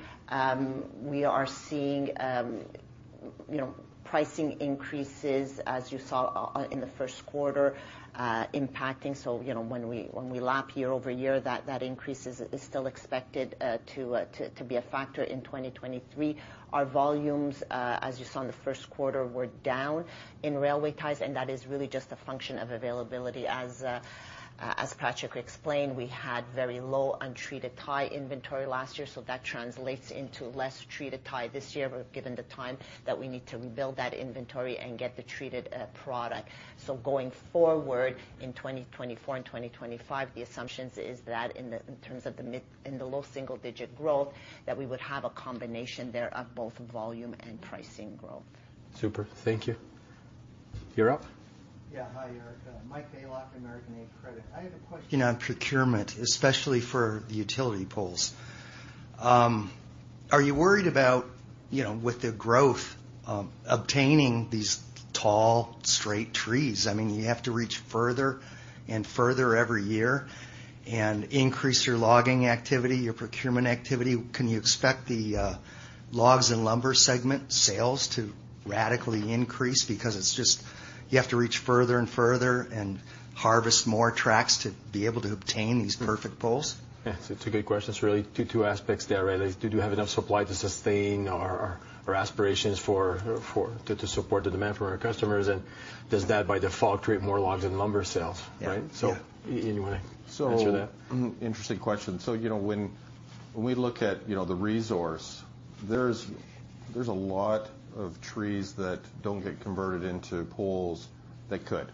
we are seeing, you know, pricing increases, as you saw in the first quarter, impacting. You know, when we lap year-over-year, that increase is still expected to be a factor in 2023. Our volumes, as you saw in the first quarter, were down in railway ties, and that is really just a function of availability. As Patrick explained, we had very low untreated tie inventory last year, that translates into less treated tie this year, given the time that we need to rebuild that inventory and get the treated product. going forward, in 2024 and 2025, the assumptions is that in the low single-digit growth, that we would have a combination there of both volume and pricing growth. Super. Thank you.... You're up? Yeah. Hi, Éric. Michael Block, ATB Capital Markets. I have a question on procurement, especially for the utility poles. Are you worried about, you know, with the growth, obtaining these tall, straight trees? I mean, you have to reach further and further every year and increase your logging activity, your procurement activity. Can you expect the logs and lumber segment sales to radically increase because it's just, you have to reach further and further and harvest more tracks to be able to obtain these perfect poles? Yeah, it's a good question. It's really two aspects there, right? Do you have enough supply to sustain our aspirations to support the demand from our customers? Does that, by default, create more logs in lumber sales, right? Yeah. Ian. So- answer that? interesting question. You know, when we look at, you know, the resource, there's a lot of trees that don't get converted into poles that could.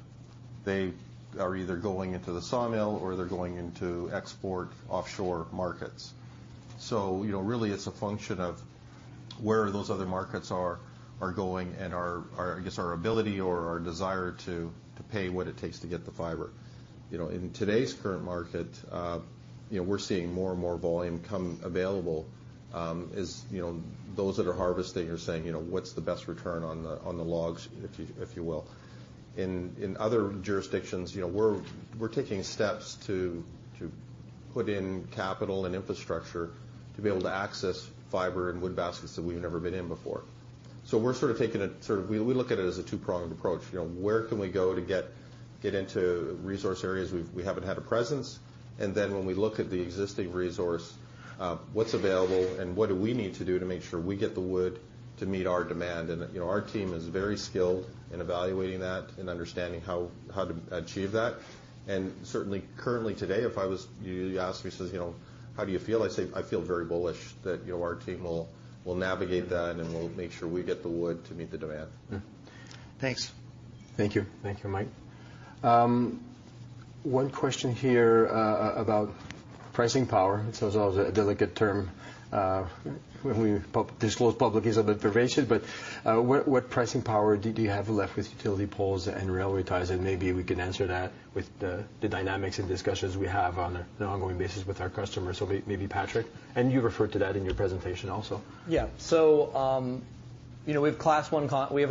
They are either going into the sawmill or they're going into export offshore markets. You know, really, it's a function of where those other markets are going and our, I guess, our ability or our desire to pay what it takes to get the fiber. You know, in today's current market, you know, we're seeing more and more volume come available, as, you know, those that are harvesting are saying, you know, "What's the best return on the logs?" If you will. In other jurisdictions, you know, we're taking steps to put in capital and infrastructure to be able to access fiber and wood baskets that we've never been in before. We're sort of taking it, we look at it as a two-pronged approach. You know, where can we go to get into resource areas we haven't had a presence? When we look at the existing resource, what's available and what do we need to do to make sure we get the wood to meet our demand? You know, our team is very skilled in evaluating that and understanding how to achieve that. Certainly, currently, today, if I was... You asked me, says, "You know, how do you feel?" I'd say, "I feel very bullish that, you know, our team will navigate that, and then we'll make sure we get the wood to meet the demand. Thanks. Thank you. Thank you, Mike. One question here about pricing power. It's always a delicate term when we disclose public use of information, but what pricing power do you have left with utility poles and railway ties? Maybe we can answer that with the dynamics and discussions we have on an ongoing basis with our customers. Maybe Patrick, and you referred to that in your presentation also. You know, We have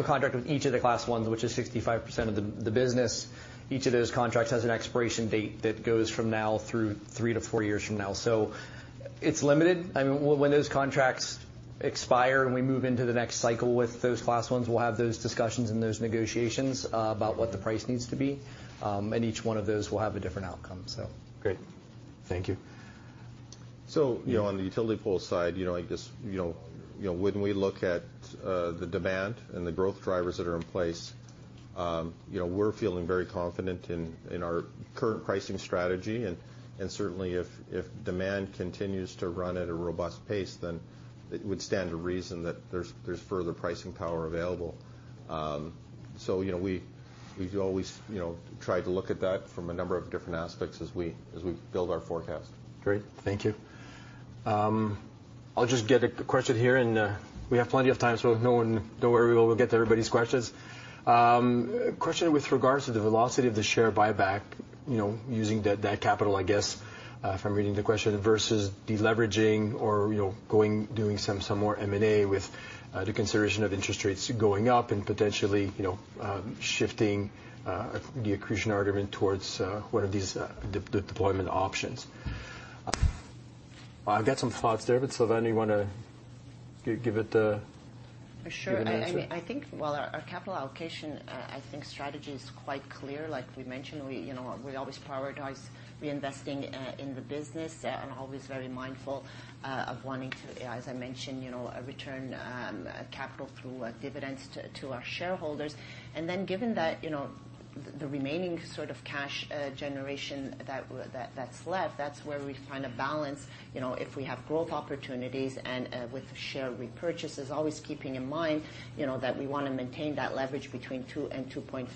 a contract with each of the Class Is, which is 65% of the business. Each of those contracts has an expiration date that goes from now through 3-4 years from now. It's limited. I mean, when those contracts expire, and we move into the next cycle with those Class Is, we'll have those discussions and those negotiations, about what the price needs to be. Each one of those will have a different outcome. Great. Thank you. On the utility pole side, when we look at the demand and the growth drivers that are in place, we're feeling very confident in our current pricing strategy. Certainly if demand continues to run at a robust pace, then it would stand to reason that there's further pricing power available. We always try to look at that from a number of different aspects as we build our forecast. Great, thank you. I'll just get a question here, and we have plenty of time, so no one-- don't worry, we will get to everybody's questions. A question with regards to the velocity of the share buyback, you know, using that capital, I guess, if I'm reading the question, versus deleveraging or, you know, going, doing some more M&A with the consideration of interest rates going up and potentially, you know, shifting the accretion argument towards one of these the deployment options. I've got some thoughts there, but Silvana, you want to give it the. For sure. Give an answer? I mean, I think, well, our capital allocation, I think strategy is quite clear. Like we mentioned, we, you know, we always prioritize reinvesting in the business- Yeah. Always very mindful, of wanting to, as I mentioned, you know, return, capital through dividends to our shareholders. Given that, you know, the remaining sort of cash, generation that's left, that's where we find a balance, you know, if we have growth opportunities and, with share repurchases, always keeping in mind, you know, that we want to maintain that leverage between 2 and 2.5.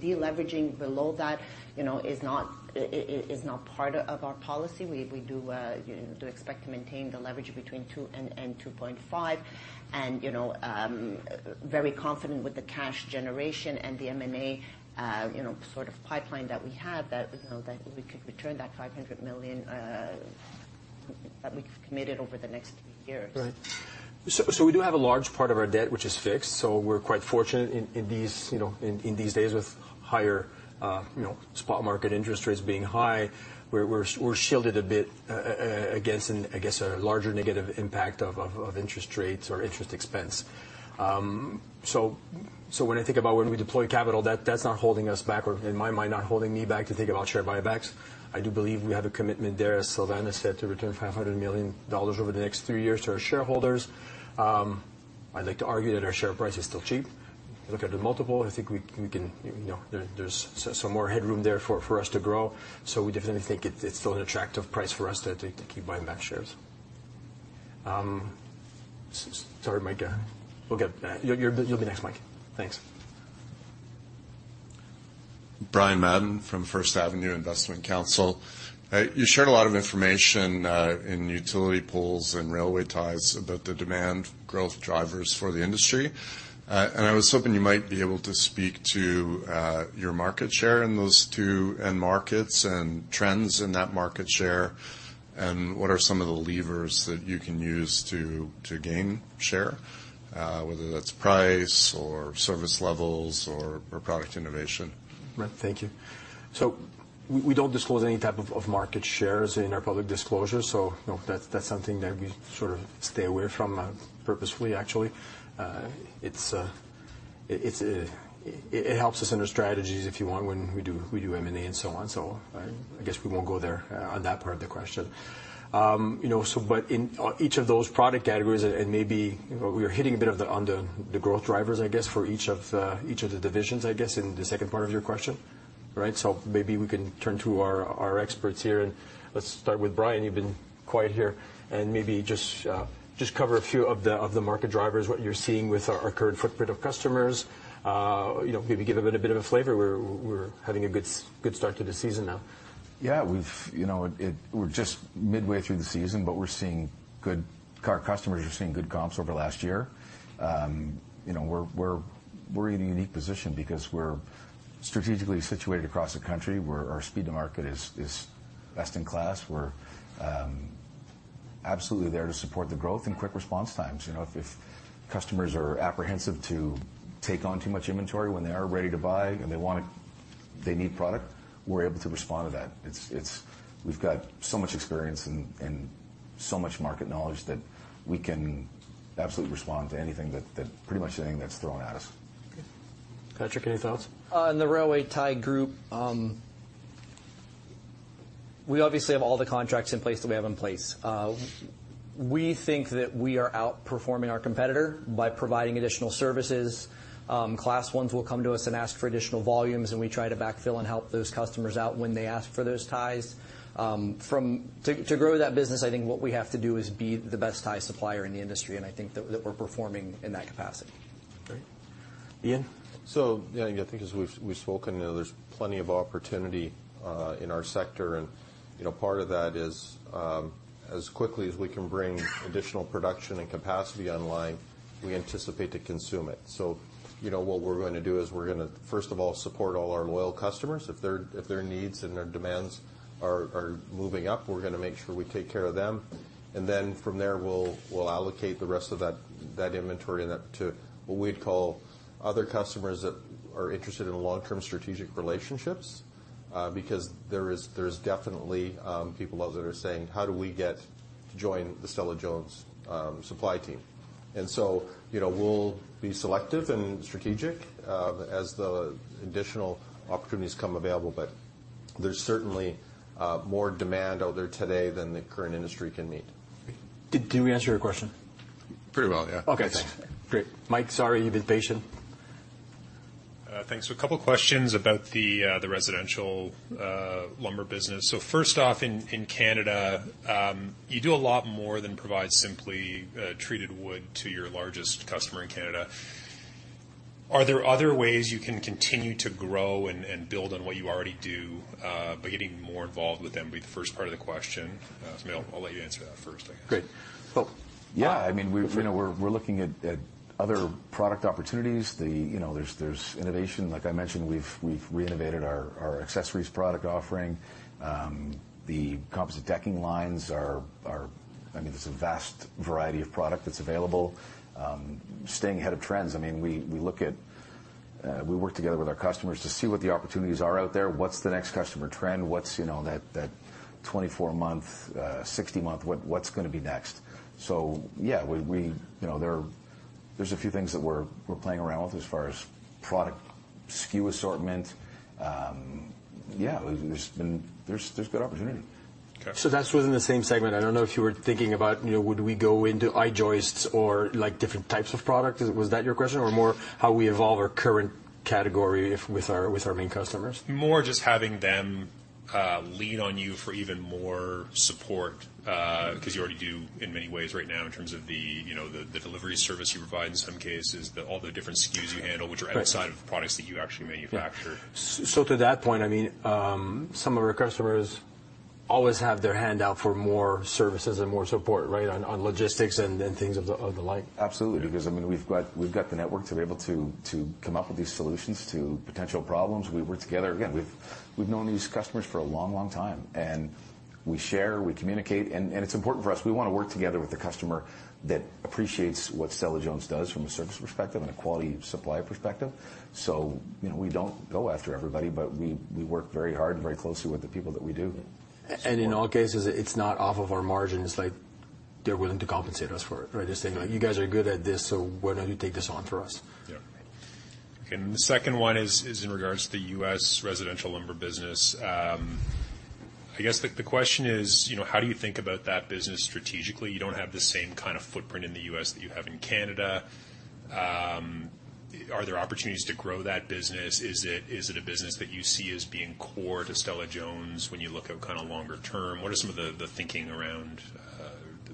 Deleveraging below that, you know, is not part of our policy. We do, you know, do expect to maintain the leverage between 2 and 2.5. You know, very confident with the cash generation and the M&A, you know, sort of pipeline that we have, that, you know, that we could return that 500 million that we've committed over the next 3 years. Right. We do have a large part of our debt, which is fixed, so we're quite fortunate in these, you know, in these days with higher, you know, spot market interest rates being high. We're shielded a bit, against, I guess, a larger negative impact of interest rates or interest expense. When I think about when we deploy capital, that's not holding us back or in my mind, not holding me back to think about share buybacks. I do believe we have a commitment there, as Silvana said, to return 500 million dollars over the next three years to our shareholders. I'd like to argue that our share price is still cheap. Look at the multiple, I think we can, you know, there's some more headroom there for us to grow. We definitely think it's still an attractive price for us to keep buying back shares. Sorry, Mike, we'll get... you'll be next, Mike. Thanks. Brian Madden from First Avenue Investment Counsel. You shared a lot of information in utility poles and railway ties about the demand growth drivers for the industry. I was hoping you might be able to speak to your market share in those two end markets and trends in that market share, and what are some of the levers that you can use to gain share, whether that's price or service levels or product innovation? Right. Thank you. We don't disclose any type of market shares in our public disclosure. No, that's something that we sort of stay away from, purposefully, actually. It's, it helps us in our strategies, if you want, when we do M&A and so on. I guess we won't go there on that part of the question. You know, but in, on each of those product categories, and maybe we are hitting a bit of the growth drivers, I guess, for each of the divisions, I guess, in the second part of your question, right? Maybe we can turn to our experts here, and let's start with Brian. You've been quiet here, and maybe just cover a few of the market drivers, what you're seeing with our current footprint of customers. You know, maybe give a bit of a flavor. We're having a good start to the season now. Yeah, we've. You know, we're just midway through the season, but we're seeing good, our customers are seeing good comps over last year. You know, we're in a unique position because we're strategically situated across the country, where our speed to market is best in class. We're absolutely there to support the growth and quick response times. You know, if customers are apprehensive to take on too much inventory when they are ready to buy, and they need product, we're able to respond to that. It's. We've got so much experience and so much market knowledge that we can absolutely respond to anything that, pretty much anything that's thrown at us. Okay. Patrick, any thoughts? In the railway tie group, we obviously have all the contracts in place that we have in place. We think that we are outperforming our competitor by providing additional services. Class Is will come to us and ask for additional volumes, and we try to backfill and help those customers out when they ask for those ties. To grow that business, I think what we have to do is be the best tie supplier in the industry, and I think that we're performing in that capacity. Great. Ian? Yeah, I think as we've spoken, you know, there's plenty of opportunity in our sector. You know, part of that is as quickly as we can bring additional production and capacity online, we anticipate to consume it. You know, what we're going to do is we're gonna, first of all, support all our loyal customers. If their needs and their demands are moving up, we're gonna make sure we take care of them. Then from there, we'll allocate the rest of that inventory and that to what we'd call other customers that are interested in long-term strategic relationships. Because there is, there's definitely people out there that are saying: How do we get to join the Stella-Jones supply team? You know, we'll be selective and strategic, as the additional opportunities come available, but there's certainly more demand out there today than the current industry can meet. Did we answer your question? Pretty well, yeah. Okay. Thanks. Great. Mike, sorry, you've been patient. Thanks. A couple questions about the residential lumber business. First off, in Canada, you do a lot more than provide simply treated wood to your largest customer in Canada. Are there other ways you can continue to grow and build on what you already do, but getting more involved with them, would be the first part of the question? Maybe I'll let you answer that first, I guess. Great. Well, yeah, I mean, we've, you know, we're looking at other product opportunities. You know, there's innovation. Like I mentioned, we've renovated our accessories product offering. The composite decking lines are. I mean, there's a vast variety of product that's available. Staying ahead of trends, I mean, we look at, we work together with our customers to see what the opportunities are out there. What's the next customer trend? What's, you know, that 24-month, 60-month, what's gonna be next? Yeah, we, you know, there's a few things that we're playing around with as far as product SKU assortment. Yeah, there's been, there's good opportunity. Okay. That's within the same segment. I don't know if you were thinking about, you know, would we go into I-joists or, like, different types of product. Was that your question, or more how we evolve our current category if, with our main customers? More just having them, lean on you for even more support, because you already do in many ways right now, in terms of the, you know, the delivery service you provide in some cases, the, all the different SKUs you handle... Right. which are outside of products that you actually manufacture. Yeah. To that point, I mean, some of our customers always have their hand out for more services and more support, right, on logistics and things of the like. Absolutely, because, I mean, we've got the network to be able to come up with these solutions to potential problems. We work together. Again, we've known these customers for a long, long time, and we share, we communicate, and it's important for us. We wanna work together with the customer that appreciates what Stella-Jones does from a service perspective and a quality supply perspective. You know, we don't go after everybody, but we work very hard and very closely with the people that we do. In all cases, it's not off of our margins. They're willing to compensate us for it, right? They're saying, 'You guys are good at this, so why don't you take this on for us?' Yeah. The second one is in regards to the U.S. residential lumber business. I guess the question is, you know, how do you think about that business strategically? You don't have the same kind of footprint in the U.S. that you have in Canada. Are there opportunities to grow that business? Is it a business that you see as being core to Stella-Jones when you look out kind of longer term? What are some of the thinking around the?...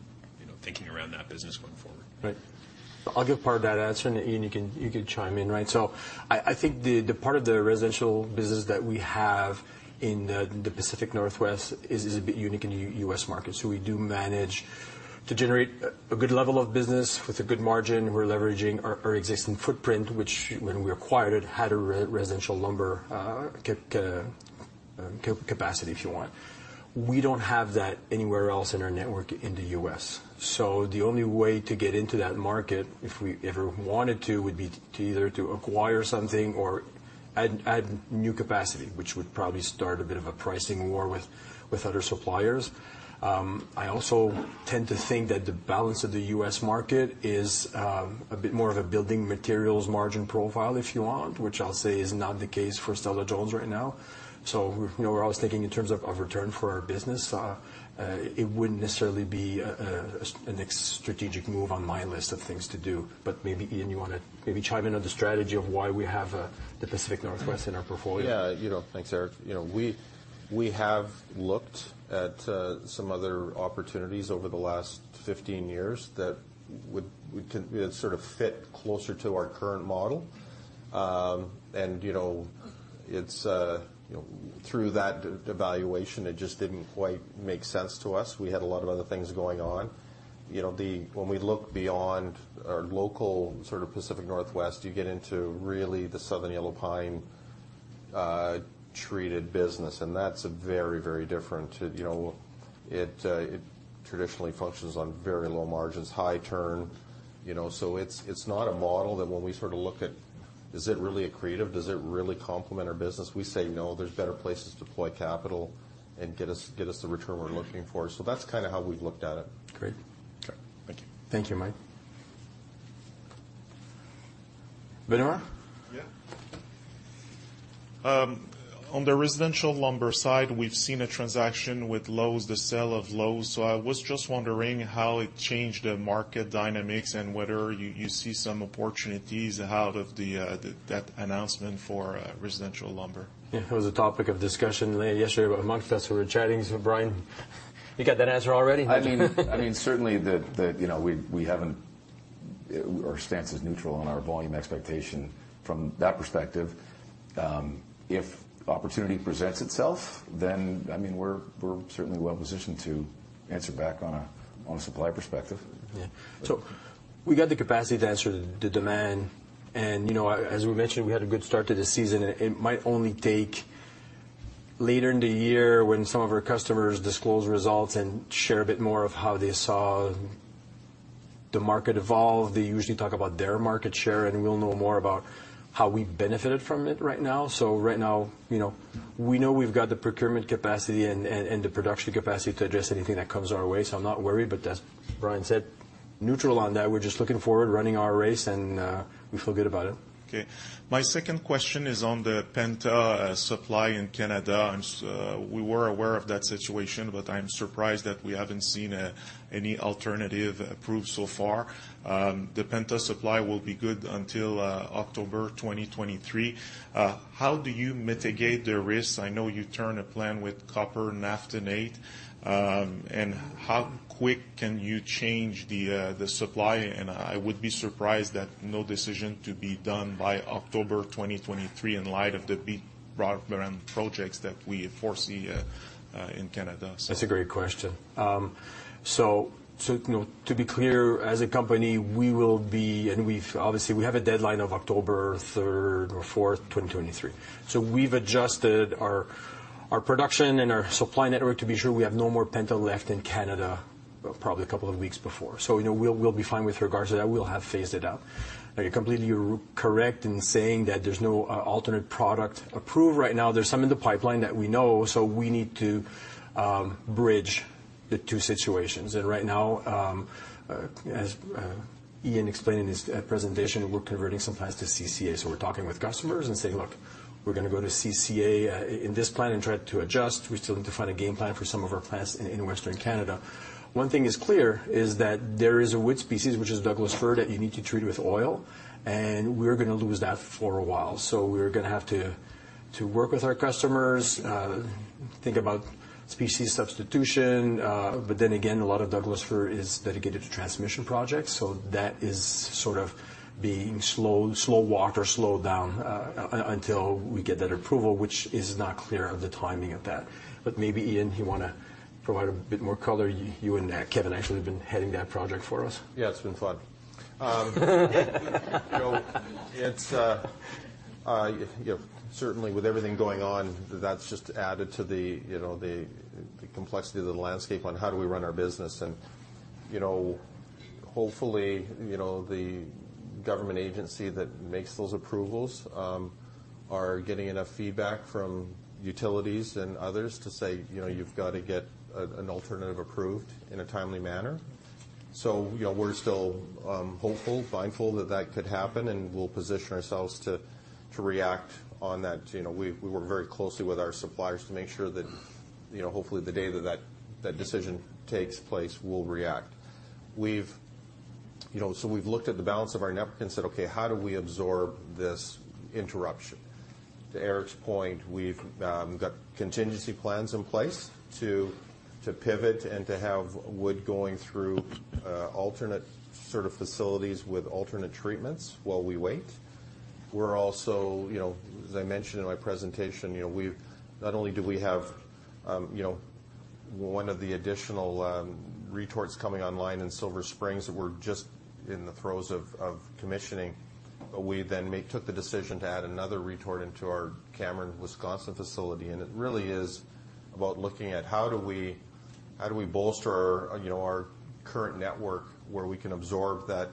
thinking around that business going forward. Right. I'll give part of that answer, and, Ian, you can, you can chime in, right? I think the part of the residential business that we have in the Pacific Northwest is a bit unique in the U.S. market. We do manage to generate a good level of business with a good margin. We're leveraging our existing footprint, which, when we acquired it, had a residential lumber capacity, if you want. We don't have that anywhere else in our network in the U.S. The only way to get into that market, if we ever wanted to, would be to either to acquire something or add new capacity, which would probably start a bit of a pricing war with other suppliers. I also tend to think that the balance of the U.S. market is a bit more of a building materials margin profile, if you want, which I'll say is not the case for Stella-Jones right now. We know, we're always thinking in terms of return for our business. It wouldn't necessarily be a next strategic move on my list of things to do, but maybe, Ian, you wanna maybe chime in on the strategy of why we have the Pacific Northwest in our portfolio? Yeah, you know, thanks, Éric. You know, we have looked at some other opportunities over the last 15 years that would sort of fit closer to our current model. You know, through that evaluation, it just didn't quite make sense to us. We had a lot of other things going on. You know, when we look beyond our local sort of Pacific Northwest, you get into really the Southern Yellow Pine treated business, and that's very different. It traditionally functions on very low margins, high turn, you know, so it's not a model that when we sort of look at, is it really accretive? Does it really complement our business? We say, "No, there's better places to deploy capital and get us the return we're looking for." That's kind of how we've looked at it. Great. Okay. Thank you. Thank you, Mike. Benamar? Yeah. On the residential lumber side, we've seen a transaction with Lowe's, the sale of Lowe's. I was just wondering how it changed the market dynamics and whether you see some opportunities out of that announcement for residential lumber. Yeah, it was a topic of discussion yesterday amongst us. We were chatting, so, Brian, you got that answer already? I mean, certainly the, you know, we haven't. Our stance is neutral on our volume expectation from that perspective. If opportunity presents itself, then, I mean, we're certainly well positioned to answer back on a supply perspective. Yeah. We got the capacity to answer the demand, and, you know, as we mentioned, we had a good start to the season. It might only take later in the year when some of our customers disclose results and share a bit more of how they saw the market evolve. They usually talk about their market share, and we'll know more about how we benefited from it right now. Right now, you know, we know we've got the procurement capacity and the production capacity to address anything that comes our way, so I'm not worried. As Brian said, neutral on that. We're just looking forward, running our race, and we feel good about it. Okay. My second question is on the penta supply in Canada. We were aware of that situation, but I'm surprised that we haven't seen any alternative approved so far. The penta supply will be good until October 2023. How do you mitigate the risks? I know you turn a plan with Copper Naphthenate, and how quick can you change the supply? I would be surprised that no decision to be done by October 2023 in light of the big round projects that we foresee in Canada. That's a great question. You know, to be clear, as a company, we will be, and we've obviously, we have a deadline of October 3rd or 4th, 2023. We've adjusted our production and our supply network to be sure we have no more penta left in Canada, probably a couple of weeks before. You know, we'll be fine with regards to that. We'll have phased it out. You're completely correct in saying that there's no alternate product approved right now. There's some in the pipeline that we know, so we need to bridge the two situations. Right now, as Ian explained in his presentation, we're converting some plants to CCA. We're talking with customers and saying: Look, we're gonna go to CCA in this plant and try to adjust. We still need to find a game plan for some of our plants in Western Canada. One thing is clear, is that there is a wood species, which is Douglas fir, that you need to treat with oil, and we're gonna lose that for a while. We're gonna have to work with our customers, think about species substitution. Again, a lot of Douglas fir is dedicated to transmission projects, so that is sort of being slow-walked or slowed down until we get that approval, which is not clear of the timing of that. Maybe, Ian, you wanna provide a bit more color? You and Kevin actually have been heading that project for us. Yeah, it's been fun. You know, it's, you know, certainly with everything going on, that's just added to the, you know, the complexity of the landscape on how do we run our business. You know, hopefully, you know, the government agency that makes those approvals, are getting enough feedback from utilities and others to say, "You know, you've got to get an alternative approved in a timely manner." You know, we're still, hopeful, mindful that that could happen, and we'll position ourselves to react on that. You know, we work very closely with our suppliers to make sure that, you know, hopefully, the day that that decision takes place, we'll react. You know, we've looked at the balance of our NEP and said, "Okay, how do we absorb this interruption?" To Éric's point, we've got contingency plans in place to pivot and to have wood going through alternate sort of facilities with alternate treatments while we wait. We're also, you know, as I mentioned in my presentation, you know, not only do we have, you know, one of the additional retorts coming online in Silver Springs that we're just in the throes of commissioning, but we then took the decision to add another retort into our Cameron, Wisconsin, facility. It really is about looking at how do we, how do we bolster our, you know, our current network, where we can absorb that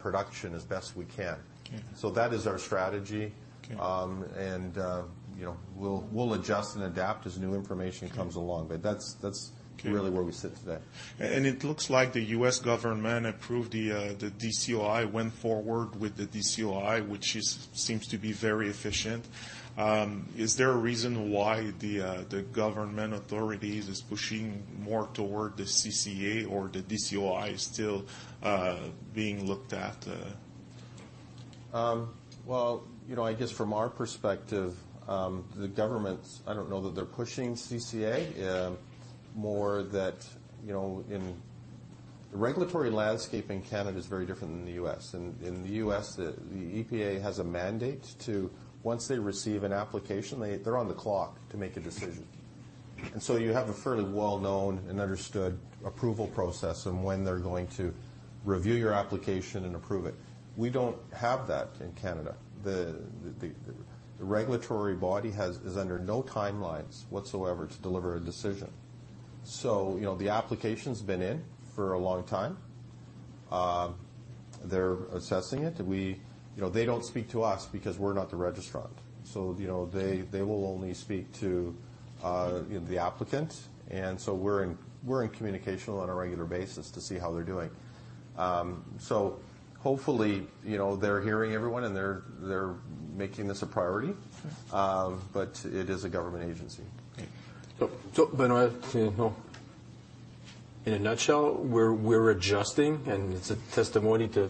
production as best we can? Mm-hmm. That is our strategy. Okay. You know, we'll adjust and adapt as new information comes along. Okay. That's. Okay really where we sit today. It looks like the U.S. government approved the DCOI, went forward with the DCOI, which is, seems to be very efficient. Is there a reason why the government authorities is pushing more toward the CCA or the DCOI is still being looked at? Well, you know, I guess from our perspective, the government, I don't know that they're pushing CCA. More that, you know, the regulatory landscape in Canada is very different than the U.S. In the U.S., the EPA has a mandate to, once they receive an application, they're on the clock to make a decision. You have a fairly well-known and understood approval process and when they're going to review your application and approve it. We don't have that in Canada. The regulatory body is under no timelines whatsoever to deliver a decision. You know, the application's been in for a long time. They're assessing it. You know, they don't speak to us because we're not the registrant. You know, they will only speak to, you know, the applicant, and so we're in communication on a regular basis to see how they're doing. Hopefully, you know, they're hearing everyone, and they're making this a priority. Sure. It is a government agency. Okay. Bernard, you know, in a nutshell, we're adjusting, and it's a testimony to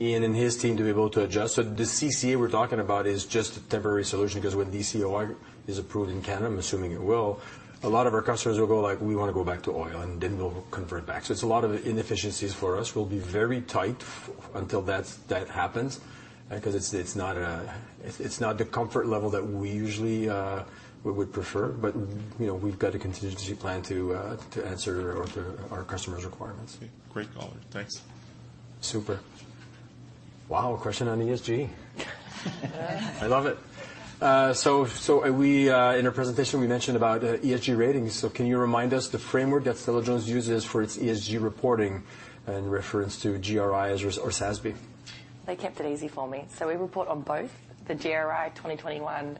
Ian and his team to be able to adjust. The CCA we're talking about is just a temporary solution, because when DCOI is approved in Canada, I'm assuming it will, a lot of our customers will go like, "We want to go back to oil," and then we'll convert back. It's a lot of inefficiencies for us. We'll be very tight until that happens, because it's not the comfort level that we usually would prefer, but, you know, we've got a contingency plan to answer our customers' requirements. Okay. Great call. Thanks. Super. Wow, a question on ESG. I love it. We in our presentation, we mentioned about ESG ratings. Can you remind us the framework that SASB uses for its ESG reporting in reference to GRI as or SASB? They kept it easy for me. We report on both the GRI Standards 2021,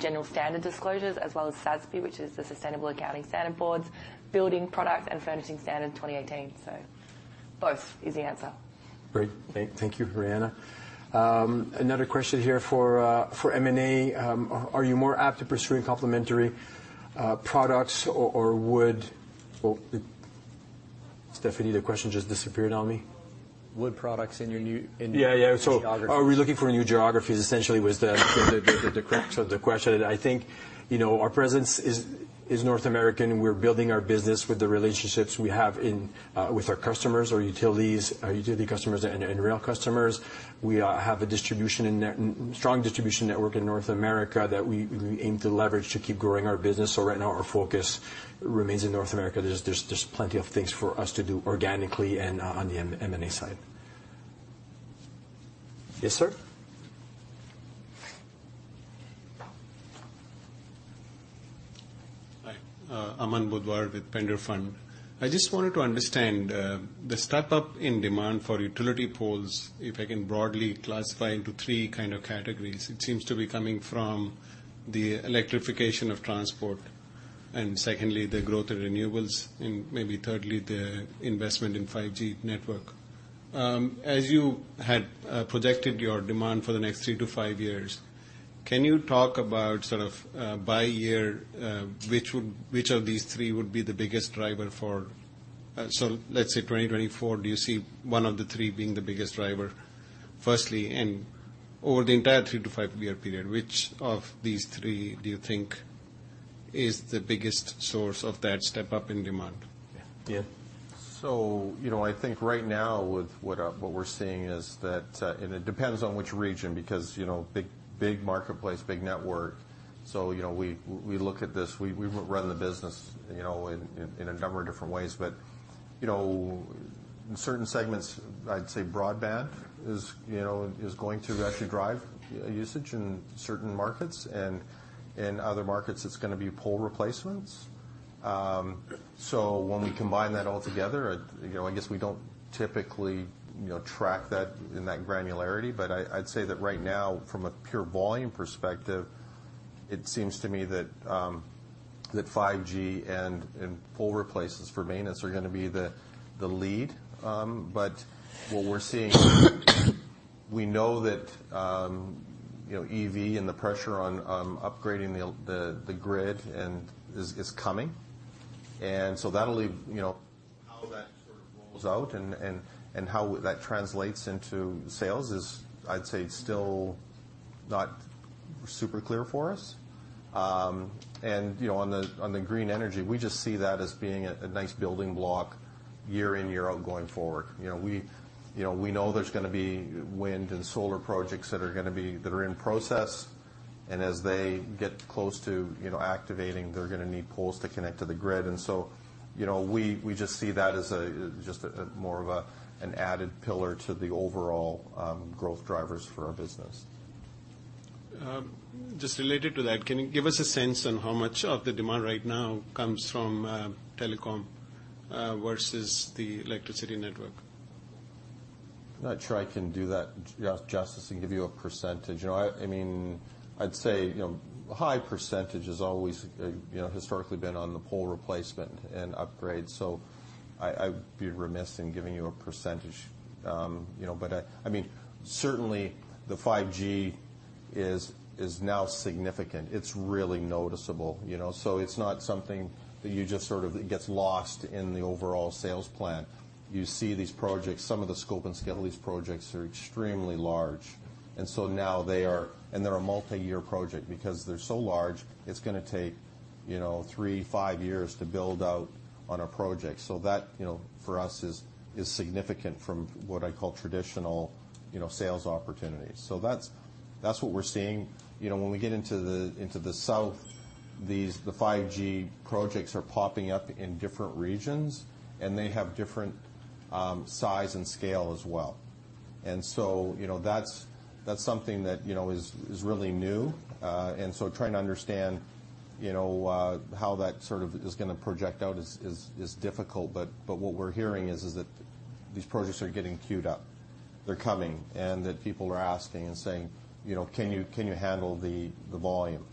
general standard disclosures as well as SASB, which is the Sustainability Accounting Standards Board's building product and furnishing standard 2018. Both is the answer. Great. Thank you, Rhéa. Another question here for M&A. Are you more apt to pursuing complementary products? Well, Stephanie, the question just disappeared on me. Wood products in your new. Yeah, yeah. -geography. Are we looking for new geographies, essentially, was the question. I think, you know, our presence is North American. We're building our business with the relationships we have in with our customers or utilities, utility customers and rail customers. We have a strong distribution network in North America that we aim to leverage to keep growing our business. Right now, our focus remains in North America. There's plenty of things for us to do organically and on the M&A side. Yes, sir? Hi, Aman Budhwani with PenderFund. I just wanted to understand the step-up in demand for utility poles, if I can broadly classify into 3 kind of categories. It seems to be coming from the electrification of transport, and secondly, the growth of renewables, and maybe thirdly, the investment in 5G network. As you had projected your demand for the next 3 to 5 years, can you talk about sort of, by year, which of these 3 would be the biggest driver for, so let's say, 2024, do you see 1 of the 3 being the biggest driver, firstly? Over the entire 3 to 5-year period, which of these 3 do you think is the biggest source of that step-up in demand? Ian? You know, I think right now with what we're seeing is that, and it depends on which region, because, you know, big marketplace, big network. You know, we look at this, we run the business, you know, in a number of different ways. You know, in certain segments, I'd say broadband is, you know, is going to actually drive usage in certain markets, and in other markets, it's gonna be pole replacements. When we combine that all together, you know, I guess we don't typically, you know, track that in that granularity. I'd say that right now, from a pure volume perspective, it seems to me that 5G and pole replacements for maintenance are gonna be the lead. What we're seeing. We know that, you know, EV and the pressure on upgrading the grid is coming. That'll leave, you know, how that sort of rolls out and how that translates into sales is, I'd say, still not super clear for us. You know, on the green energy, we just see that as being a nice building block year in, year out, going forward. You know, we know there's gonna be wind and solar projects that are in process, and as they get close to, you know, activating, they're gonna need poles to connect to the grid. You know, we just see that as just a more of an added pillar to the overall growth drivers for our business. Just related to that, can you give us a sense on how much of the demand right now comes from telecom versus the electricity network? I'm not sure I can do that justice and give you a %. You know, I mean, I'd say, you know, a high % is always, historically been on the pole replacement and upgrade, so I'd be remiss in giving you a %. You know, but I mean, certainly, the 5G is now significant. It's really noticeable, you know, so it's not something that you just it gets lost in the overall sales plan. You see these projects, some of the scope and scale of these projects are extremely large, and so now they're a multiyear project. Because they're so large, it's gonna take, you know, 3, 5 years to build out on a project. So that, you know, for us, is significant from what I call traditional, you know, sales opportunities. That's, that's what we're seeing. You know, when we get into the, into the south, these, the 5G projects are popping up in different regions, and they have different size and scale as well. You know, that's something that, you know, is really new. Trying to understand, you know, how that sort of is gonna project out is difficult, but what we're hearing is that these projects are getting queued up. They're coming, and that people are asking and saying, "You know, can you handle the volume?"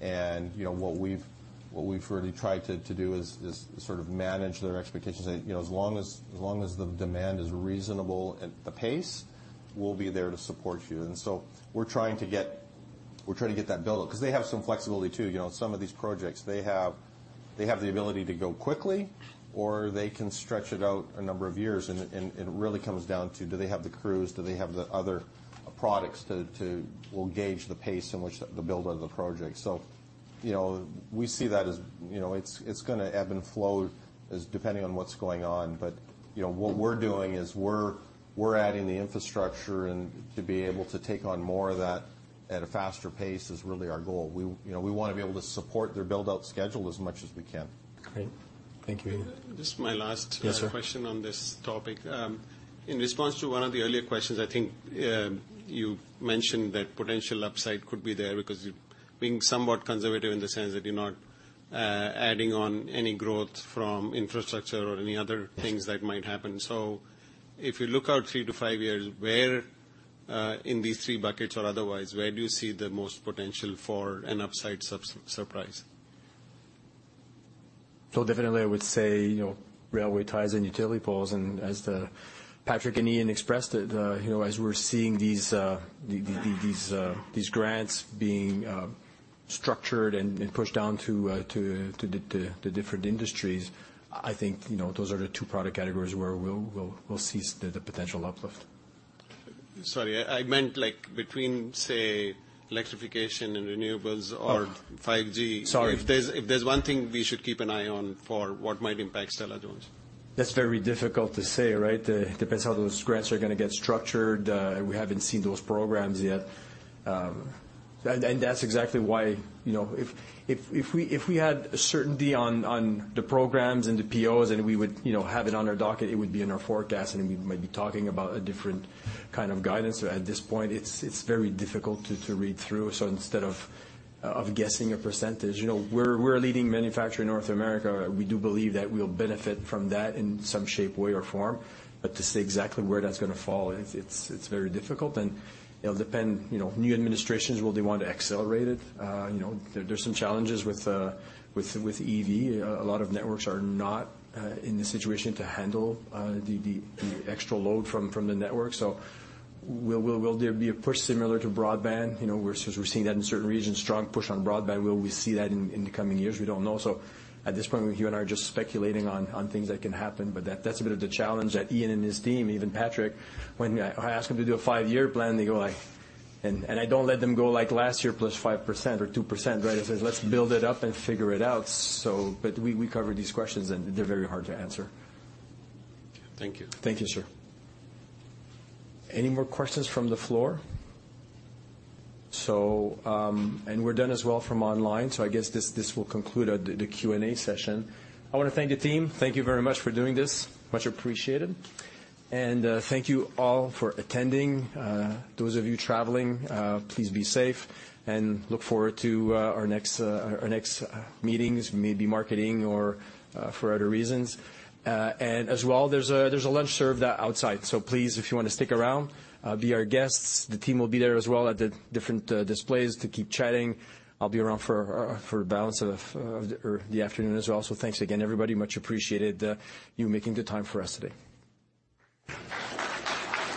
You know, what we've really tried to do is sort of manage their expectations and, you know, as long as the demand is reasonable at the pace, we'll be there to support you. We're trying to get that build-up, 'cause they have some flexibility, too. You know, some of these projects, they have the ability to go quickly, or they can stretch it out a number of years, and it, and it really comes down to do they have the crews? Do they have the other products? We'll gauge the pace in which the build of the project. You know, we see that as, you know, it's gonna ebb and flow as depending on what's going on. You know, what we're doing is we're adding the infrastructure, and to be able to take on more of that at a faster pace is really our goal. You know, we wanna be able to support their build-out schedule as much as we can. Great. Thank you. Just my last- Yes, sir. -question on this topic. In response to one of the earlier questions, I think, you mentioned that potential upside could be there because you're being somewhat conservative in the sense that you're not, adding on any growth from infrastructure or any other things that might happen. If you look out 3-5 years, where, in these three buckets or otherwise, where do you see the most potential for an upside surprise? Definitely, I would say, you know, railway ties and utility poles, and as Patrick and Ian expressed it, you know, as we're seeing these grants being structured and pushed down to the different industries, I think, you know, those are the two product categories where we'll see the potential uplift. Sorry, I meant, like, between, say, electrification and renewables or- Oh. 5G. Sorry. If there's one thing we should keep an eye on for what might impact Stella-Jones. That's very difficult to say, right? It depends how those grants are gonna get structured. We haven't seen those programs yet. And that's exactly why, you know, if we had certainty on the programs and the POs, and we would, you know, have it on our docket, it would be in our forecast, and we might be talking about a different kind of guidance. At this point, it's very difficult to read through, so instead of guessing a percentage, you know, we're a leading manufacturer in North America. We do believe that we'll benefit from that in some shape, way, or form, but to say exactly where that's gonna fall, it's very difficult, and it'll depend, you know, new administrations, will they want to accelerate it? You know, there's some challenges with EV. A lot of networks are not in the situation to handle the extra load from the network. Will there be a push similar to broadband? You know, we're seeing that in certain regions, strong push on broadband. Will we see that in the coming years? We don't know. At this point, you and I are just speculating on things that can happen, but that's a bit of the challenge that Ian and his team, even Patrick, when I ask them to do a five-year plan, they go, like... I don't let them go, like, last year plus 5% or 2%, right? I say, "Let's build it up and figure it out." We cover these questions, and they're very hard to answer. Thank you. Thank you, sir. Any more questions from the floor? We're done as well from online, so I guess this will conclude the Q&A session. I wanna thank the team. Thank you very much for doing this. Much appreciated, and thank you all for attending. Those of you traveling, please be safe, and look forward to our next meetings, may it be marketing or for other reasons. As well, there's a lunch served outside, so please, if you wanna stick around, be our guests. The team will be there as well at the different displays to keep chatting. I'll be around for the balance of the afternoon as well. Thanks again, everybody. Much appreciated, you making the time for us today.